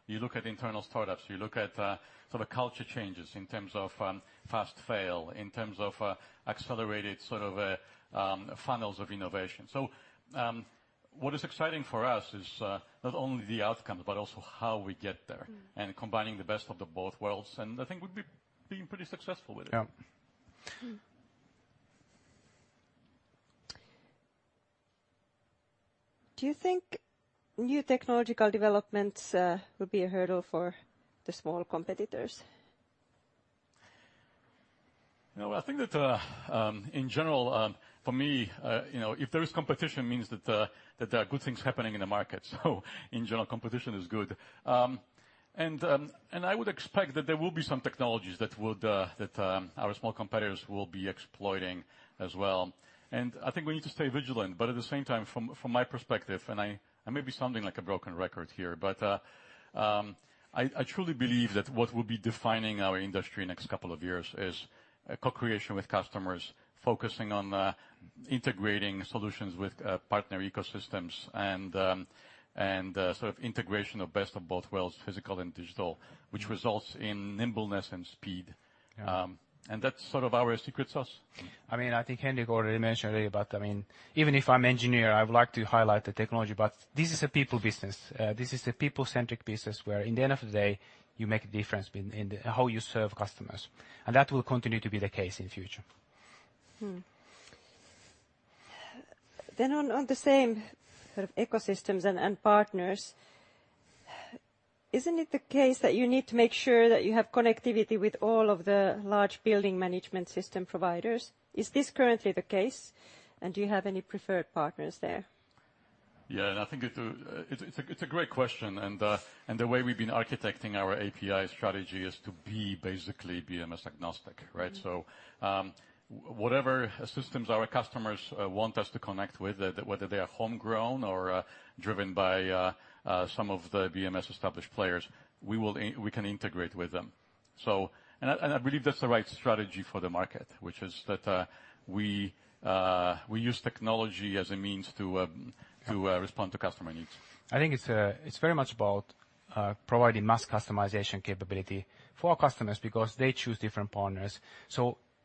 You look at internal startups, you look at culture changes in terms of fast fail, in terms of accelerated funnels of innovation. What is exciting for us is not only the outcome, but also how we get there. Combining the best of the both worlds, and I think we've been pretty successful with it. Yeah. Do you think new technological developments will be a hurdle for the small competitors? I think that, in general, for me, if there is competition means that there are good things happening in the market. In general, competition is good. I would expect that there will be some technologies that our small competitors will be exploiting as well. I think we need to stay vigilant. At the same time, from my perspective, and I may be sounding like a broken record here, but I truly believe that what will be defining our industry next couple of years is co-creation with customers, focusing on integrating solutions with partner ecosystems and integration of best of both worlds, physical and digital, which results in nimbleness and speed. Yeah. That's sort of our secret sauce. I think Henrik already mentioned about that, even if I'm engineer, I would like to highlight the technology, but this is a people business. This is a people-centric business where, in the end of the day, you make a difference in how you serve customers. That will continue to be the case in future. On the same sort of ecosystems and partners, isn't it the case that you need to make sure that you have connectivity with all of the large building management system providers? Is this currently the case, and do you have any preferred partners there? I think it's a great question, and the way we've been architecting our API strategy is to be basically BMS agnostic, right? Whatever systems our customers want us to connect with, whether they are homegrown or driven by some of the BMS established players, we can integrate with them. I believe that's the right strategy for the market, which is that we use technology as a means to respond to customer needs. I think it's very much about providing mass customization capability for our customers because they choose different partners.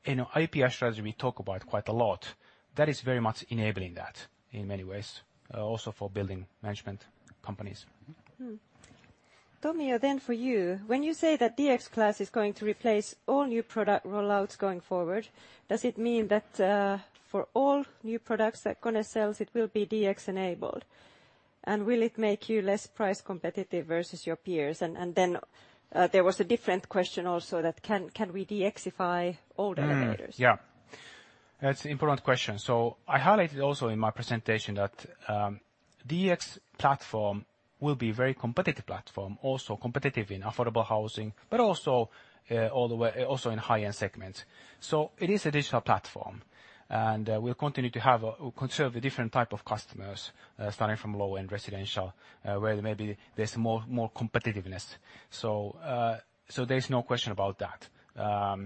In our API strategy, we talk about it quite a lot. That is very much enabling that in many ways, also for building management companies. Tomi, for you, when you say that KONE DX Class is going to replace all new product roll-outs going forward, does it mean that for all new products that KONE sells, it will be DX enabled? Will it make you less price competitive versus your peers? There was a different question also that can we DXify older elevators? Yeah. That's an important question. I highlighted also in my presentation that DX platform will be very competitive platform, also competitive in affordable housing, but also in high-end segments. It is a digital platform, and we'll continue to serve the different type of customers, starting from low-end residential, where maybe there's more competitiveness. There's no question about that.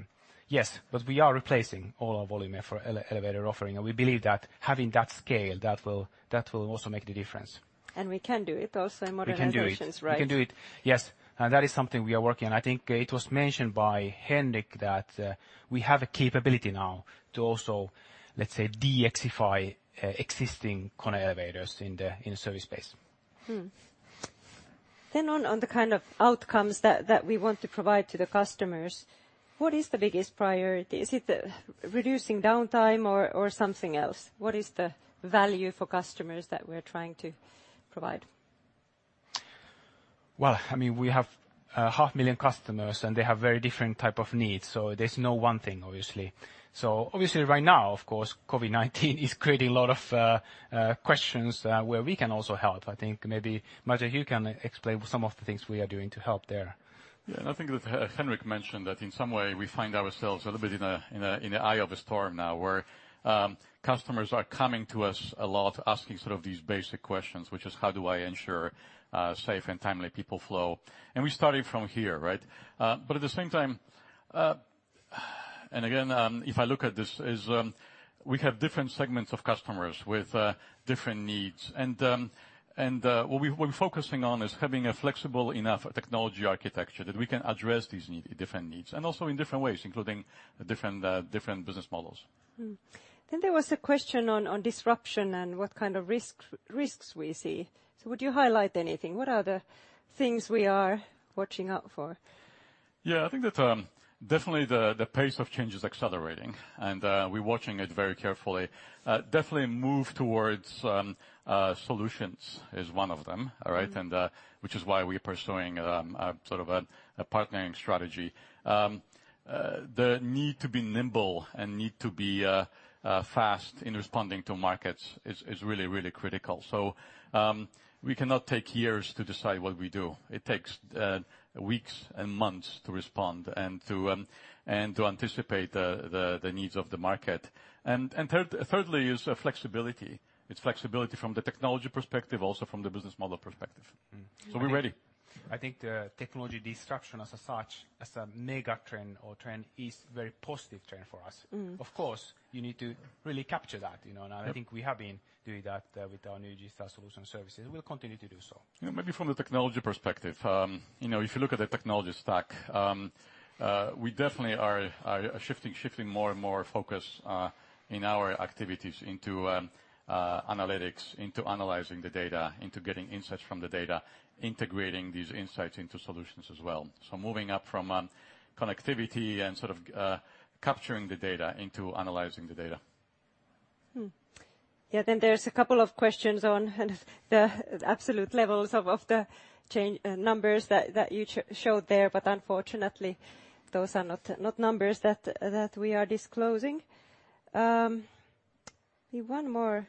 Yes, we are replacing all our volume for elevator offering, and we believe that having that scale, that will also make the difference. We can do it also in modern elevators, right? We can do it. Yes. That is something we are working on. I think it was mentioned by Henrik that we have a capability now to also, let's say, DXify existing KONE Elevators in the service space. On the kind of outcomes that we want to provide to the customers, what is the biggest priority? Is it reducing downtime or something else? What is the value for customers that we're trying to provide? We have a half million customers, and they have very different type of needs, so there's no one thing, obviously. Obviously right now, of course, COVID-19 is creating a lot of questions where we can also help. I think maybe, Maciej, you can explain some of the things we are doing to help there. Yeah, I think that Henrik mentioned that in some way we find ourselves a little bit in the eye of a storm now where customers are coming to us a lot asking sort of these basic questions, which is, how do I ensure safe and timely People Flow? We started from here, right? At the same time, again, if I look at this, we have different segments of customers with different needs. What we're focusing on is having a flexible enough technology architecture that we can address these different needs and also in different ways, including different business models. There was a question on disruption and what kind of risks we see. Would you highlight anything? What are the things we are watching out for? Yeah, I think that definitely the pace of change is accelerating, and we're watching it very carefully. Definitely move towards solutions is one of them, all right? Which is why we're pursuing sort of a partnering strategy. The need to be nimble and need to be fast in responding to markets is really, really critical. We cannot take years to decide what we do. It takes weeks and months to respond and to anticipate the needs of the market. Thirdly is flexibility. It's flexibility from the technology perspective, also from the business model perspective. Right. We're ready. I think the technology disruption as such, as a mega trend or trend, is very positive trend for us. Of course, you need to really capture that. Yep. I think we have been doing that with our new digital solution services. We'll continue to do so. Maybe from the technology perspective. If you look at the technology stack, we definitely are shifting more and more focus in our activities into analytics, into analyzing the data, into getting insights from the data, integrating these insights into solutions as well. Moving up from connectivity and sort of capturing the data into analyzing the data. Yeah, there's a couple of questions on the absolute levels of the change numbers that you showed there, but unfortunately, those are not numbers that we are disclosing. Maybe one more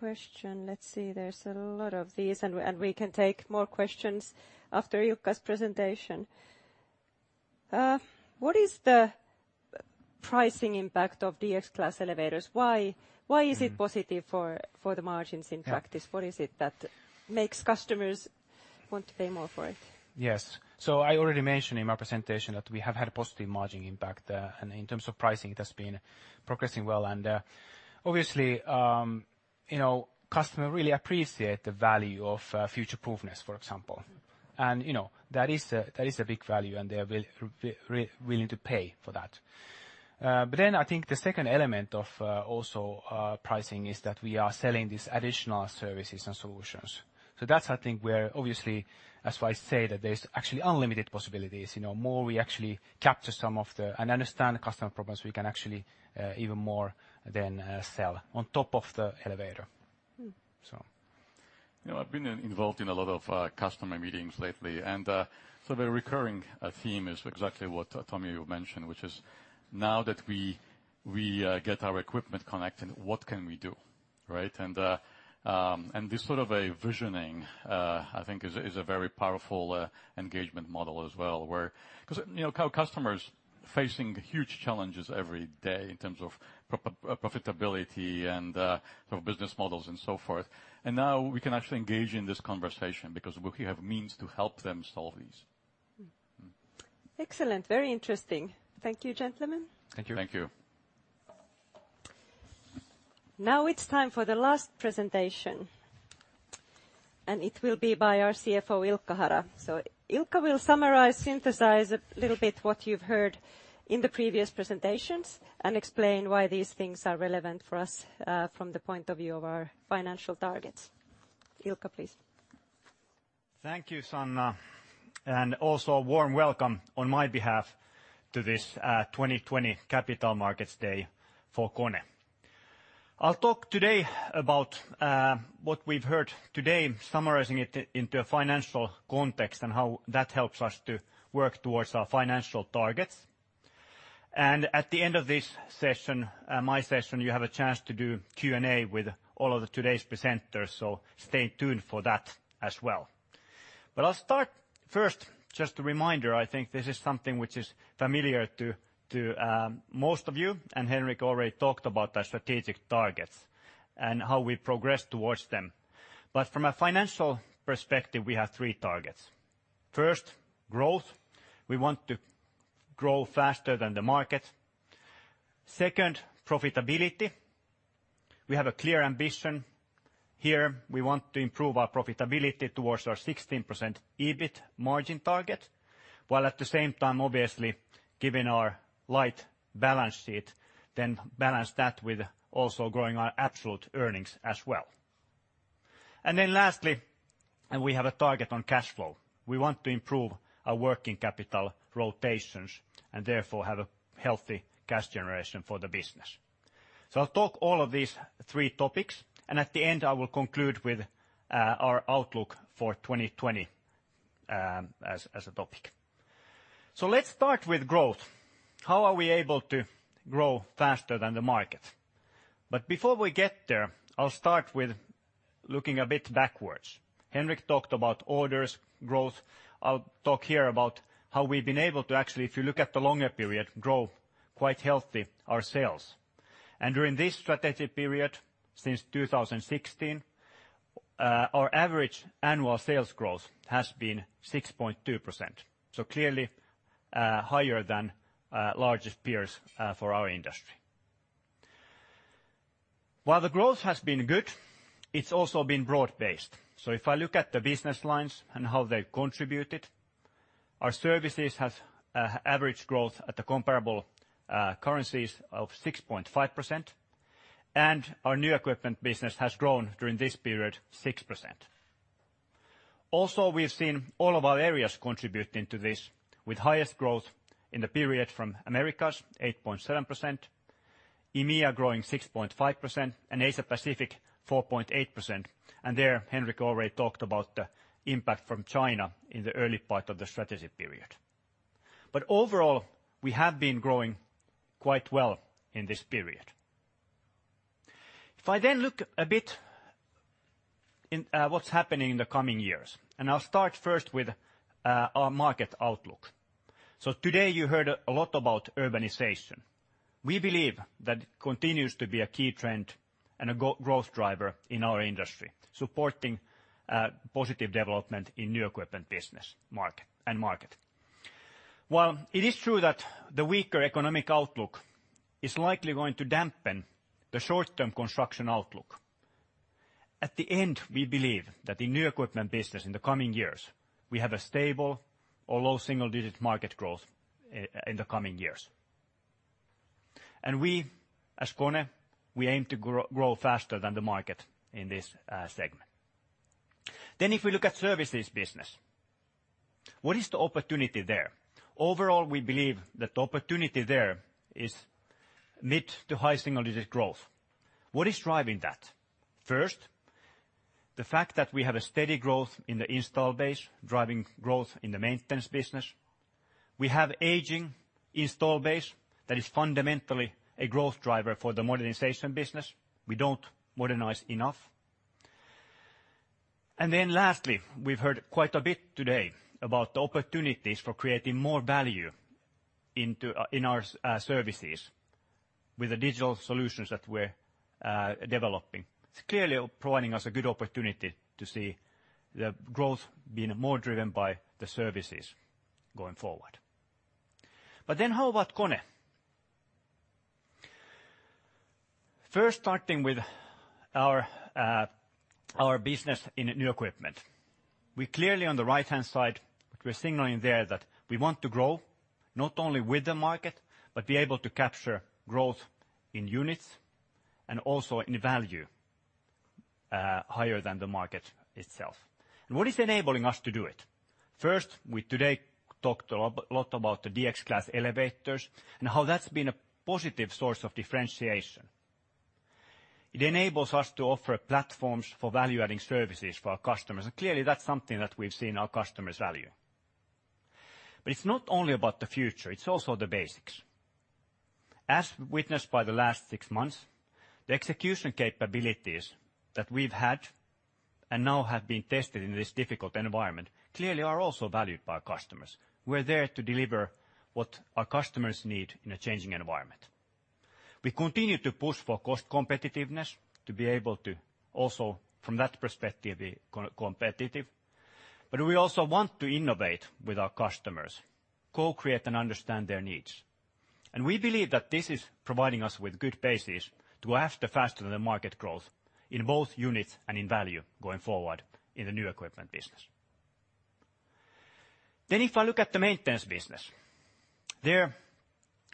question. Let's see. There's a lot of these, and we can take more questions after Iikka's presentation. What is the pricing impact of DX Class elevators? Why is it positive for the margins in practice? Yeah. What is it that makes customers want to pay more for it? Yes. I already mentioned in my presentation that we have had a positive margin impact there, and in terms of pricing, it has been progressing well. Obviously, customer really appreciate the value of future-proofness, for example. That is a big value, and they are willing to pay for that. I think the second element of also pricing is that we are selling these additional services and solutions. That's I think where obviously, as I say, that there's actually unlimited possibilities. More we actually capture some of the, and understand the customer problems, we can actually even more than sell on top of the elevator. So. I've been involved in a lot of customer meetings lately. A recurring theme is exactly what, Tomi, you mentioned, which is now that we get our equipment connected, what can we do? Right? This sort of a visioning, I think is a very powerful engagement model as well, because our customers facing huge challenges every day in terms of profitability and business models and so forth. Now we can actually engage in this conversation because we have means to help them solve these. Excellent. Very interesting. Thank you, gentlemen. Thank you. Thank you. Now it's time for the last presentation. It will be by our CFO, Ilkka Hara. Ilkka will summarize, synthesize a little bit what you've heard in the previous presentations and explain why these things are relevant for us from the point of view of our financial targets. Ilkka, please. Thank you, Sanna. Also a warm welcome on my behalf to this 2020 Capital Markets Day for KONE. I'll talk today about what we've heard today, summarizing it into a financial context and how that helps us to work towards our financial targets. At the end of this session, my session, you have a chance to do Q&A with all of today's presenters, stay tuned for that as well. I'll start first, just a reminder, I think this is something which is familiar to most of you, Henrik already talked about the strategic targets, how we progress towards them. From a financial perspective, we have three targets. First, growth. We want to grow faster than the market. Second, profitability. We have a clear ambition here. We want to improve our profitability towards our 16% EBIT margin target, while at the same time, obviously, given our light balance sheet, then balance that with also growing our absolute earnings as well. Lastly, we have a target on cash flow. We want to improve our working capital rotations and therefore have a healthy cash generation for the business. I'll talk all of these three topics, and at the end, I will conclude with our outlook for 2020 as a topic. Let's start with growth. How are we able to grow faster than the market? Before we get there, I'll start with looking a bit backwards. Henrik talked about orders, growth. I'll talk here about how we've been able to actually, if you look at the longer period, grow quite healthy our sales. During this strategic period, since 2016, our average annual sales growth has been 6.2%. Clearly, higher than largest peers for our industry. While the growth has been good, it's also been broad-based. If I look at the business lines and how they contributed, our services have average growth at the comparable currencies of 6.5%, and our new equipment business has grown during this period 6%. We've seen all of our areas contributing to this with highest growth in the period from Americas 8.7%, EMEA growing 6.5%, and Asia-Pacific 4.8%. There, Henrik already talked about the impact from China in the early part of the strategic period. Overall, we have been growing quite well in this period. If I look a bit in what's happening in the coming years, and I'll start first with our market outlook. Today you heard a lot about urbanization. We believe that continues to be a key trend and a growth driver in our industry, supporting positive development in new equipment business and market. While it is true that the weaker economic outlook is likely going to dampen the short-term construction outlook, at the end, we believe that in new equipment business in the coming years, we have a stable or low single-digit market growth in the coming years. We, as KONE, we aim to grow faster than the market in this segment. If we look at services business, what is the opportunity there? Overall, we believe that the opportunity there is mid to high single-digit growth. What is driving that? First, the fact that we have a steady growth in the install base, driving growth in the maintenance business. We have aging install base that is fundamentally a growth driver for the modernization business. We don't modernize enough. Lastly, we've heard quite a bit today about the opportunities for creating more value in our services with the digital solutions that we're developing. It's clearly providing us a good opportunity to see the growth being more driven by the services going forward. How about KONE? First starting with our business in new equipment. We clearly on the right-hand side, we're signaling there that we want to grow not only with the market, but be able to capture growth in units and also in value higher than the market itself. What is enabling us to do it? First, we today talked a lot about the DX Class elevators and how that's been a positive source of differentiation. It enables us to offer platforms for value-adding services for our customers. Clearly that's something that we've seen our customers value. It's not only about the future, it's also the basics. As witnessed by the last six months, the execution capabilities that we've had and now have been tested in this difficult environment, clearly are also valued by our customers. We're there to deliver what our customers need in a changing environment. We continue to push for cost competitiveness to be able to also from that perspective be competitive. We also want to innovate with our customers, co-create and understand their needs. We believe that this is providing us with good basis to outpace the market growth in both units and in value going forward in the new equipment business. If I look at the maintenance business, there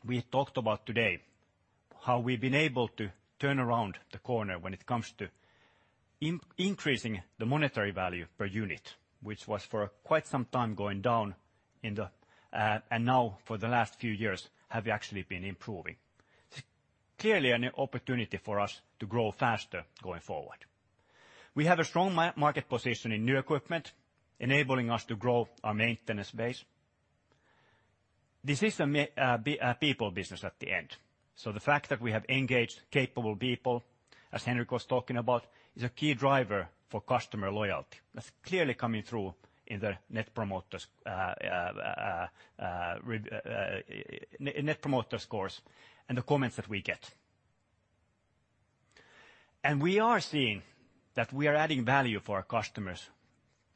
we talked about today how we've been able to turn around the corner when it comes to increasing the monetary value per unit, which was for quite some time going down, and now for the last few years have actually been improving. Clearly an opportunity for us to grow faster going forward. We have a strong market position in new equipment, enabling us to grow our maintenance base. This is a people business at the end. The fact that we have engaged capable people, as Henrik was talking about, is a key driver for customer loyalty. That's clearly coming through in the Net Promoter Scores and the comments that we get. We are seeing that we are adding value for our customers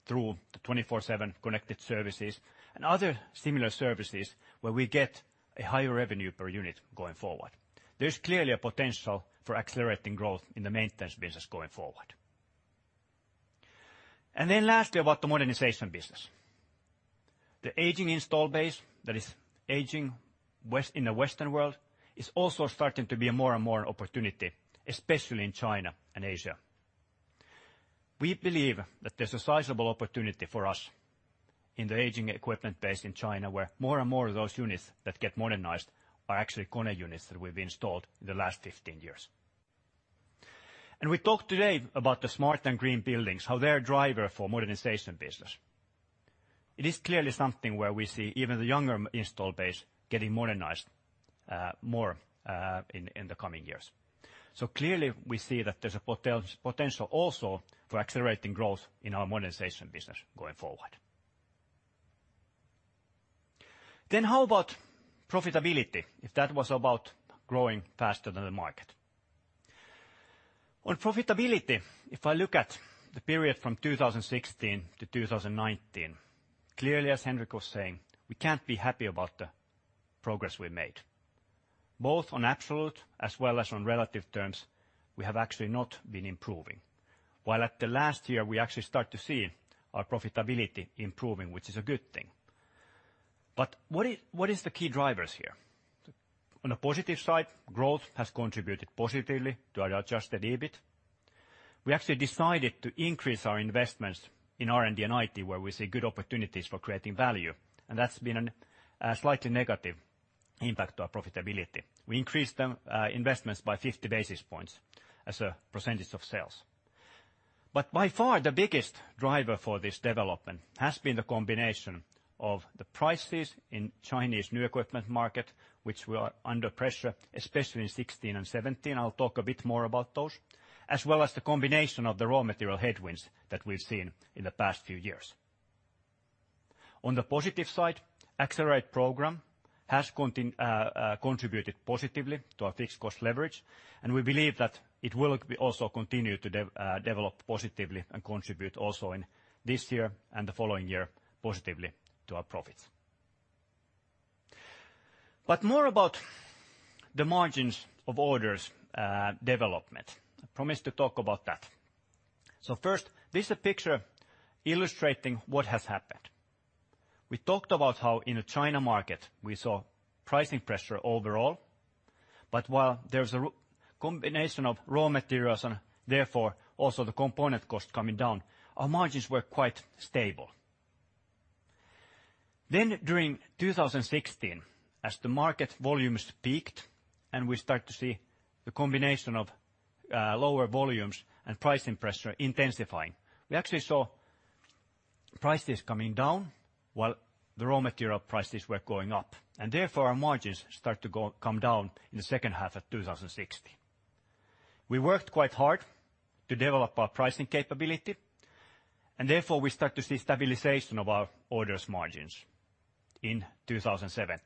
through the 24/7 Connected Services and other similar services where we get a higher revenue per unit going forward. There's clearly a potential for accelerating growth in the maintenance business going forward. Then lastly, about the modernization business. The aging install base that is aging in the Western world is also starting to be more and more an opportunity, especially in China and Asia. We believe that there's a sizable opportunity for us in the aging equipment base in China, where more and more of those units that get modernized are actually KONE units that we've installed in the last 15 years. We talked today about the smart and green buildings, how they're a driver for modernization business. It is clearly something where we see even the younger install base getting modernized more in the coming years. Clearly, we see that there's a potential also for accelerating growth in our modernization business going forward. How about profitability? If that was about growing faster than the market. On profitability, if I look at the period from 2016 to 2019, clearly, as Henrik was saying, we can't be happy about the progress we made. Both on absolute as well as on relative terms, we have actually not been improving. While at the last year, we actually start to see our profitability improving, which is a good thing. What is the key drivers here? On a positive side, growth has contributed positively to our adjusted EBIT. We actually decided to increase our investments in R&D and IT, where we see good opportunities for creating value. That's been a slightly negative impact to our profitability. We increased the investments by 50 basis points as a percentage of sales. By far, the biggest driver for this development has been the combination of the prices in Chinese new equipment market, which were under pressure, especially in 2016 and 2017, as well as the combination of the raw material headwinds that we've seen in the past few years. I'll talk a bit more about those. On the positive side, Accelerate program has contributed positively to our fixed cost leverage. We believe that it will also continue to develop positively and contribute also in this year and the following year positively to our profits. More about the margins of orders development. I promised to talk about that. First, this is a picture illustrating what has happened. We talked about how in the China market we saw pricing pressure overall, but while there's a combination of raw materials and therefore also the component cost coming down, our margins were quite stable. During 2016, as the market volumes peaked and we start to see the combination of lower volumes and pricing pressure intensifying, we actually saw prices coming down while the raw material prices were going up. Therefore, our margins start to come down in the second half of 2016. We worked quite hard to develop our pricing capability, and therefore, we start to see stabilization of our orders margins in 2017.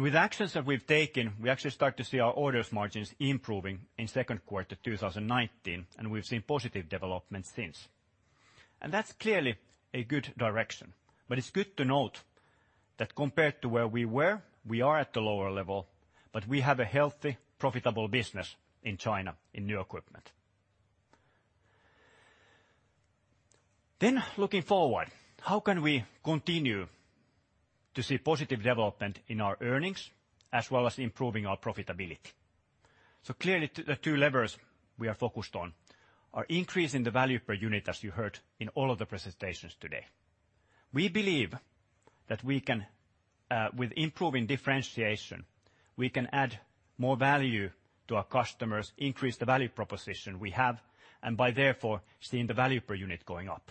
With actions that we've taken, we actually start to see our orders margins improving in second quarter 2019, and we've seen positive developments since. That's clearly a good direction, but it's good to note that compared to where we were, we are at the lower level, but we have a healthy, profitable business in China in new equipment. Looking forward, how can we continue to see positive development in our earnings, as well as improving our profitability. Clearly, the two levers we are focused on are increasing the value per unit, as you heard in all of the presentations today. We believe that with improving differentiation, we can add more value to our customers, increase the value proposition we have, and by therefore seeing the value per unit going up.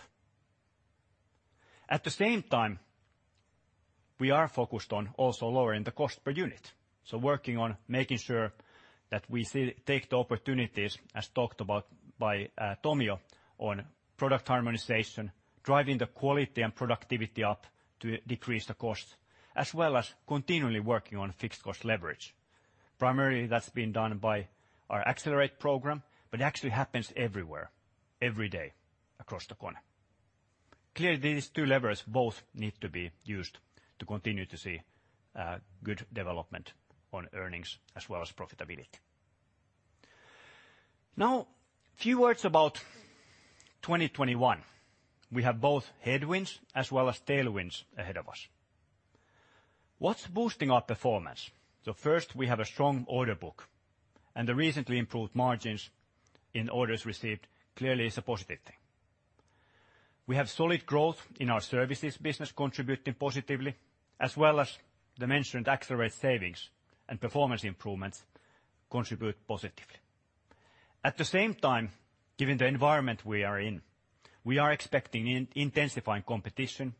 At the same time, we are focused on also lowering the cost per unit. Working on making sure that we take the opportunities, as talked about by Tomi, on product harmonization, driving the quality and productivity up to decrease the cost, as well as continually working on fixed cost leverage. Primarily that's been done by our Accelerate program. It actually happens everywhere, every day, across the KONE. Clearly, these two levers both need to be used to continue to see good development on earnings as well as profitability. Now, a few words about 2021. We have both headwinds as well as tailwinds ahead of us. What's boosting our performance? First, we have a strong order book, and the recently improved margins in the orders received clearly is a positive thing. We have solid growth in our services business contributing positively, as well as the mentioned Accelerate savings and performance improvements contribute positively. At the same time, given the environment we are in, we are expecting intensifying competition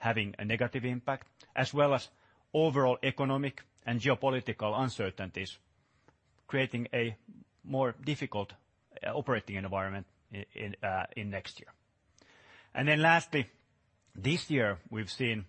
having a negative impact, as well as overall economic and geopolitical uncertainties creating a more difficult operating environment in next year. Lastly, this year we've seen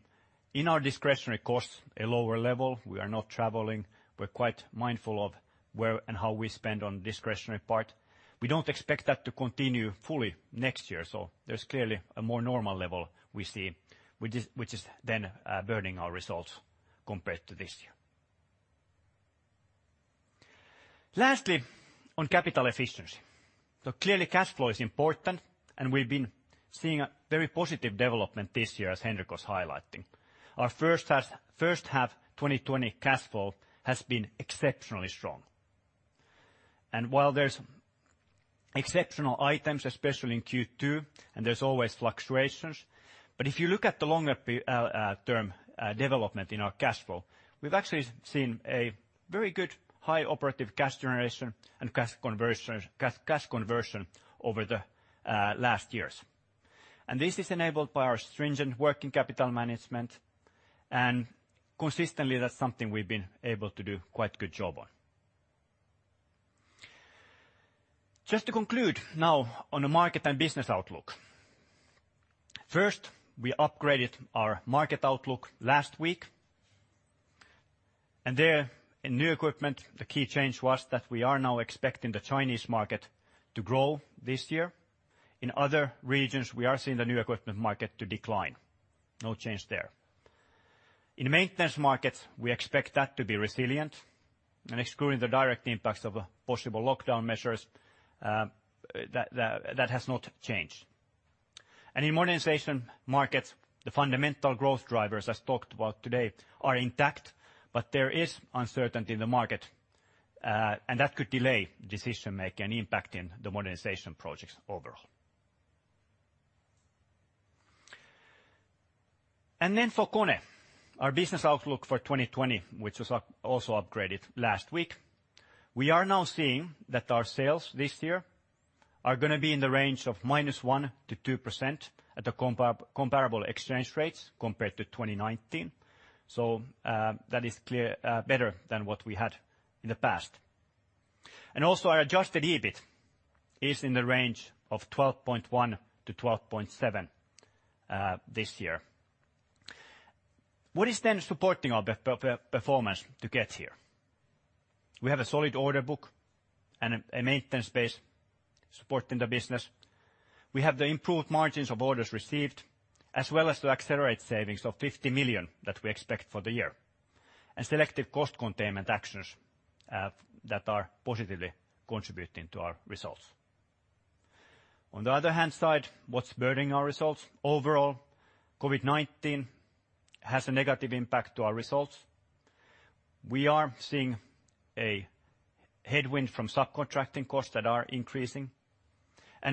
in our discretionary costs a lower level. We are not traveling. We're quite mindful of where and how we spend on discretionary part. We don't expect that to continue fully next year, so there's clearly a more normal level we see, which is then burdening our results compared to this year. Lastly, on capital efficiency. Clearly, cash flow is important, and we've been seeing a very positive development this year, as Henrik was highlighting. Our first half 2020 cash flow has been exceptionally strong. While there's exceptional items, especially in Q2, and there's always fluctuations, but if you look at the longer term development in our cash flow, we've actually seen a very good high operative cash generation and cash conversion over the last years. This is enabled by our stringent working capital management, and consistently, that's something we've been able to do quite a good job on. Just to conclude now on the market and business outlook. First, we upgraded our market outlook last week. There, in new equipment, the key change was that we are now expecting the Chinese market to grow this year. In other regions, we are seeing the new equipment market to decline. No change there. In maintenance markets, we expect that to be resilient, and excluding the direct impacts of possible lockdown measures, that has not changed. In modernization markets, the fundamental growth drivers, as talked about today, are intact, but there is uncertainty in the market, and that could delay decision-making, impacting the modernization projects overall. For KONE, our business outlook for 2020, which was also upgraded last week. We are now seeing that our sales this year are going to be in the range of -1% to 2% at the comparable exchange rates compared to 2019. That is better than what we had in the past. Also our adjusted EBIT is in the range of 12.1%-12.7% this year. What is then supporting our performance to get here? We have a solid order book and a maintenance base supporting the business. We have the improved margins of orders received, as well as the Accelerate savings of 50 million that we expect for the year, and selective cost containment actions that are positively contributing to our results. On the other hand side, what's burdening our results? Overall, COVID-19 has a negative impact to our results. We are seeing a headwind from subcontracting costs that are increasing.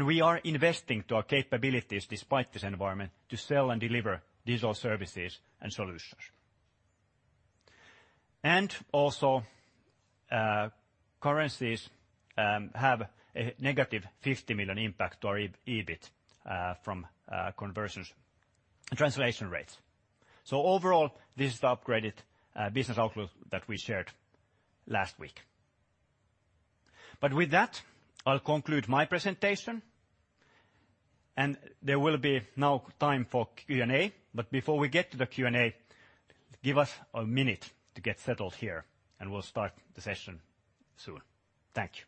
We are investing to our capabilities despite this environment to sell and deliver digital services and solutions. Also, currencies have a negative 50 million impact to our EBIT from conversions and translation rates. Overall, this is the upgraded business outlook that we shared last week. With that, I'll conclude my presentation, and there will be now time for Q&A. Before we get to the Q&A, give us a minute to get settled here, and we'll start the session soon. Thank you.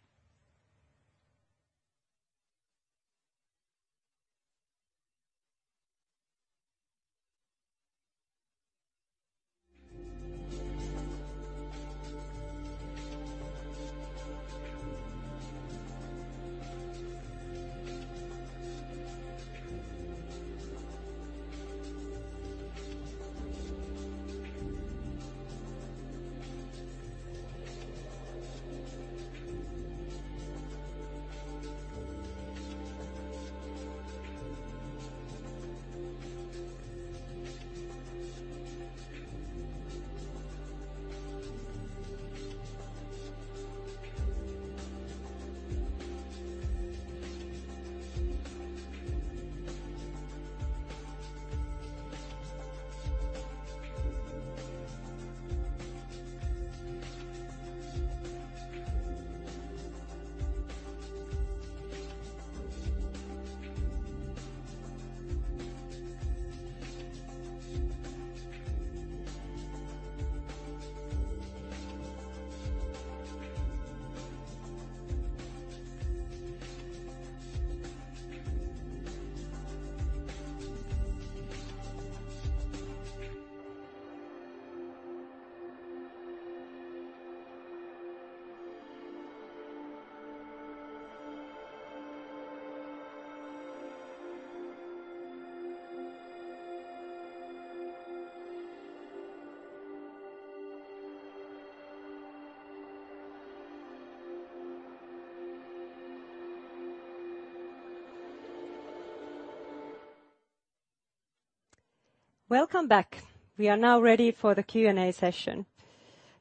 Welcome back. We are now ready for the Q&A session.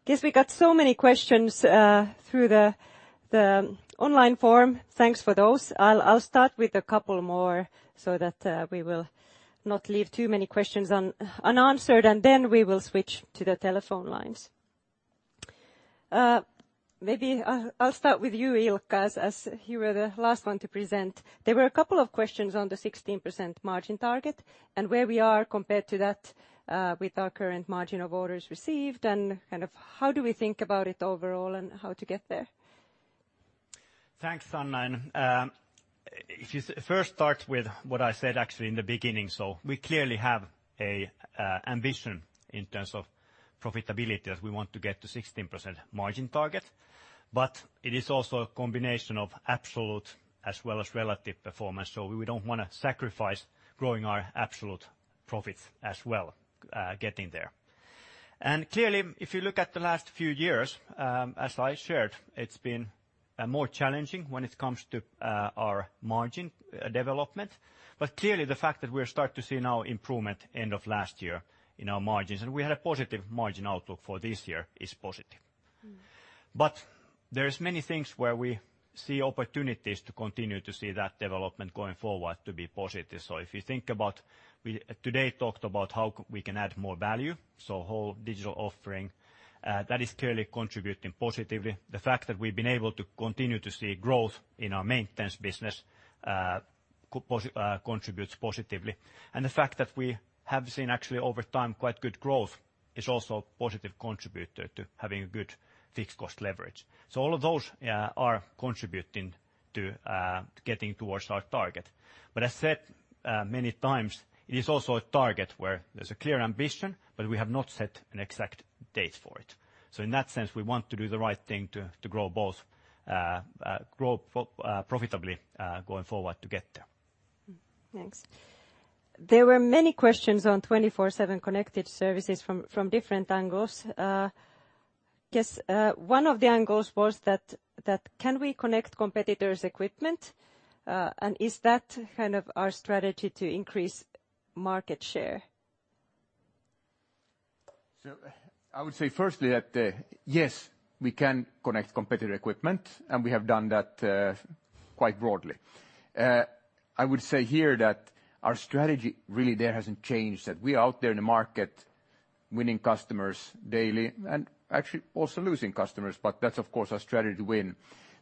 Guess we got so many questions through the online form. Thanks for those. I'll start with a couple more so that we will not leave too many questions unanswered, and then we will switch to the telephone lines. Maybe I'll start with you, Ilkka, as you were the last one to present. There were a couple of questions on the 16% margin target and where we are compared to that with our current margin of orders received, and how do we think about it overall and how to get there. Thanks, Sanna. If you first start with what I said actually in the beginning, we clearly have an ambition in terms of profitability, as we want to get to a 16% margin target. It is also a combination of absolute as well as relative performance, we don't want to sacrifice growing our absolute profits as well getting there. Clearly, if you look at the last few years, as I shared, it's been more challenging when it comes to our margin development. Clearly, the fact that we're start to see now improvement end of last year in our margins, and we had a positive margin outlook for this year, is positive. There is many things where we see opportunities to continue to see that development going forward to be positive. If you think about, today talked about how we can add more value, so whole digital offering, that is clearly contributing positively. The fact that we've been able to continue to see growth in our maintenance business contributes positively. The fact that we have seen actually over time quite good growth is also a positive contributor to having a good fixed cost leverage. All of those are contributing to getting towards our target. As said many times, it is also a target where there's a clear ambition, but we have not set an exact date for it. In that sense, we want to do the right thing to grow both, grow profitably going forward to get there. Thanks. There were many questions on 24/7 Connected Services from different angles. Guess one of the angles was that can we connect competitors' equipment? Is that kind of our strategy to increase market share? I would say firstly that, yes, we can connect competitor equipment, and we have done that quite broadly. I would say here that our strategy really there hasn't changed, that we are out there in the market winning customers daily and actually also losing customers, but that's of course our strategy to win.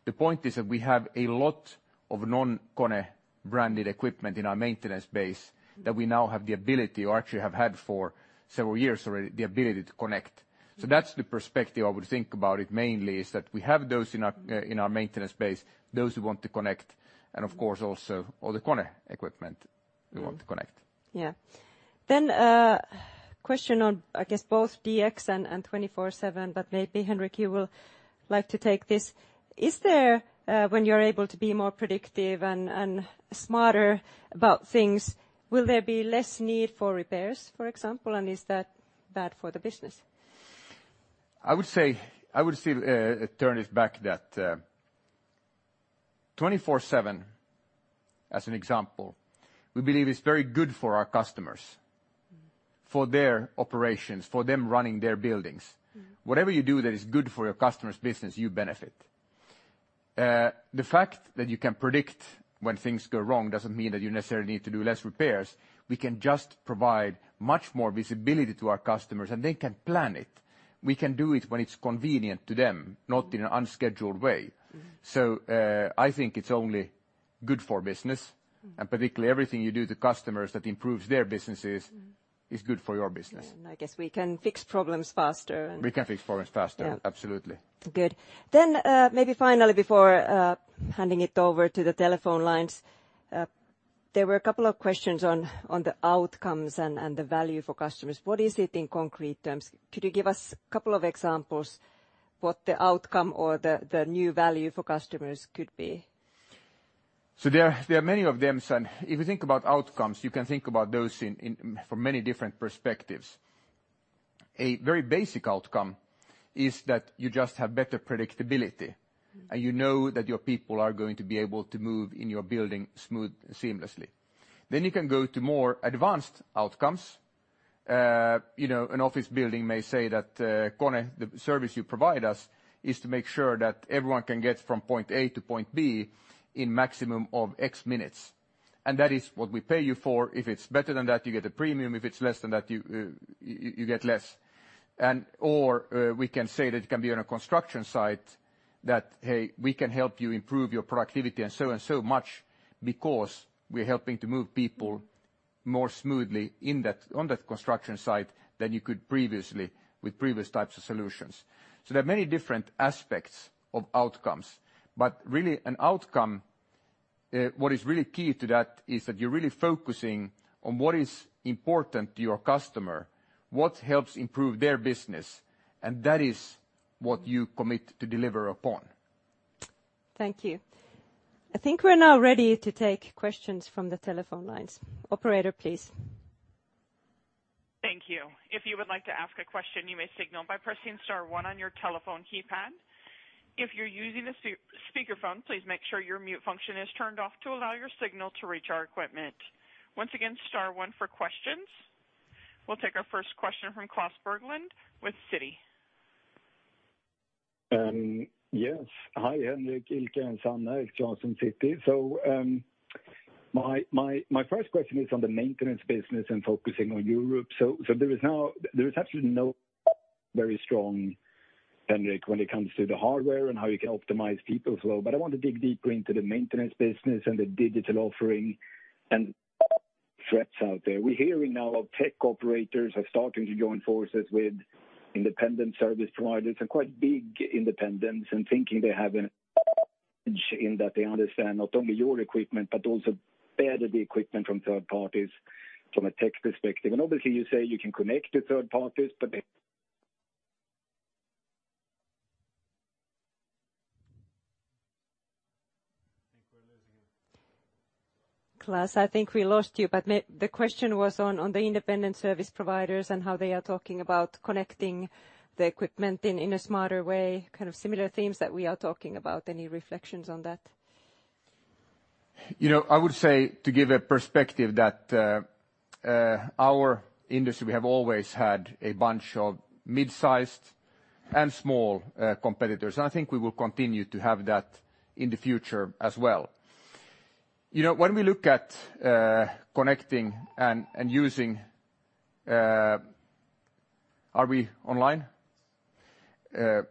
The point is that we have a lot of non-KONE branded equipment in our maintenance base that we now have the ability or actually have had for several years already, the ability to connect. That's the perspective I would think about it mainly, is that we have those in our maintenance base, those who want to connect, and of course also all the KONE equipment we want to connect. Yeah. Question on, I guess both DX and 24/7, maybe Henrik, you will like to take this. When you're able to be more predictive and smarter about things, will there be less need for repairs, for example, and is that bad for the business? I would say, turn it back that 24/7, as an example, we believe is very good for our customers. for their operations, for them running their buildings. Whatever you do that is good for your customer's business, you benefit. The fact that you can predict when things go wrong doesn't mean that you necessarily need to do less repairs. We can just provide much more visibility to our customers, and they can plan it. We can do it when it's convenient to them. not in an unscheduled way. I think it's only good for business. Particularly everything you do to customers that improves their businesses is good for your business. I guess we can fix problems faster. We can fix problems faster. Yeah. Absolutely. Good. Maybe finally, before handing it over to the telephone lines, there were a couple of questions on the outcomes and the value for customers. What is it in concrete terms? Could you give us a couple of examples? What the outcome or the new value for customers could be? There are many of them, Sanne. If you think about outcomes, you can think about those from many different perspectives. A very basic outcome is that you just have better predictability, and you know that your people are going to be able to move in your building seamlessly. You can go to more advanced outcomes. An office building may say that, KONE, the service you provide us is to make sure that everyone can get from point A to point B in maximum of X minutes. That is what we pay you for. If it's better than that, you get a premium. If it's less than that, you get less. We can say that it can be on a construction site that, Hey, we can help you improve your productivity and so and so much because we're helping to move people more smoothly on that construction site than you could previously with previous types of solutions. There are many different aspects of outcomes, but really an outcome, what is really key to that is that you're really focusing on what is important to your customer, what helps improve their business, and that is what you commit to deliver upon. Thank you. I think we're now ready to take questions from the telephone lines. Operator, please. Thank you. If you would like to ask a question, you may signal by pressing star one on your telephone keypad. If you're using a speakerphone, please make sure your mute function is turned off to allow your signal to reach our equipment. Once again, star one for questions. We'll take our first question from Klas Bergelind with Citi. Yes. Hi, Henrik, Ilkka, and Sanna. Klas from Citi. My first question is on the maintenance business and focusing on Europe. There is absolutely no very strong, Henrik, when it comes to the hardware and how you can optimize People Flow. I want to dig deeper into the maintenance business and the digital offering and threats out there. We're hearing now of tech operators are starting to join forces with independent service providers and quite big independents and thinking they have an in that they understand not only your equipment but also better the equipment from third parties from a tech perspective. Obviously you say you can connect to third parties, but they I think we're losing him. Klas, I think we lost you, but the question was on the independent service providers and how they are talking about connecting the equipment in a smarter way, kind of similar themes that we are talking about. Any reflections on that? I would say to give a perspective that our industry, we have always had a bunch of mid-sized and small competitors. I think we will continue to have that in the future as well. We look at connecting and using. Are we online? Please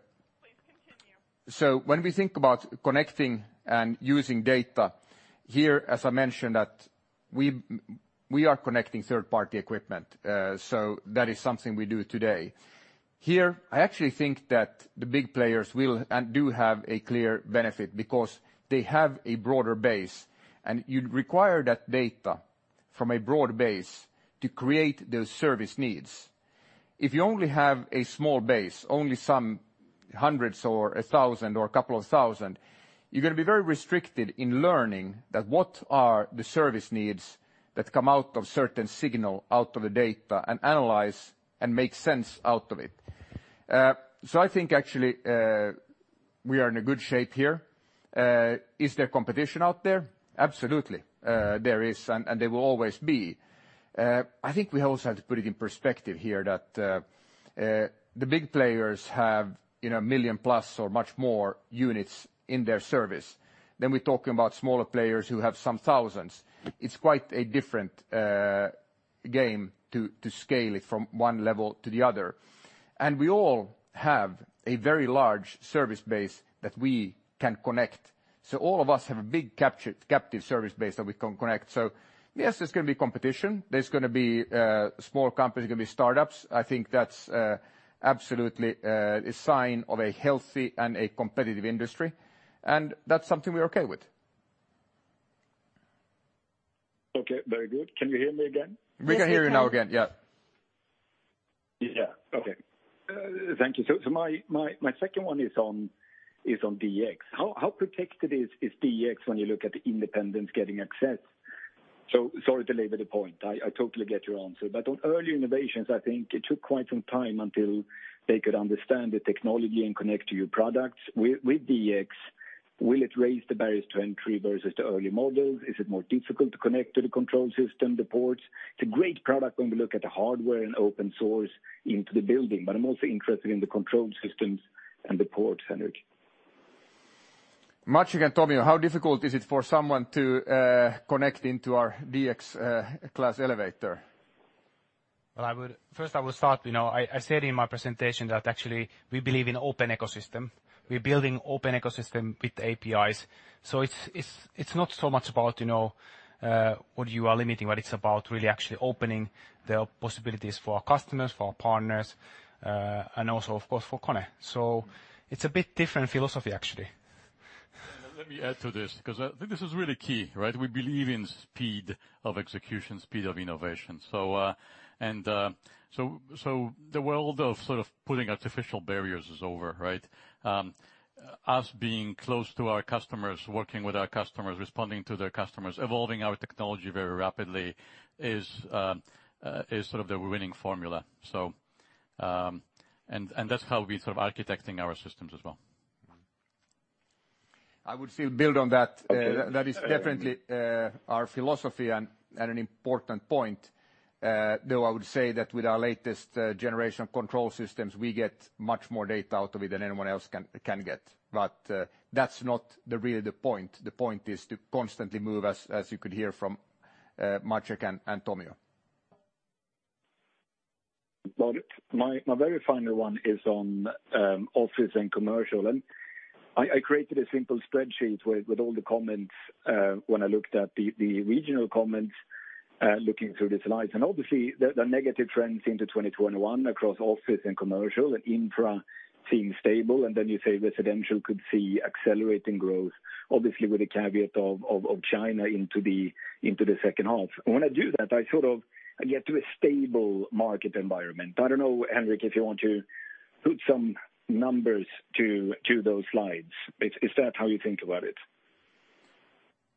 continue. When we think about connecting and using data, here, as I mentioned that we are connecting third-party equipment. That is something we do today. Here, I actually think that the big players will and do have a clear benefit because they have a broader base, and you'd require that data from a broad base to create those service needs. If you only have a small base, only some hundreds or 1,000 or a couple of 1,000, you're going to be very restricted in learning that what are the service needs that come out of certain signal, out of the data, and analyze and make sense out of it. I think actually, we are in a good shape here. Is there competition out there? Absolutely. There is, and there will always be. I think we also have to put it in perspective here that the big players have a million-plus or much more units in their service than we're talking about smaller players who have some thousands. It's quite a different game to scale it from one level to the other. We all have a very large service base that we can connect. All of us have a big captive service base that we can connect. Yes, there's going to be competition. There's going to be small companies, going to be startups. I think that's absolutely a sign of a healthy and a competitive industry. That's something we're okay with. Okay. Very good. Can you hear me again? We can hear you now again. Yeah. Yeah. Okay. Thank you. My second one is on DX. How protected is DX when you look at the independents getting access? Sorry to labor the point. I totally get your answer. On earlier innovations, I think it took quite some time until they could understand the technology and connect to your products. With DX, will it raise the barriers to entry versus the early models? Is it more difficult to connect to the control system, the ports? It's a great product when we look at the hardware and open source into the building, but I'm also interested in the control systems and the ports, Henrik. Matti and Tommi, how difficult is it for someone to connect into our DX Class elevator? Well, first I would start, I said in my presentation that actually we believe in open ecosystem. We're building open ecosystem with APIs. It's not so much about what you are limiting, but it's about really actually opening the possibilities for our customers, for our partners, and also of course for KONE. It's a bit different philosophy, actually. Let me add to this, because I think this is really key. We believe in speed of execution, speed of innovation. The world of putting artificial barriers is over. Us being close to our customers, working with our customers, responding to their customers, evolving our technology very rapidly is the winning formula. That's how we're architecting our systems as well. I would still build on that. Okay. That is definitely our philosophy and an important point. I would say that with our latest generation of control systems, we get much more data out of it than anyone else can get. That's not really the point. The point is to constantly move, as you could hear from Maciek and Tomio. My very final one is on office and commercial. I created a simple spreadsheet with all the comments when I looked at the regional comments, looking through the slides. Obviously, the negative trends into 2021 across office and commercial, and infra seems stable. You say residential could see accelerating growth, obviously with the caveat of China into the second half. When I do that, I get to a stable market environment. I don't know, Henrik, if you want to put some numbers to those slides. Is that how you think about it?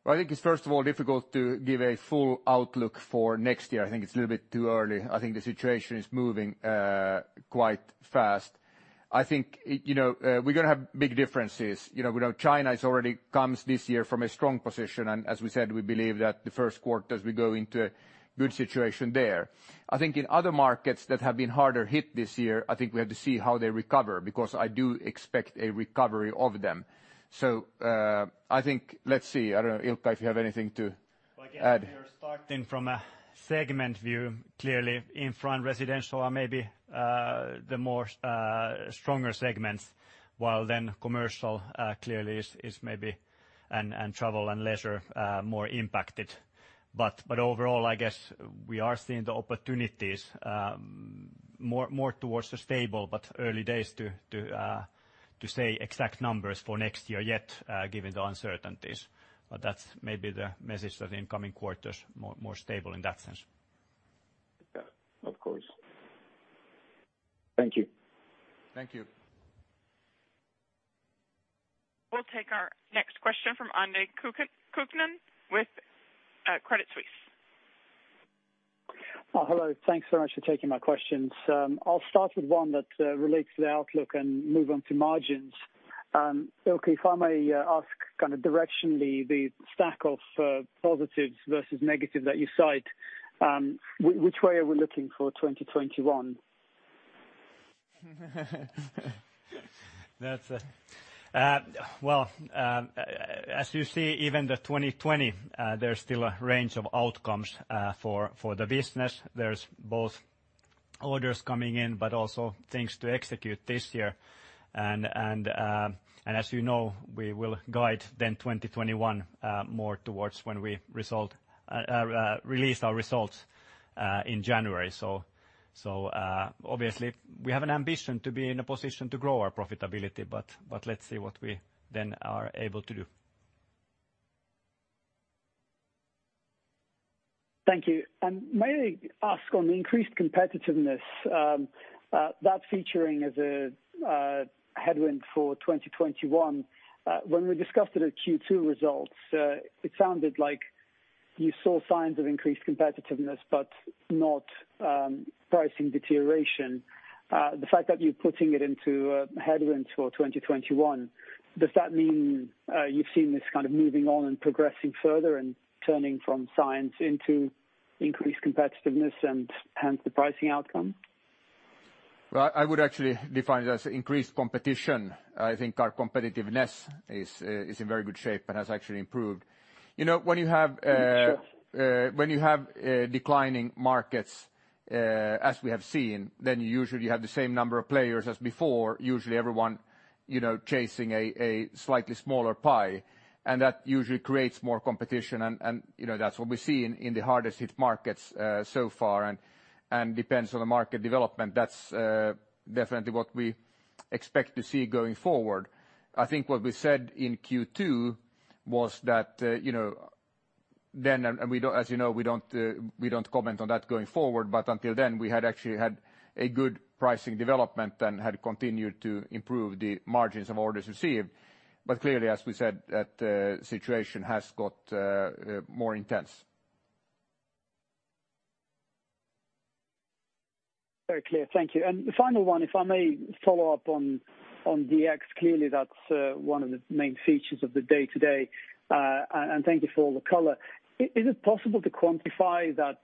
I think it's first of all difficult to give a full outlook for next year. I think it's a little bit too early. I think the situation is moving quite fast. I think we're going to have big differences. China already comes this year from a strong position, and as we said, we believe that the first quarter, as we go into a good situation there. I think in other markets that have been harder hit this year, I think we have to see how they recover, because I do expect a recovery of them. I think, let's see. I don't know, Ilkka, if you have anything to add. Well, I guess we are starting from a segment view, clearly infra and residential are maybe the more stronger segments, while then commercial clearly is maybe, and travel and leisure, more impacted. Overall, I guess we are seeing the opportunities more towards the stable, but early days to say exact numbers for next year yet, given the uncertainties. That's maybe the message that in coming quarters, more stable in that sense. Yeah. Of course. Thank you. Thank you. We'll take our next question from Andre Kukhnin with Credit Suisse. Hello. Thanks so much for taking my questions. I'll start with one that relates to the outlook and move on to margins. Ilkka, if I may ask kind of directionally, the stack of positives versus negatives that you cite, which way are we looking for 2021? Well, as you see, even the 2020, there's still a range of outcomes for the business. There's both orders coming in, but also things to execute this year. As you know, we will guide then 2021 more towards when we release our results in January. Obviously, we have an ambition to be in a position to grow our profitability, but let's see what we then are able to do. Thank you. May I ask on increased competitiveness, that featuring as a headwind for 2021. When we discussed it at Q2 results, it sounded like you saw signs of increased competitiveness, but not pricing deterioration. The fact that you're putting it into a headwind for 2021, does that mean you've seen this kind of moving on and progressing further and turning from signs into increased competitiveness and hence the pricing outcome? Well, I would actually define it as increased competition. I think our competitiveness is in very good shape and has actually improved. Sure declining markets, as we have seen, then usually you have the same number of players as before. Usually everyone chasing a slightly smaller pie, and that usually creates more competition, and that's what we see in the hardest hit markets so far, and depends on the market development. That's definitely what we expect to see going forward. I think what we said in Q2 was that, then, and as you know, we don't comment on that going forward, but until then, we had actually had a good pricing development and had continued to improve the margins of orders received. Clearly, as we said, that situation has got more intense. Very clear. Thank you. The final one, if I may follow up on DX, clearly that's one of the main features of the day-to-day, and thank you for all the color. Is it possible to quantify that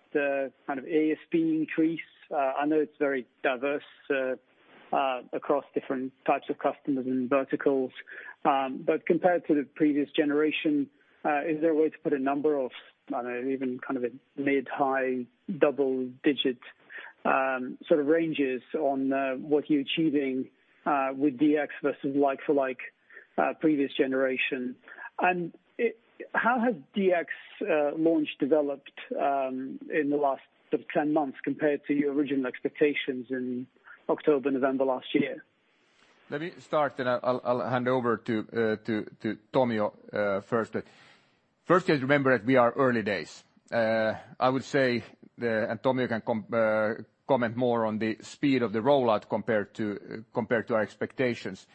kind of ASP increase? I know it's very diverse across different types of customers and verticals. Compared to the previous generation, is there a way to put a number of, I don't know, even kind of a mid-high double-digit sort of ranges on what you're achieving with DX versus like for like previous generation? How has DX launch developed in the last sort of 10 months compared to your original expectations in October, November last year? Let me start, then I'll hand over to Tomi first. First, just remember that we are early days. I would say, and Tomi can comment more on the speed of the rollout compared to our expectations.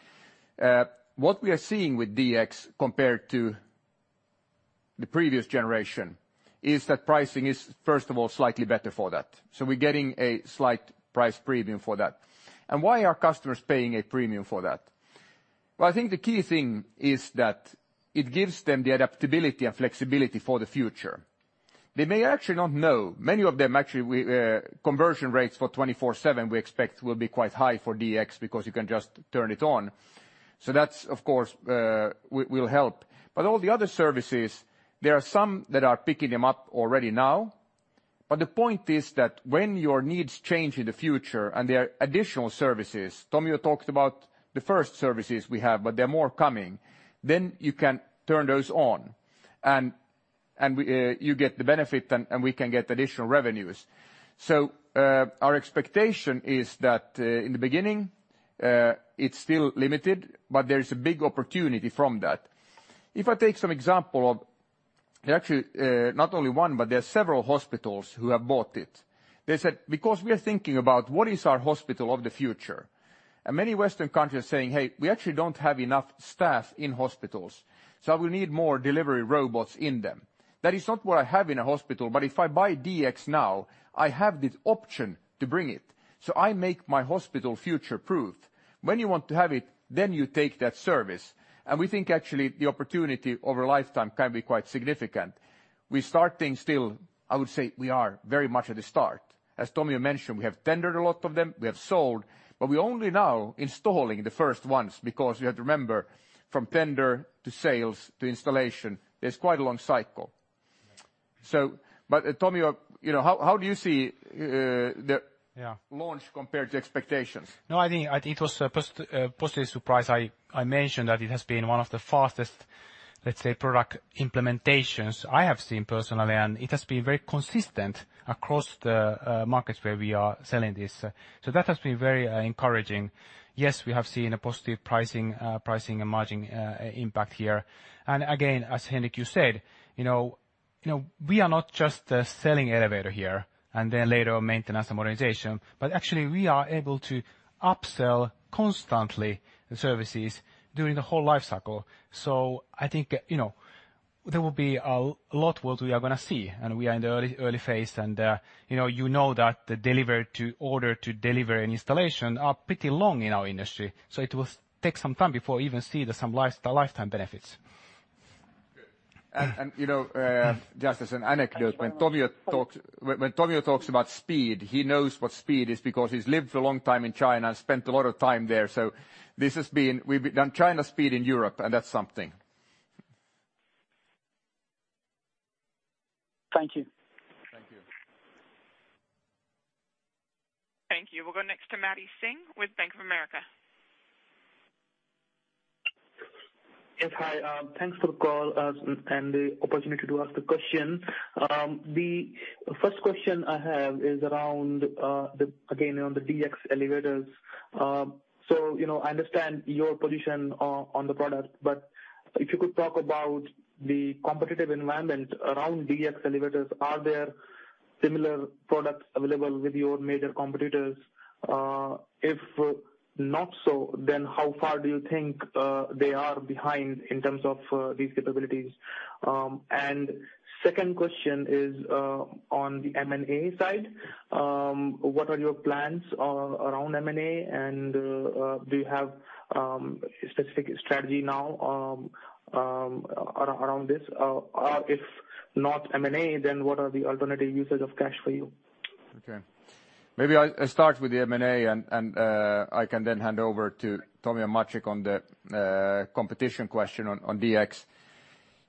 What we are seeing with DX compared to the previous generation is that pricing is, first of all, slightly better for that. We're getting a slight price premium for that. Why are customers paying a premium for that? Well, I think the key thing is that it gives them the adaptability and flexibility for the future. They may actually not know, many of them actually, conversion rates for 24/7, we expect will be quite high for DX because you can just turn it on. That of course will help. All the other services, there are some that are picking them up already now. The point is that when your needs change in the future, and there are additional services, Tomi talked about the first services we have, but there are more coming, then you can turn those on, and you get the benefit and we can get additional revenues. Our expectation is that in the beginning, it's still limited, but there is a big opportunity from that. If I take some example of, actually, not only one, but there are several hospitals who have bought it. They said, "We are thinking about what is our hospital of the future." Many Western countries saying, "Hey, we actually don't have enough staff in hospitals, so we need more delivery robots in them." That is not what I have in a hospital, but if I buy DX now, I have this option to bring it. I make my hospital future-proof. When you want to have it, then you take that service. We think actually the opportunity over a lifetime can be quite significant. We're starting still, I would say we are very much at the start. As Tomio mentioned, we have tendered a lot of them, we have sold, we're only now installing the first ones because you have to remember, from tender to sales to installation, it's quite a long cycle. Tomio, how do you see the- Yeah launch compare to expectations? No, I think it was a positive surprise. I mentioned that it has been one of the fastest, let's say, product implementations I have seen personally, and it has been very consistent across the markets where we are selling this. That has been very encouraging. Yes, we have seen a positive pricing and margin impact here. Again, as Henrik, you said, we are not just selling elevator here and then later on maintenance and modernization, but actually we are able to upsell constantly the services during the whole life cycle. I think there will be a lot what we are going to see, and we are in the early phase. You know that the order to deliver and installation are pretty long in our industry. It will take some time before we even see some lifetime benefits. Good. Just as an anecdote, when Tomio talks about speed, he knows what speed is because he's lived for a long time in China and spent a lot of time there. We've done China speed in Europe, and that's something. Thank you. Thank you. Thank you. We'll go next to Paramveer Singh with Bank of America. Yes, hi. Thanks for the call, and the opportunity to ask the question. The first question I have is around, again, on the DX Class elevators. I understand your position on the product, but if you could talk about the competitive environment around DX Class elevators, are there similar products available with your major competitors? If not so, then how far do you think they are behind in terms of these capabilities? Second question is on the M&A side. What are your plans around M&A, and do you have specific strategy now around this? If not M&A, then what are the alternative uses of cash for you? Okay. Maybe I'll start with the M&A, and I can then hand over to Tomi and Maciej on the competition question on DX.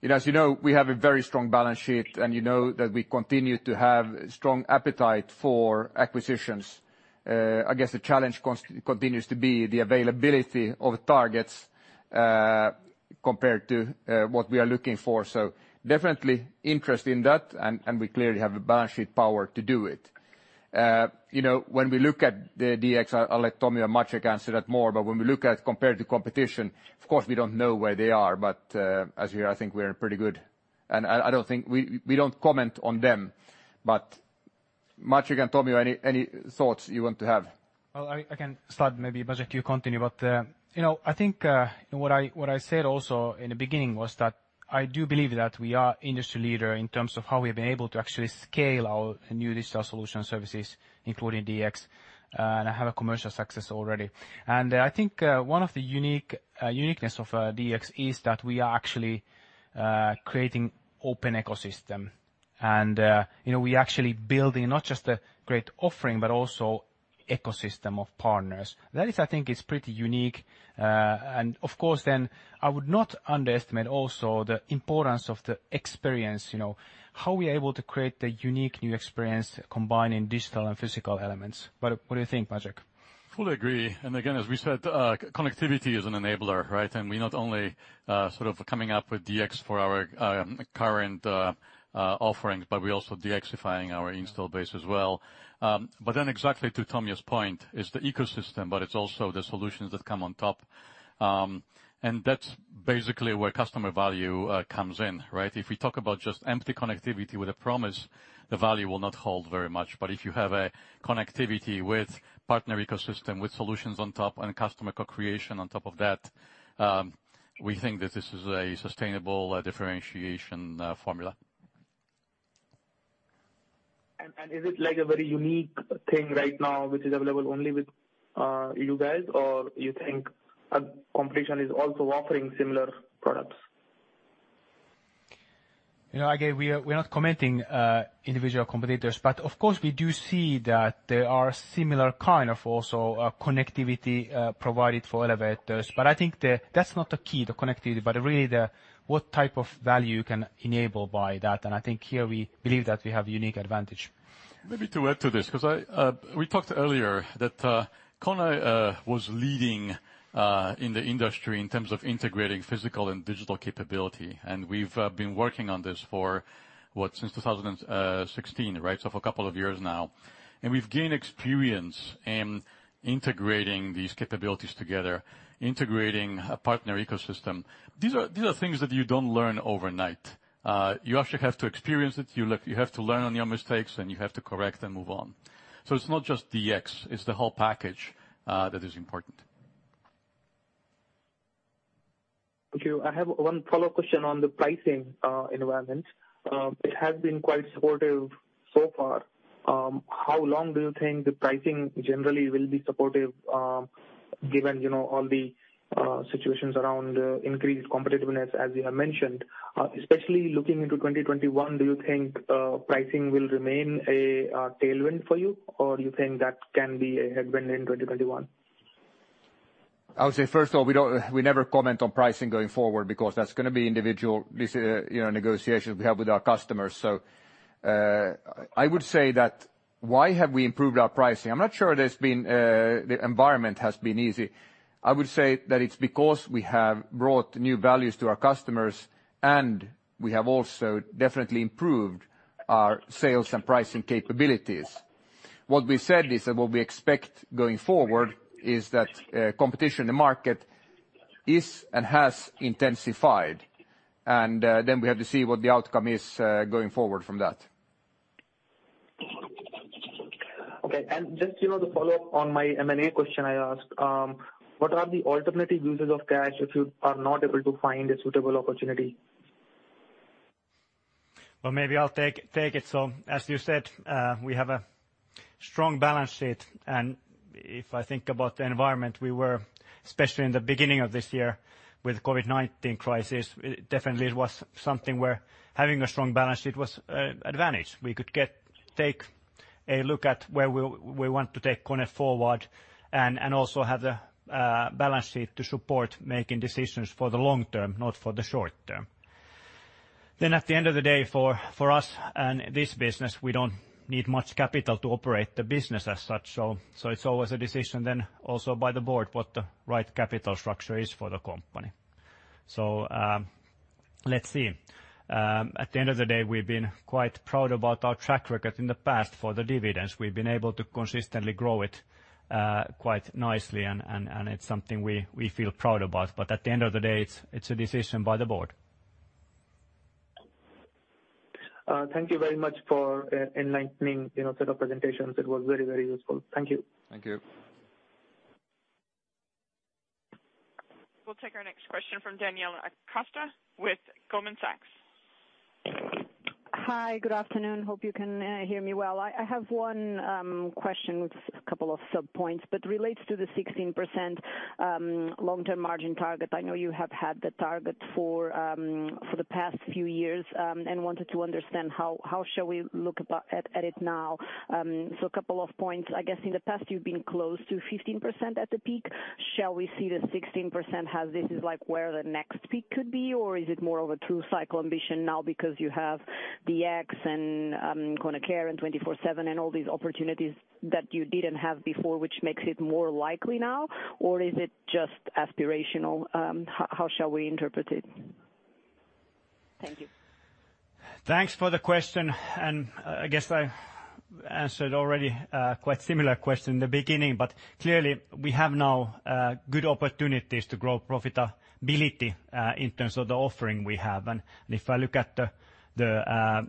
As you know, we have a very strong balance sheet, and you know that we continue to have strong appetite for acquisitions. I guess the challenge continues to be the availability of targets compared to what we are looking for. Definitely interest in that, and we clearly have the balance sheet power to do it. When we look at the DX, I'll let Tomi or Maciej answer that more, but when we look at compared to competition, of course, we don't know where they are, but as you hear, I think we are pretty good. We don't comment on them, but Maciej and Tomi, any thoughts you want to have? Well, I can start maybe, Maciej, you continue. I think what I said also in the beginning was that I do believe that we are industry leader in terms of how we've been able to actually scale our new digital solution services, including DX, and have a commercial success already. I think one of the uniqueness of DX is that we are actually creating open ecosystem. we actually building not just a great offering, but also Ecosystem of partners. That is pretty unique. Of course, I would not underestimate also the importance of the experience, how we are able to create a unique new experience combining digital and physical elements. What do you think, Maciej? Fully agree. Again, as we said, connectivity is an enabler, right? We're not only coming up with DX for our current offerings, but we're also DXifying our install base as well. Exactly to Tomi's point, it's the ecosystem, but it's also the solutions that come on top. That's basically where customer value comes in, right? If we talk about just empty connectivity with a promise, the value will not hold very much, but if you have a connectivity with partner ecosystem, with solutions on top, and customer co-creation on top of that, we think that this is a sustainable differentiation formula. Is it a very unique thing right now, which is available only with you guys? You think competition is also offering similar products? We are not commenting individual competitors, but of course, we do see that there are similar kind of also connectivity provided for elevators. I think that's not the key, the connectivity, but really what type of value you can enable by that. I think here we believe that we have unique advantage. Maybe to add to this, because we talked earlier that KONE was leading in the industry in terms of integrating physical and digital capability, and we've been working on this for what? Since 2016, right? For a couple of years now. We've gained experience in integrating these capabilities together, integrating a partner ecosystem. These are things that you don't learn overnight. You actually have to experience it. You have to learn on your mistakes, and you have to correct and move on. It's not just DX, it's the whole package that is important. I have one follow-up question on the pricing environment. It has been quite supportive so far. How long do you think the pricing generally will be supportive, given all the situations around increased competitiveness as you have mentioned, especially looking into 2021, do you think pricing will remain a tailwind for you, or do you think that can be a headwind in 2021? I would say, first of all, we never comment on pricing going forward because that's going to be individual negotiations we have with our customers. I would say that why have we improved our pricing? I'm not sure the environment has been easy. I would say that it's because we have brought new values to our customers, and we have also definitely improved our sales and pricing capabilities. What we said is that what we expect going forward is that competition in the market is and has intensified, and then we have to see what the outcome is going forward from that. Okay. Just to follow up on my M&A question I asked, what are the alternative uses of cash if you are not able to find a suitable opportunity? Well, maybe I'll take it. As you said, we have a strong balance sheet, and if I think about the environment we were, especially in the beginning of this year with COVID-19 crisis, definitely it was something where having a strong balance sheet was advantage. We could take a look at where we want to take KONE forward and also have the balance sheet to support making decisions for the long term, not for the short term. At the end of the day, for us and this business, we don't need much capital to operate the business as such. It's always a decision then also by the board what the right capital structure is for the company. Let's see. At the end of the day, we've been quite proud about our track record in the past for the dividends. We've been able to consistently grow it quite nicely, and it's something we feel proud about. At the end of the day, it's a decision by the board. Thank you very much for enlightening set of presentations. It was very, very useful. Thank you. Thank you. We'll take our next question from Daniela Costa with Goldman Sachs. Hi. Good afternoon. Hope you can hear me well. I have one question with a couple of sub-points, relates to the 16% long-term margin target. I know you have had the target for the past few years, I wanted to understand how shall we look at it now? A couple of points. I guess in the past you've been close to 15% at the peak. Shall we see the 16% as this is where the next peak could be, or is it more of a true cycle ambition now because you have DX and KONE Care and 24/7, all these opportunities that you didn't have before, which makes it more likely now? Is it just aspirational? How shall we interpret it? Thank you. Thanks for the question. I guess I answered already a quite similar question in the beginning. Clearly, we have now good opportunities to grow profitability in terms of the offering we have. If I look at the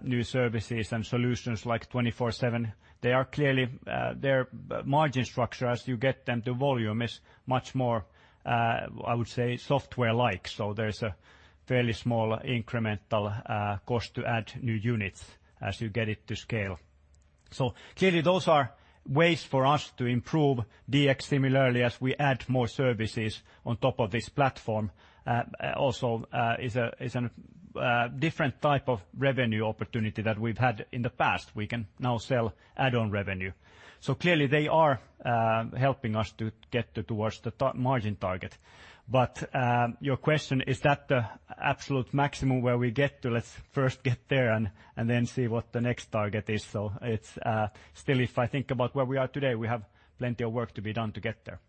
new services and solutions like 24/7, their margin structure as you get them to volume is much more, I would say, software-like. There's a fairly small incremental cost to add new units as you get it to scale. Clearly, those are ways for us to improve DX. Similarly, as we add more services on top of this platform, also is a different type of revenue opportunity that we've had in the past. We can now sell add-on revenue. Clearly, they are helping us to get towards the margin target. Your question, is that the absolute maximum where we get to? Let's first get there and then see what the next target is. It's, still, if I think about where we are today, we have plenty of work to be done to get there.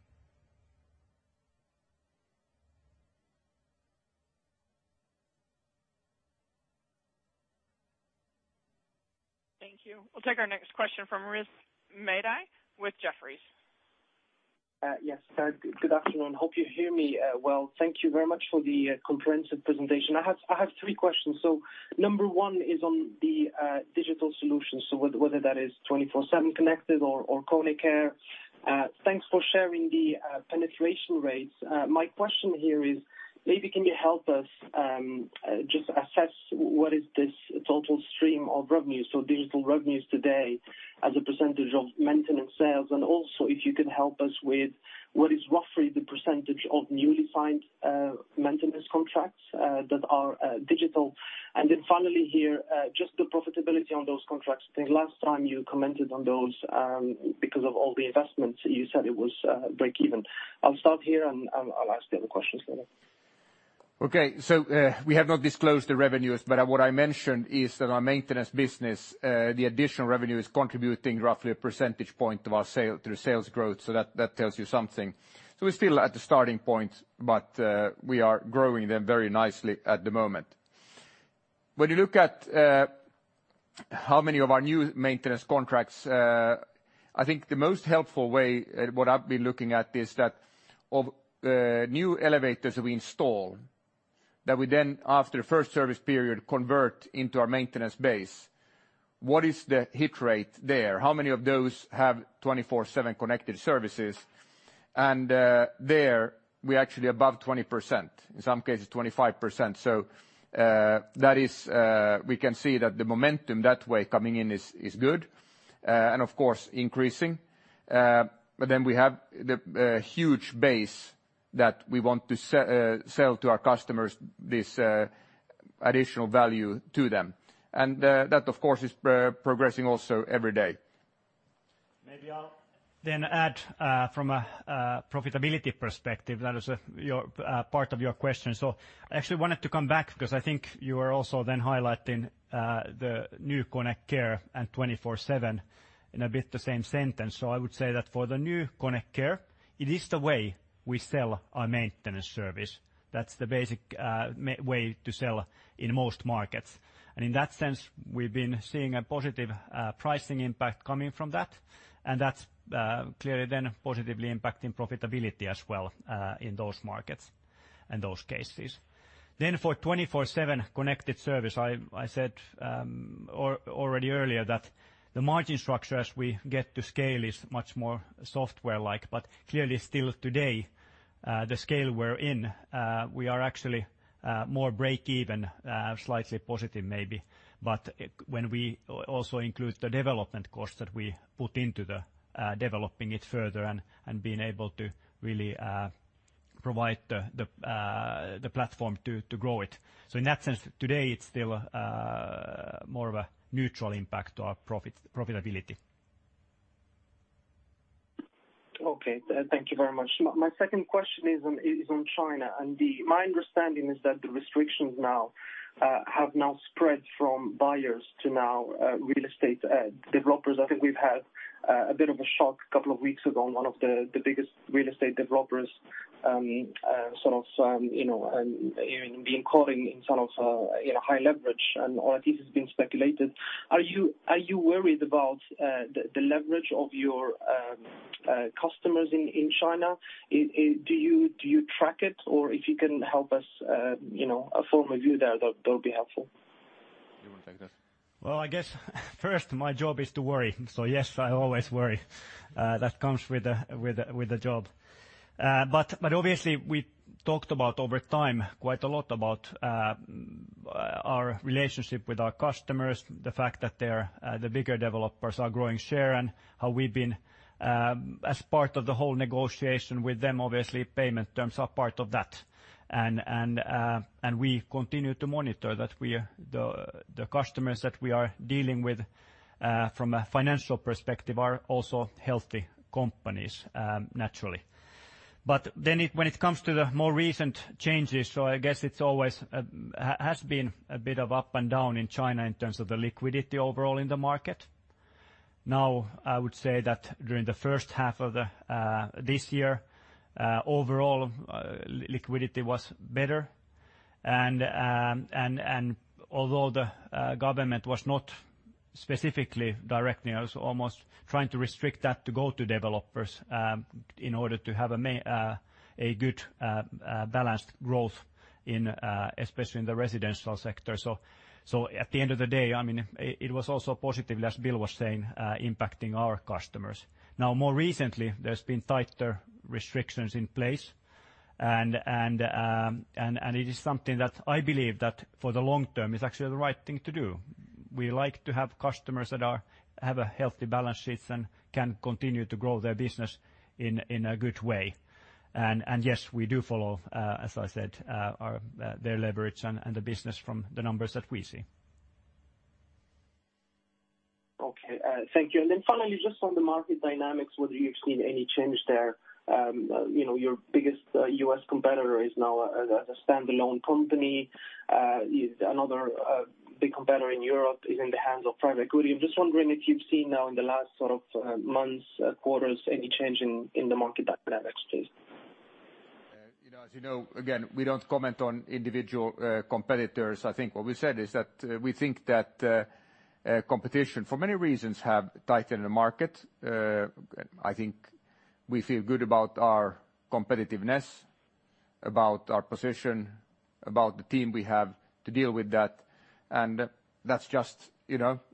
Thank you. We'll take our next question from Rizk Maidi with Jefferies. Yes. Good afternoon. Hope you hear me well. Thank you very much for the comprehensive presentation. I have three questions. Number 1 is on the digital solutions, so whether that is 24/7 Connected or KONE Care. Thanks for sharing the penetration rates. My question here is maybe can you help us just assess what is this total stream of revenue, so digital revenues today as a % of maintenance sales. Also if you can help us with what is roughly the % of newly signed maintenance contracts that are digital. Then finally here, just the profitability on those contracts. I think last time you commented on those, because of all the investments, you said it was break even. I'll stop here and I'll ask the other questions later. We have not disclosed the revenues, but what I mentioned is that our maintenance business, the additional revenue, is contributing roughly a percentage point to our sales growth. That tells you something. We're still at the starting point, but we are growing them very nicely at the moment. When you look at how many of our new maintenance contracts, I think the most helpful way at what I've been looking at is that of new elevators we install, that we then after the first service period, convert into our maintenance base. What is the hit rate there? How many of those have 24/7 Connected Services? There we're actually above 20%, in some cases 25%. We can see that the momentum that way coming in is good and of course increasing. We have the huge base that we want to sell to our customers, this additional value to them. That of course is progressing also every day. Maybe I'll then add from a profitability perspective, that is part of your question. I actually wanted to come back because I think you were also then highlighting the new KONE Care and 24/7 in a bit the same sentence. I would say that for the new KONE Care, it is the way we sell our maintenance service. That's the basic way to sell in most markets. In that sense, we've been seeing a positive pricing impact coming from that. That's clearly then positively impacting profitability as well, in those markets, in those cases. For 24/7 Connected Service, I said already earlier that the margin structure as we get to scale is much more software-like. Clearly still today, the scale we're in, we are actually more break even, slightly positive maybe. When we also include the development cost that we put into developing it further and being able to really provide the platform to grow it. In that sense, today it's still more of a neutral impact to our profitability. Thank you very much. My second question is on China. My understanding is that the restrictions have now spread from buyers to now real estate developers. I think we've had a bit of a shock a couple of weeks ago on one of the biggest real estate developers, being caught in high leverage or at least it's been speculated. Are you worried about the leverage of your customers in China? Do you track it or if you can help us, a formal view there that'll be helpful. You want to take that? I guess first my job is to worry. Yes, I always worry, that comes with the job. Obviously we talked about over time quite a lot about our relationship with our customers, the fact that the bigger developers are growing share and how we've been, as part of the whole negotiation with them, obviously payment terms are part of that. We continue to monitor that the customers that we are dealing with, from a financial perspective, are also healthy companies, naturally. When it comes to the more recent changes, I guess it always has been a bit of up and down in China in terms of the liquidity overall in the market. I would say that during the first half of this year, overall liquidity was better. Although the government was not specifically directing us, almost trying to restrict that to go to developers, in order to have a good balanced growth especially in the residential sector. At the end of the day, it was also positive, as Bill was saying, impacting our customers. More recently, there has been tighter restrictions in place. It is something that I believe that for the long term is actually the right thing to do. We like to have customers that have healthy balance sheets and can continue to grow their business in a good way. Yes, we do follow, as I said, their leverage and the business from the numbers that we see. Okay, thank you. Finally, just on the market dynamics, whether you've seen any change there. Your biggest U.S. competitor is now a standalone company. Another big competitor in Europe is in the hands of private equity. I am just wondering if you've seen now in the last months, quarters, any change in the market dynamics, please? As you know, again, we don't comment on individual competitors. I think what we said is that we think that competition, for many reasons, have tightened the market. I think we feel good about our competitiveness, about our position, about the team we have to deal with that, and that's just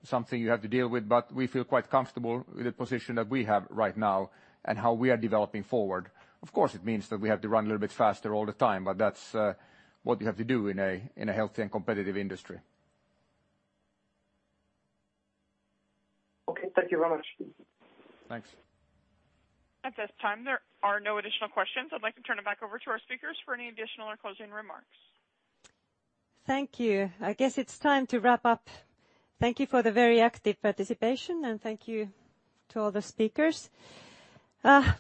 something you have to deal with. We feel quite comfortable with the position that we have right now and how we are developing forward. Of course, it means that we have to run a little bit faster all the time, but that's what you have to do in a healthy and competitive industry. Okay, thank you very much. Thanks. At this time, there are no additional questions. I'd like to turn it back over to our speakers for any additional or closing remarks. Thank you. I guess it's time to wrap up. Thank you for the very active participation, and thank you to all the speakers.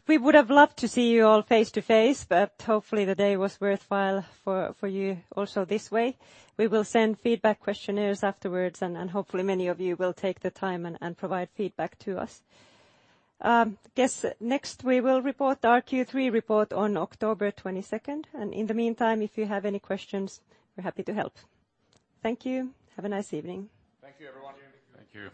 We would have loved to see you all face-to-face, but hopefully, the day was worthwhile for you also this way. We will send feedback questionnaires afterwards, and hopefully, many of you will take the time and provide feedback to us. Guess next we will report our Q3 report on October 22, and in the meantime, if you have any questions, we're happy to help. Thank you. Have a nice evening. Thank you, everyone. Thank you.